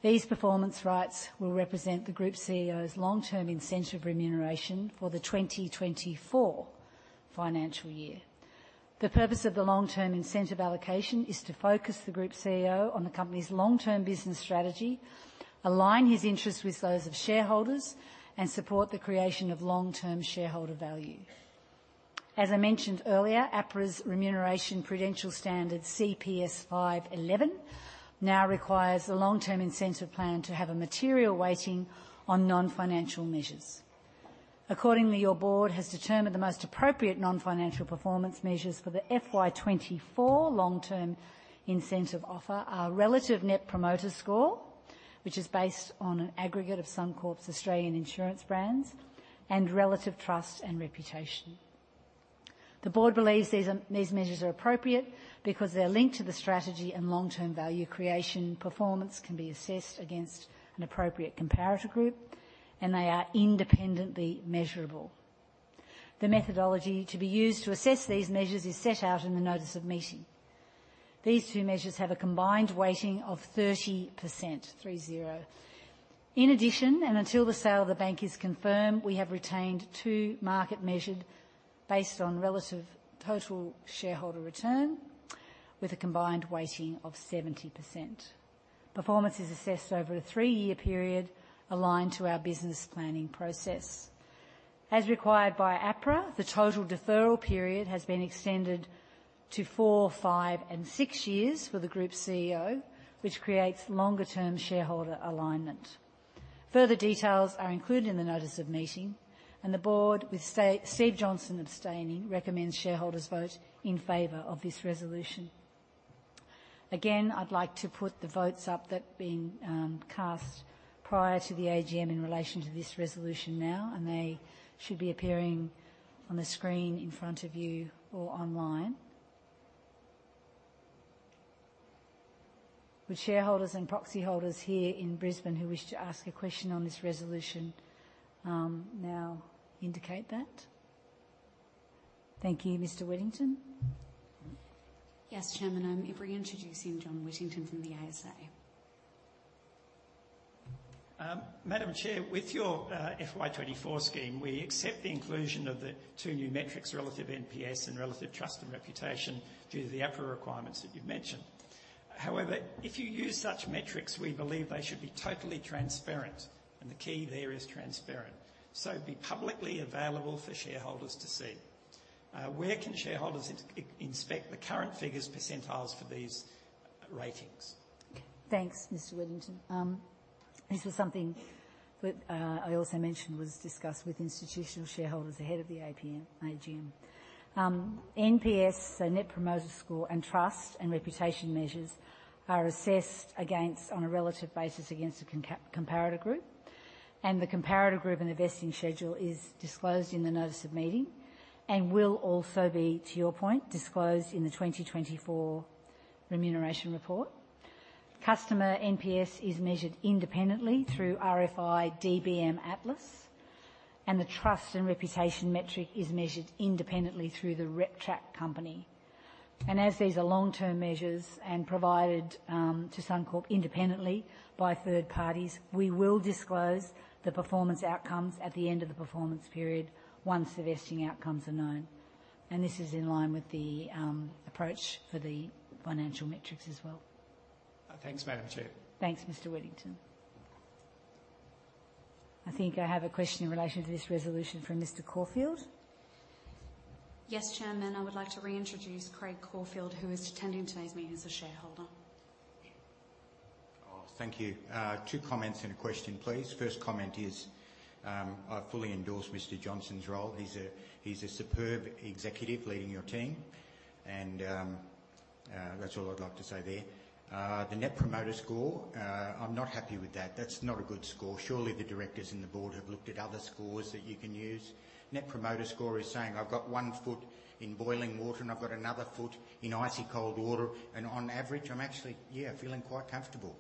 These performance rights will represent the group CEO's long-term incentive remuneration for the 2024 financial year. The purpose of the long-term incentive allocation is to focus the group CEO on the company's long-term business strategy, align his interests with those of shareholders, and support the creation of long-term shareholder value. As I mentioned earlier, APRA's Remuneration Prudential Standard CPS 511 now requires a long-term incentive plan to have a material weighting on non-financial measures. Accordingly, your board has determined the most appropriate non-financial performance measures for the FY 2024 long-term incentive offer are Relative Net Promoter Score, which is based on an aggregate of Suncorp's Australian insurance brands and Relative Trust and Reputation. The board believes these measures are appropriate because they're linked to the strategy and long-term value creation, performance can be assessed against an appropriate comparator group, and they are independently measurable. The methodology to be used to assess these measures is set out in the notice of meeting. These two measures have a combined weighting of 30%. In addition, and until the sale of the bank is confirmed, we have retained two market measures based on relative total shareholder return, with a combined weighting of 70%. Performance is assessed over a three year period aligned to our business planning process. As required by APRA, the total deferral period has been extended to four, five, and six years for the Group CEO, which creates longer term shareholder alignment. Further details are included in the notice of meeting, and the board, with Steve Johnston abstaining, recommends shareholders vote in favor of this resolution. Again, I'd like to put the votes up that have been cast prior to the AGM in relation to this resolution now, and they should be appearing on the screen in front of you or online. Would shareholders and proxy holders here in Brisbane who wish to ask a question on this resolution now indicate that? Thank you, Mr. Whittington. Yes, Chairman, I'm reintroducing John Whittington from the ASA. Madam Chair, with your FY 2024 scheme, we accept the inclusion of the two new metrics, Relative NPS and Relative Trust and Reputation, due to the APRA requirements that you've mentioned. However, if you use such metrics, we believe they should be totally transparent, and the key there is transparent, so be publicly available for shareholders to see. Where can shareholders inspect the current figures percentiles for these ratings? Thanks, Mr. Whittington. This was something that I also mentioned was discussed with institutional shareholders ahead of the APM, AGM. NPS, so Net Promoter Score, and Trust and Reputation measures are assessed on a relative basis against the comparator group, and the comparator group and vesting schedule is disclosed in the notice of meeting and will also be, to your point, disclosed in the 2024 remuneration report. Customer NPS is measured independently through RFI DBM Atlas, and the Trust and Reputation metric is measured independently through the RepTrak company. As these are long-term measures and provided to Suncorp independently by third parties, we will disclose the performance outcomes at the end of the performance period once the vesting outcomes are known, and this is in line with the approach for the financial metrics as well.... Thanks, Madam Chair. Thanks, Mr. Whittington. I think I have a question in relation to this resolution from Mr. Corfield. Yes, Chairman. I would like to reintroduce Craig Caufield, who is attending today's meeting as a shareholder. Oh, thank you. Two comments and a question, please. First comment is, I fully endorse Mr. Johnston's role. He's a superb executive leading your team, and, that's all I'd like to say there. The Net Promoter Score, I'm not happy with that. That's not a good score. Surely, the directors in the board have looked at other scores that you can use. Net Promoter Score is saying, "I've got one foot in boiling water, and I've got another foot in icy cold water, and on average, I'm actually feeling quite comfortable."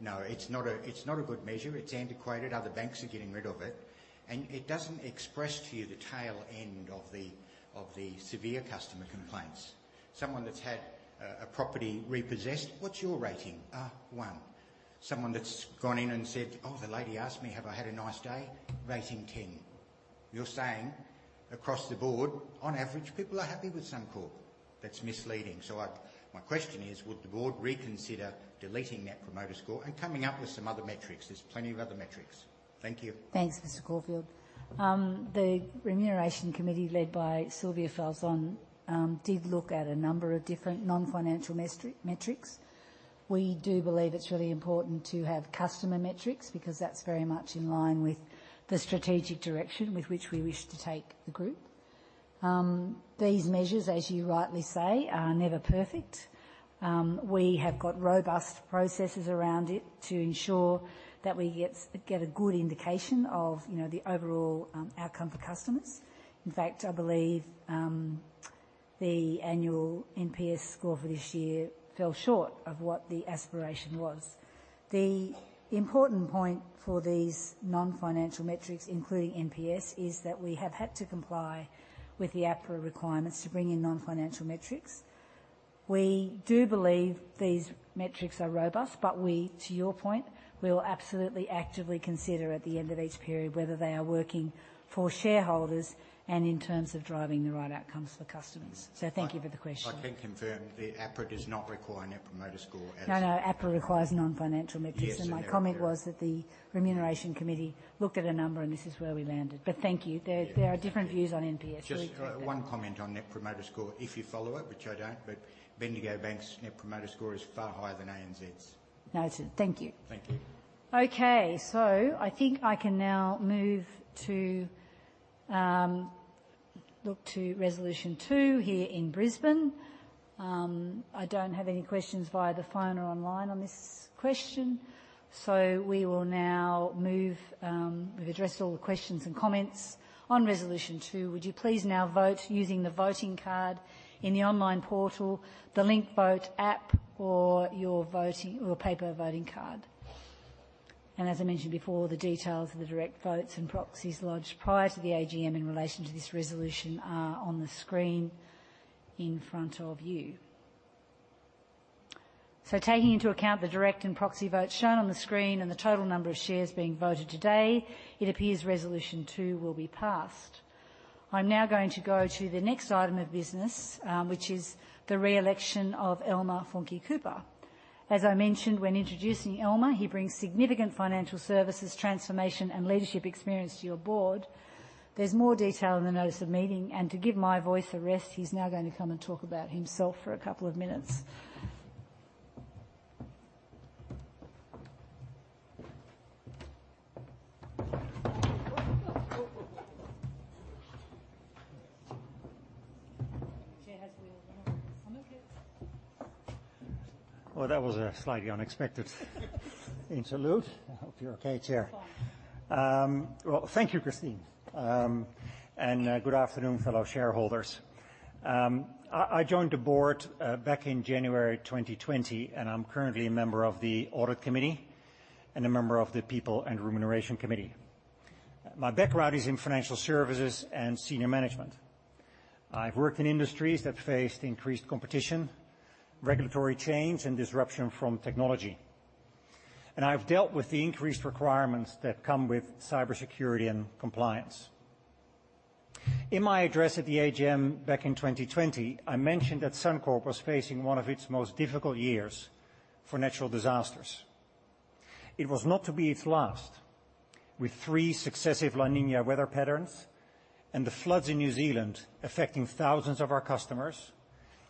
No, it's not a good measure. It's antiquated. Other banks are getting rid of it, and it doesn't express to you the tail end of the severe customer complaints. Someone that's had a property repossessed, what's your rating? One. Someone that's gone in and said, "Oh, the lady asked me, have I had a nice day?" Rating, 10. You're saying across the board, on average, people are happy with Suncorp. That's misleading. So I-- my question is, would the board reconsider deleting Net Promoter Score and coming up with some other metrics? There's plenty of other metrics. Thank you. Thanks, Mr. Caufield. The Remuneration Committee, led by Sylvia Falzon, did look at a number of different non-financial metrics. We do believe it's really important to have customer metrics because that's very much in line with the strategic direction with which we wish to take the group. These measures, as you rightly say, are never perfect. We have got robust processes around it to ensure that we get a good indication of, you know, the overall outcome for customers. In fact, I believe the annual NPS score for this year fell short of what the aspiration was. The important point for these non-financial metrics, including NPS, is that we have had to comply with the APRA requirements to bring in non-financial metrics. We do believe these metrics are robust, but we, to your point, we will absolutely actively consider at the end of each period whether they are working for shareholders and in terms of driving the right outcomes for customers. Thank you for the question. I can confirm the APRA does not require Net Promoter Score as- No, no, APRA requires non-financial metrics. Yes, they do. My comment was that the Remuneration Committee looked at a number, and this is where we landed. But thank you. Yeah. There are different views on NPS. We accept that. Just one comment on Net Promoter Score. If you follow it, which I don't, but Bendigo Bank's Net Promoter Score is far higher than ANZ's. Noted. Thank you. Thank you. Okay, so I think I can now move to, look to Resolution two here in Brisbane. I don't have any questions via the phone or online on this question, so we will now move. We've addressed all the questions and comments on resolution two. Would you please now vote using the voting card in the online portal, the Link Vote app, or your voting, or paper voting card? As I mentioned before, the details of the direct votes and proxies lodged prior to the AGM in relation to this resolution are on the screen in front of you. So taking into account the direct and proxy votes shown on the screen and the total number of shares being voted today, it appears Resolution two will be passed. I'm now going to go to the next item of business, which is the re-election of Elmer Funke Kupper. As I mentioned when introducing Elmer, he brings significant financial services, transformation, and leadership experience to your board. There's more detail in the Notice of Meeting, and to give my voice a rest, he's now going to come and talk about himself for a couple of minutes. Well, that was a slightly unexpected interlude. I hope you're okay, Chair. Fine. Well, thank you, Christine, and good afternoon, fellow shareholders. I joined the board back in January 2020, and I'm currently a member of the Audit Committee and a member of the People and Remuneration Committee. My background is in financial services and senior management. I've worked in industries that faced increased competition, regulatory change, and disruption from technology, and I've dealt with the increased requirements that come with cybersecurity and compliance. In my address at the AGM back in 2020, I mentioned that Suncorp was facing one of its most difficult years for natural disasters. It was not to be its last, with three successive La Niña weather patterns and the floods in New Zealand affecting thousands of our customers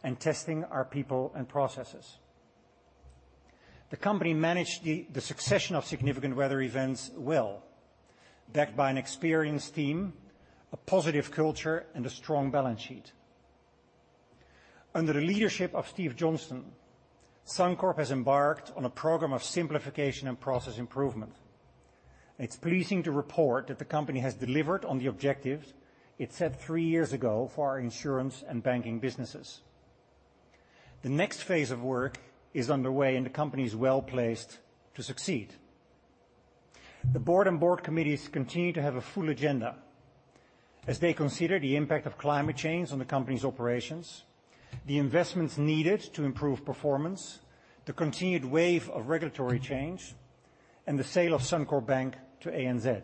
and testing our people and processes. The company managed the succession of significant weather events well, backed by an experienced team, a positive culture, and a strong balance sheet. Under the leadership of Steve Johnston, Suncorp has embarked on a program of simplification and process improvement. It's pleasing to report that the company has delivered on the objectives it set three years ago for our insurance and banking businesses. The next phase of work is underway, and the company is well-placed to succeed. The board and board committees continue to have a full agenda as they consider the impact of climate change on the company's operations, the investments needed to improve performance, the continued wave of regulatory change, and the sale of Suncorp Bank to ANZ....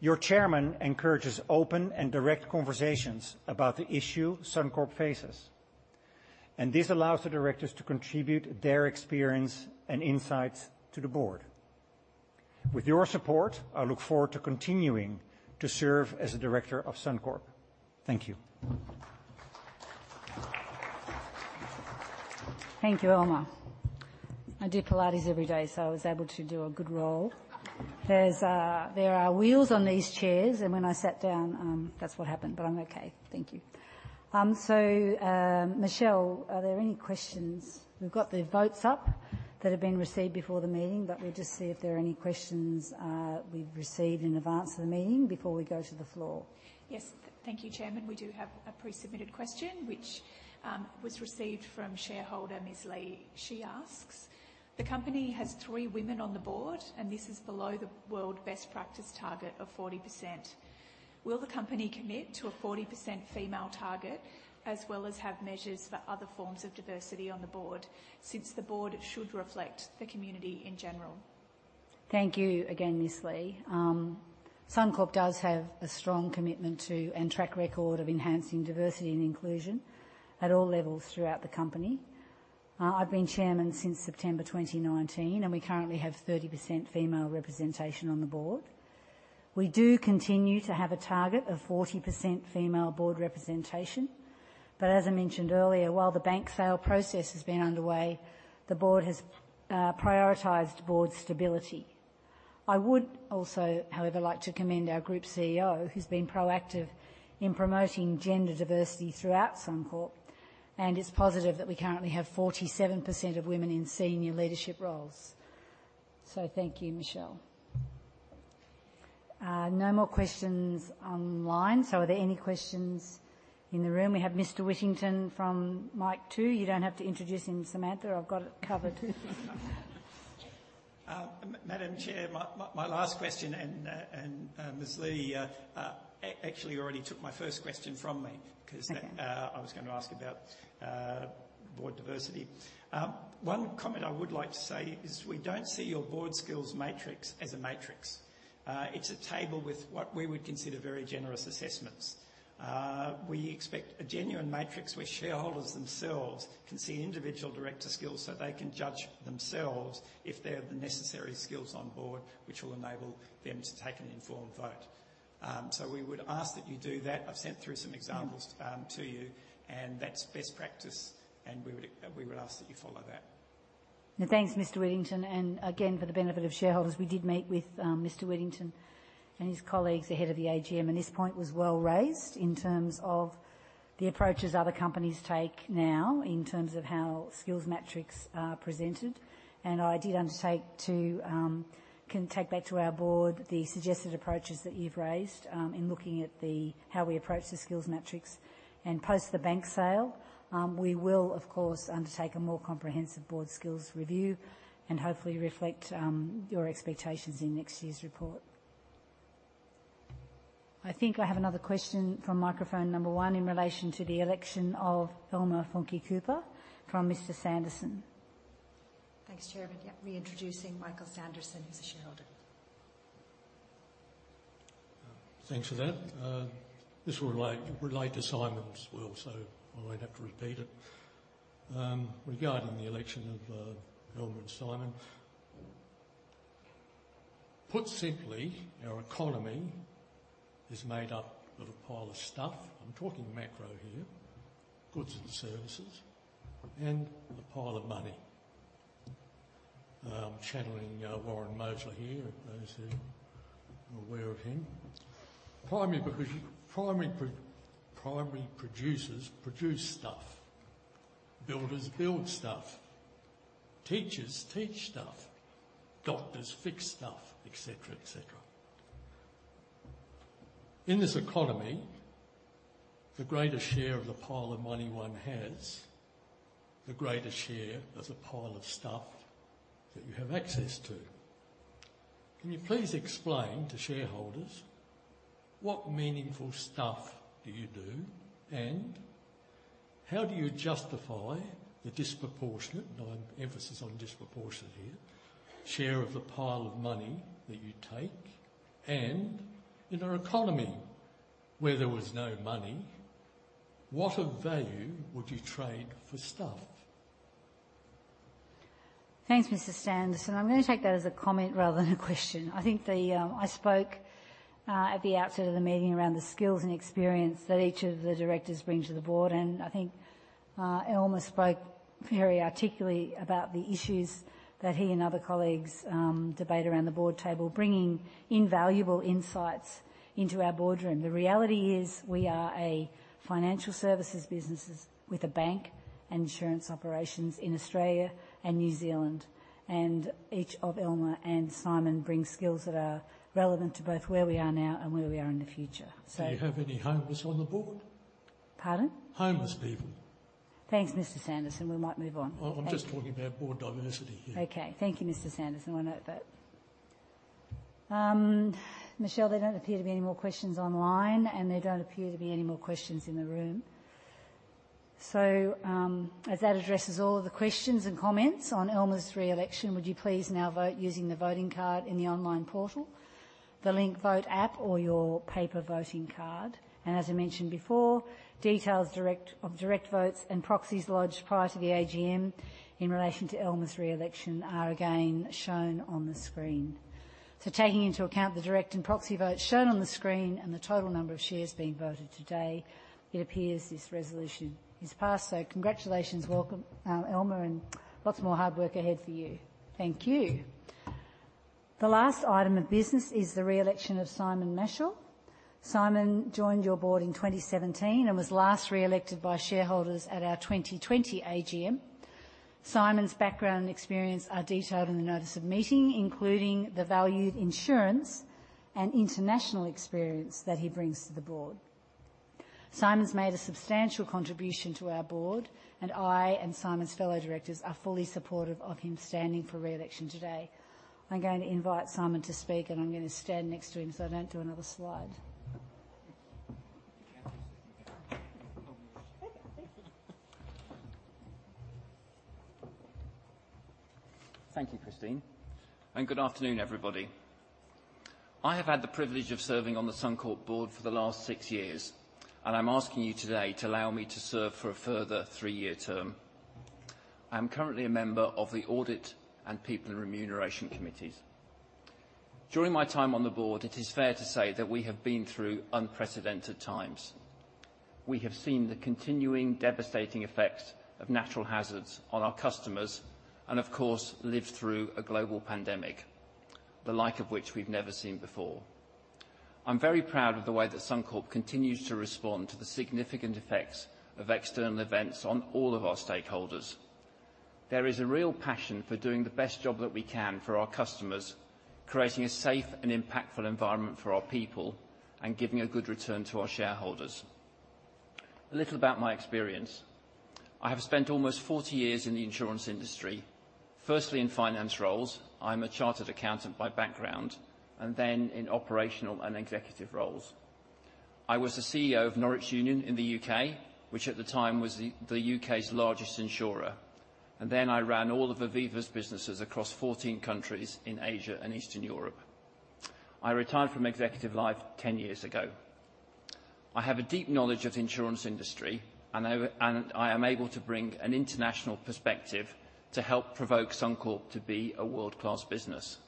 Your Chairman encourages open and direct conversations about the issue Suncorp faces, and this allows the directors to contribute their experience and insights to the board. With your support, I look forward to continuing to serve as a director of Suncorp. Thank you. Thank you, Elmer. I do Pilates every day, so I was able to do a good roll. There are wheels on these chairs, and when I sat down, that's what happened, but I'm okay. Thank you. So, Michelle, are there any questions? We've got the votes up that have been received before the meeting, but we'll just see if there are any questions we've received in advance of the meeting before we go to the floor. Yes. Thank you, Chairman. We do have a pre-submitted question, which, was received from shareholder Ms. Lee. She asks: The company has three women on the board, and this is below the world best practice target of 40%. Will the company commit to a 40% female target, as well as have measures for other forms of diversity on the board, since the board should reflect the community in general? Thank you again, Ms. Lee. Suncorp does have a strong commitment to, and track record of, enhancing diversity and inclusion at all levels throughout the company. I've been Chairman since September 2019, and we currently have 30% female representation on the board. We do continue to have a target of 40% female board representation, but as I mentioned earlier, while the bank sale process has been underway, the board has prioritized board stability. I would also, however, like to commend our Group CEO, who's been proactive in promoting gender diversity throughout Suncorp, and it's positive that we currently have 47% of women in senior leadership roles. So thank you, Michelle. No more questions online. So are there any questions in the room? We have Mr. Whittington from mic two. You don't have to introduce him, Samantha, I've got it covered. Madam Chair, my last question, and Ms. Lee actually already took my first question from me because that I was going to ask about board diversity. One comment I would like to say is we don't see your board skills matrix as a matrix. It's a table with what we would consider very generous assessments. We expect a genuine matrix where shareholders themselves can see individual director skills so they can judge themselves if they have the necessary skills on board, which will enable them to take an informed vote. So we would ask that you do that. I've sent through some examples to you, and that's best practice, and we would ask that you follow that. Thanks, Mr. Whittington, and again, for the benefit of shareholders, we did meet with Mr. Whittington and his colleagues ahead of the AGM, and this point was well raised in terms of the approaches other companies take now in terms of how skills matrix are presented. I did undertake to take back to our board the suggested approaches that you've raised in looking at how we approach the skills matrix. Post the bank sale, we will of course undertake a more comprehensive board skills review and hopefully reflect your expectations in next year's report. I think I have another question from microphone number one in relation to the election of Elmer Funke Kupper from Mr. Sanderson. Thanks, Chairman. Yeah, reintroducing Michael Sanderson, who's a shareholder. Thanks for that. This will relate to Simon as well, so I won't have to repeat it. Regarding the election of Elmer and Simon, put simply, our economy is made up of a pile of stuff. I'm talking macro here, goods and services, and a pile of money. I'm channeling Warren Mosler here, those who are aware of him. Primary because primary producers produce stuff, builders build stuff, teachers teach stuff, doctors fix stuff, et cetera, et cetera. In this economy, the greater share of the pile of money one has, the greater share of the pile of stuff that you have access to. Can you please explain to shareholders what meaningful stuff do you do, and how do you justify the disproportionate, and I'm emphasis on disproportionate here, share of the pile of money that you take? In our economy where there was no money, what of value would you trade for stuff? Thanks, Mr. Sanderson. I'm going to take that as a comment rather than a question. I think I spoke at the outset of the meeting around the skills and experience that each of the directors bring to the board, and I think Elmer spoke very articulately about the issues that he and other colleagues debate around the board table, bringing invaluable insights into our boardroom. The reality is, we are a financial services businesses with a bank and insurance operations in Australia and New Zealand, and each of Elmer and Simon bring skills that are relevant to both where we are now and where we are in the future, so- Do you have any homeless on the board? Pardon? Homeless people. Thanks, Mr. Sanderson. We might move on. I'm just talking about board diversity here. Okay. Thank you, Mr. Sanderson. I note that. Michelle, there don't appear to be any more questions online, and there don't appear to be any more questions in the room. As that addresses all of the questions and comments on Elmer's re-election, would you please now vote using the voting card in the online portal, the Link Vote app, or your paper voting card? As I mentioned before, details of direct votes and proxies lodged prior to the AGM in relation to Elmer's re-election are again shown on the screen. So taking into account the direct and proxy votes shown on the screen and the total number of shares being voted today, it appears this resolution is passed. So congratulations, welcome, Elmer, and lots more hard work ahead for you. Thank you. The last item of business is the re-election of Simon Machell. Simon joined your board in 2017 and was last re-elected by shareholders at our 2020 AGM. Simon's background and experience are detailed in the notice of meeting, including the valued insurance and international experience that he brings to the board. Simon's made a substantial contribution to our board, and I and Simon's fellow directors are fully supportive of him standing for re-election today. I'm going to invite Simon to speak, and I'm going to stand next to him, so I don't do another slide. Thank you. Okay, thank you. Thank you, Christine, and good afternoon, everybody. I have had the privilege of serving on the Suncorp board for the last six years, and I'm asking you today to allow me to serve for a further three-year term. I'm currently a member of the Audit and People and Remuneration Committees. During my time on the board, it is fair to say that we have been through unprecedented times. We have seen the continuing devastating effects of natural hazards on our customers and, of course, lived through a global pandemic, the like of which we've never seen before. I'm very proud of the way that Suncorp continues to respond to the significant effects of external events on all of our stakeholders. There is a real passion for doing the best job that we can for our customers, creating a safe and impactful environment for our people, and giving a good return to our shareholders. A little about my experience. I have spent almost 40 years in the insurance industry, firstly in finance roles. I'm a chartered accountant by background, and then in operational and executive roles. I was the CEO of Norwich Union in the U.K., which at the time was the U.K.'s largest insurer, and then I ran all of Aviva's businesses across 14 countries in Asia and Eastern Europe. I retired from executive life 10 years ago. I have a deep knowledge of the insurance industry, and I am able to bring an international perspective to help provoke Suncorp to be a world-class business.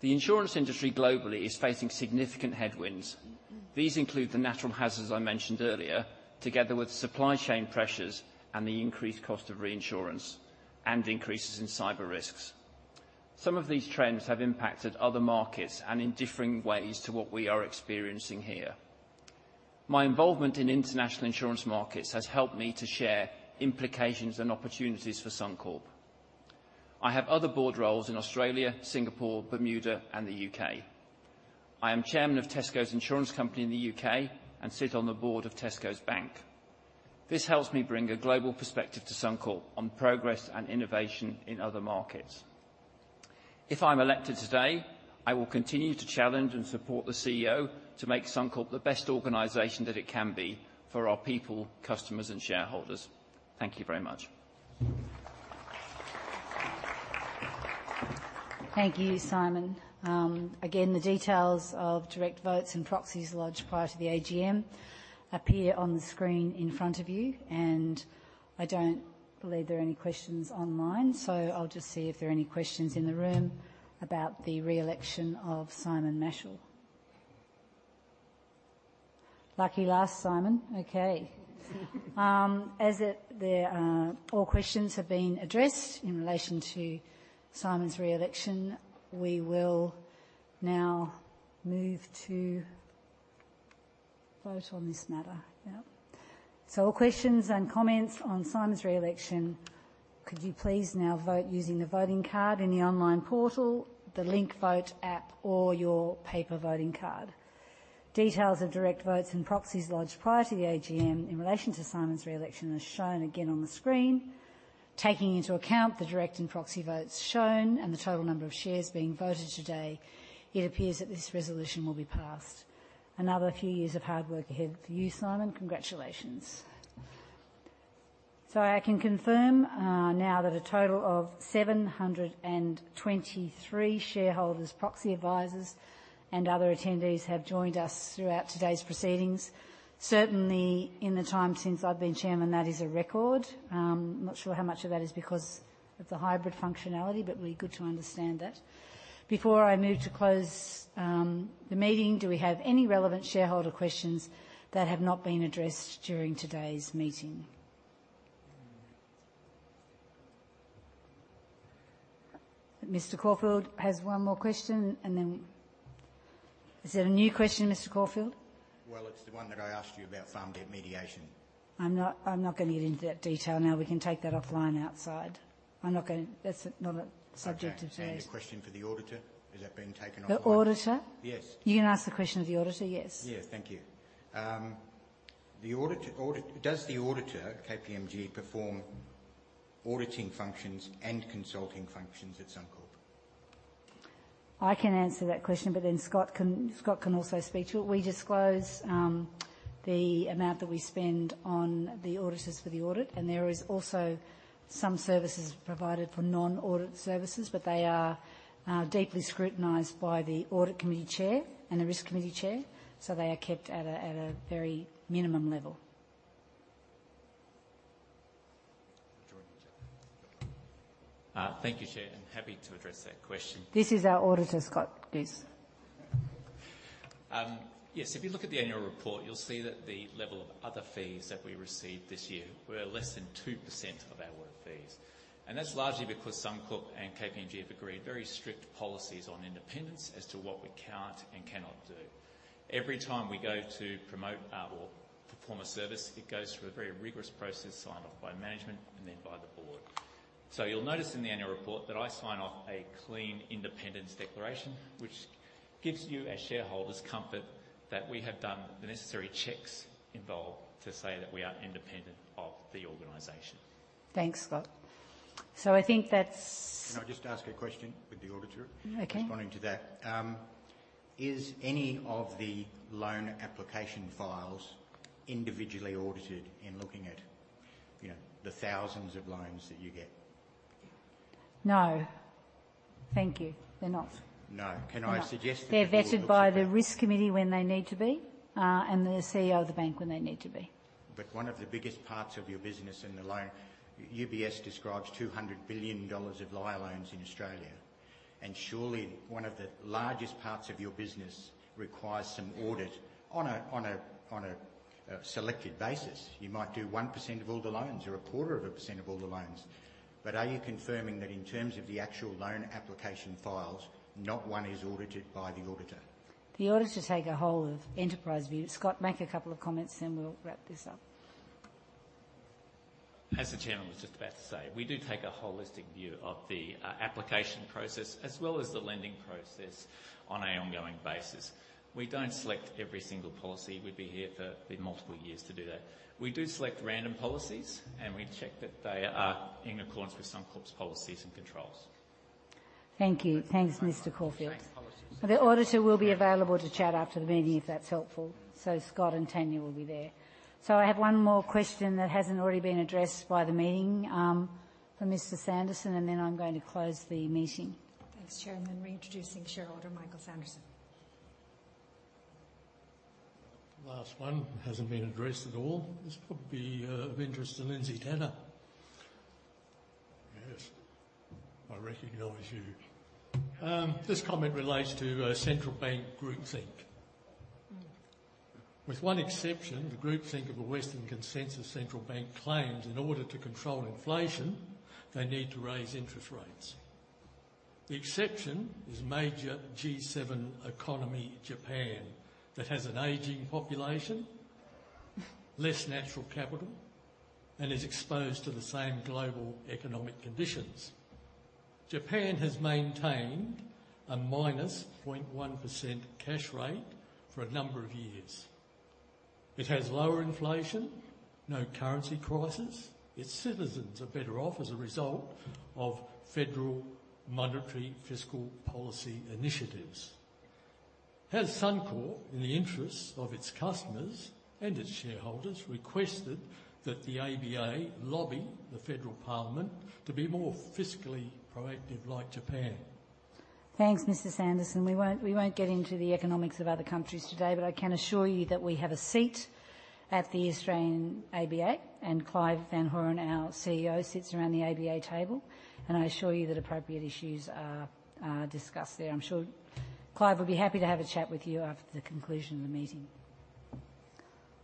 The insurance industry globally is facing significant headwinds. These include the natural hazards I mentioned earlier, together with supply chain pressures and the increased cost of reinsurance and increases in cyber risks. Some of these trends have impacted other markets and in differing ways to what we are experiencing here. My involvement in international insurance markets has helped me to share implications and opportunities for Suncorp. I have other board roles in Australia, Singapore, Bermuda, and the UK. I am chairman of Tesco's Insurance Company in the UK and sit on the board of Tesco's Bank. This helps me bring a global perspective to Suncorp on progress and innovation in other markets. If I'm elected today, I will continue to challenge and support the CEO to make Suncorp the best organization that it can be for our people, customers, and shareholders. Thank you very much. Thank you, Simon. Again, the details of direct votes and proxies lodged prior to the AGM appear on the screen in front of you, and I don't believe there are any questions online, so I'll just see if there are any questions in the room about the re-election of Simon Machell. Lucky last, Simon. Okay. All questions have been addressed in relation to Simon Machell's re-election, we will now move to vote on this matter. Yeah. So all questions and comments on Simon Machell's re-election, could you please now vote using the voting card in the online portal, the Link Vote app, or your paper voting card? Details of direct votes and proxies lodged prior to the AGM in relation to Simon Machell's re-election are shown again on the screen. Taking into account the direct and proxy votes shown and the total number of shares being voted today, it appears that this resolution will be passed. Another few years of hard work ahead for you, Simon. Congratulations. So I can confirm now that a total of 723 shareholders, proxy advisors, and other attendees have joined us throughout today's proceedings. Certainly, in the time since I've been chairman, that is a record. I'm not sure how much of that is because of the hybrid functionality, but really good to understand that. Before I move to close the meeting, do we have any relevant shareholder questions that have not been addressed during today's meeting? Mr. Corfield has one more question, and then... Is it a new question, Mr. Corfield? Well, it's the one that I asked you about farm debt mediation. I'm not, I'm not going to get into that detail now. We can take that offline outside. I'm not going to... That's not a subject of today's- Okay. And the question for the auditor, has that been taken off- The auditor? Yes. You can ask the question of the auditor, yes. Yeah. Thank you. The audit... Does the auditor, KPMG, perform auditing functions and consulting functions at Suncorp?... I can answer that question, but then Scott can, Scott can also speak to it. We disclose the amount that we spend on the auditors for the audit, and there is also some services provided for non-audit services, but they are deeply scrutinized by the audit committee chair and the risk committee chair, so they are kept at a very minimum level. Thank you, Chair, and happy to address that question. This is our auditor, Scott Guse. Yes, if you look at the annual report, you'll see that the level of other fees that we received this year were less than 2% of our fees. That's largely because Suncorp and KPMG have agreed very strict policies on independence as to what we can and cannot do. Every time we go to perform a service, it goes through a very rigorous process signed off by management and then by the board. You'll notice in the annual report that I sign off a clean independence declaration, which gives you, as shareholders, comfort that we have done the necessary checks involved to say that we are independent of the organization. Thanks, Scott. So I think that's- Can I just ask a question with the auditor? Okay. Responding to that. Is any of the loan application files individually audited in looking at, you know, the thousands of loans that you get? No. Thank you. They're not. No. Can I suggest that- They're vetted by the risk committee when they need to be, and the CEO of the bank when they need to be. But one of the biggest parts of your business in the loan, UBS describes 200 billion dollars of liar loans in Australia, and surely one of the largest parts of your business requires some audit on a selected basis. You might do 1% of all the loans or 0.25% of all the loans. But are you confirming that in terms of the actual loan application files, not one is audited by the auditor? The audits take a whole of enterprise view. Scott, make a couple of comments, then we'll wrap this up. As the chairman was just about to say, we do take a holistic view of the application process as well as the lending process on an ongoing basis. We don't select every single policy. We'd be here for multiple years to do that. We do select random policies, and we check that they are in accordance with Suncorp's policies and controls. Thank you. Thanks, Mr. Corfield. Thanks, policies. The auditor will be available to chat after the meeting if that's helpful. So Scott and Tanya will be there. So I have one more question that hasn't already been addressed by the meeting, from Mr. Sanderson, and then I'm going to close the meeting. Thanks, Chair. I'm then reintroducing shareholder Michael Sanderson. Last one, hasn't been addressed at all. This will be of interest to Lindsay Tanner. Yes, I recognize you. This comment relates to Central Bank groupthink. With one exception, the groupthink of a Western consensus central bank claims in order to control inflation, they need to raise interest rates. The exception is major G7 economy, Japan, that has an aging population, less natural capital, and is exposed to the same global economic conditions. Japan has maintained a -0.1% cash rate for a number of years. It has lower inflation, no currency crisis. Its citizens are better off as a result of federal monetary fiscal policy initiatives. Has Suncorp, in the interests of its customers and its shareholders, requested that the ABA lobby the Federal Parliament to be more fiscally proactive, like Japan? Thanks, Mr. Sanderson. We won't, we won't get into the economics of other countries today, but I can assure you that we have a seat at the Australian ABA, and Clive van Horen, our CEO, sits around the ABA table, and I assure you that appropriate issues are, are discussed there. I'm sure Clive will be happy to have a chat with you after the conclusion of the meeting.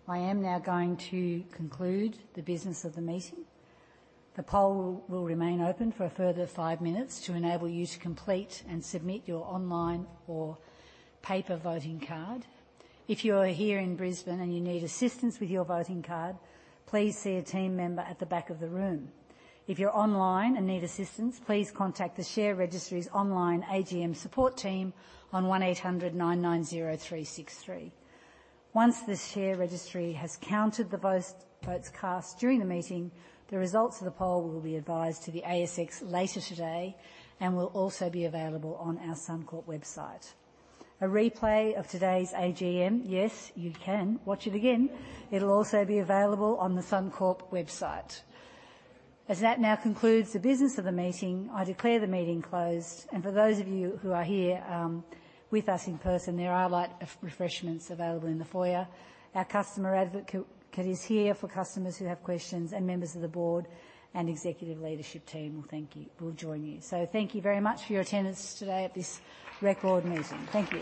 I am now going to conclude the business of the meeting. The poll will remain open for a further five minutes to enable you to complete and submit your online or paper voting card. If you are here in Brisbane and you need assistance with your voting card, please see a team member at the back of the room. If you're online and need assistance, please contact the share registry's online AGM support team on 1800 990 363. Once the share registry has counted the votes, votes cast during the meeting, the results of the poll will be advised to the ASX later today and will also be available on our Suncorp website. A replay of today's AGM, yes, you can watch it again. It'll also be available on the Suncorp website. As that now concludes the business of the meeting, I declare the meeting closed, and for those of you who are here, with us in person, there are light refreshments available in the foyer. Our customer advocate is here for customers who have questions, and members of the board and executive leadership team will thank you, will join you. Thank you very much for your attendance today at this record meeting. Thank you.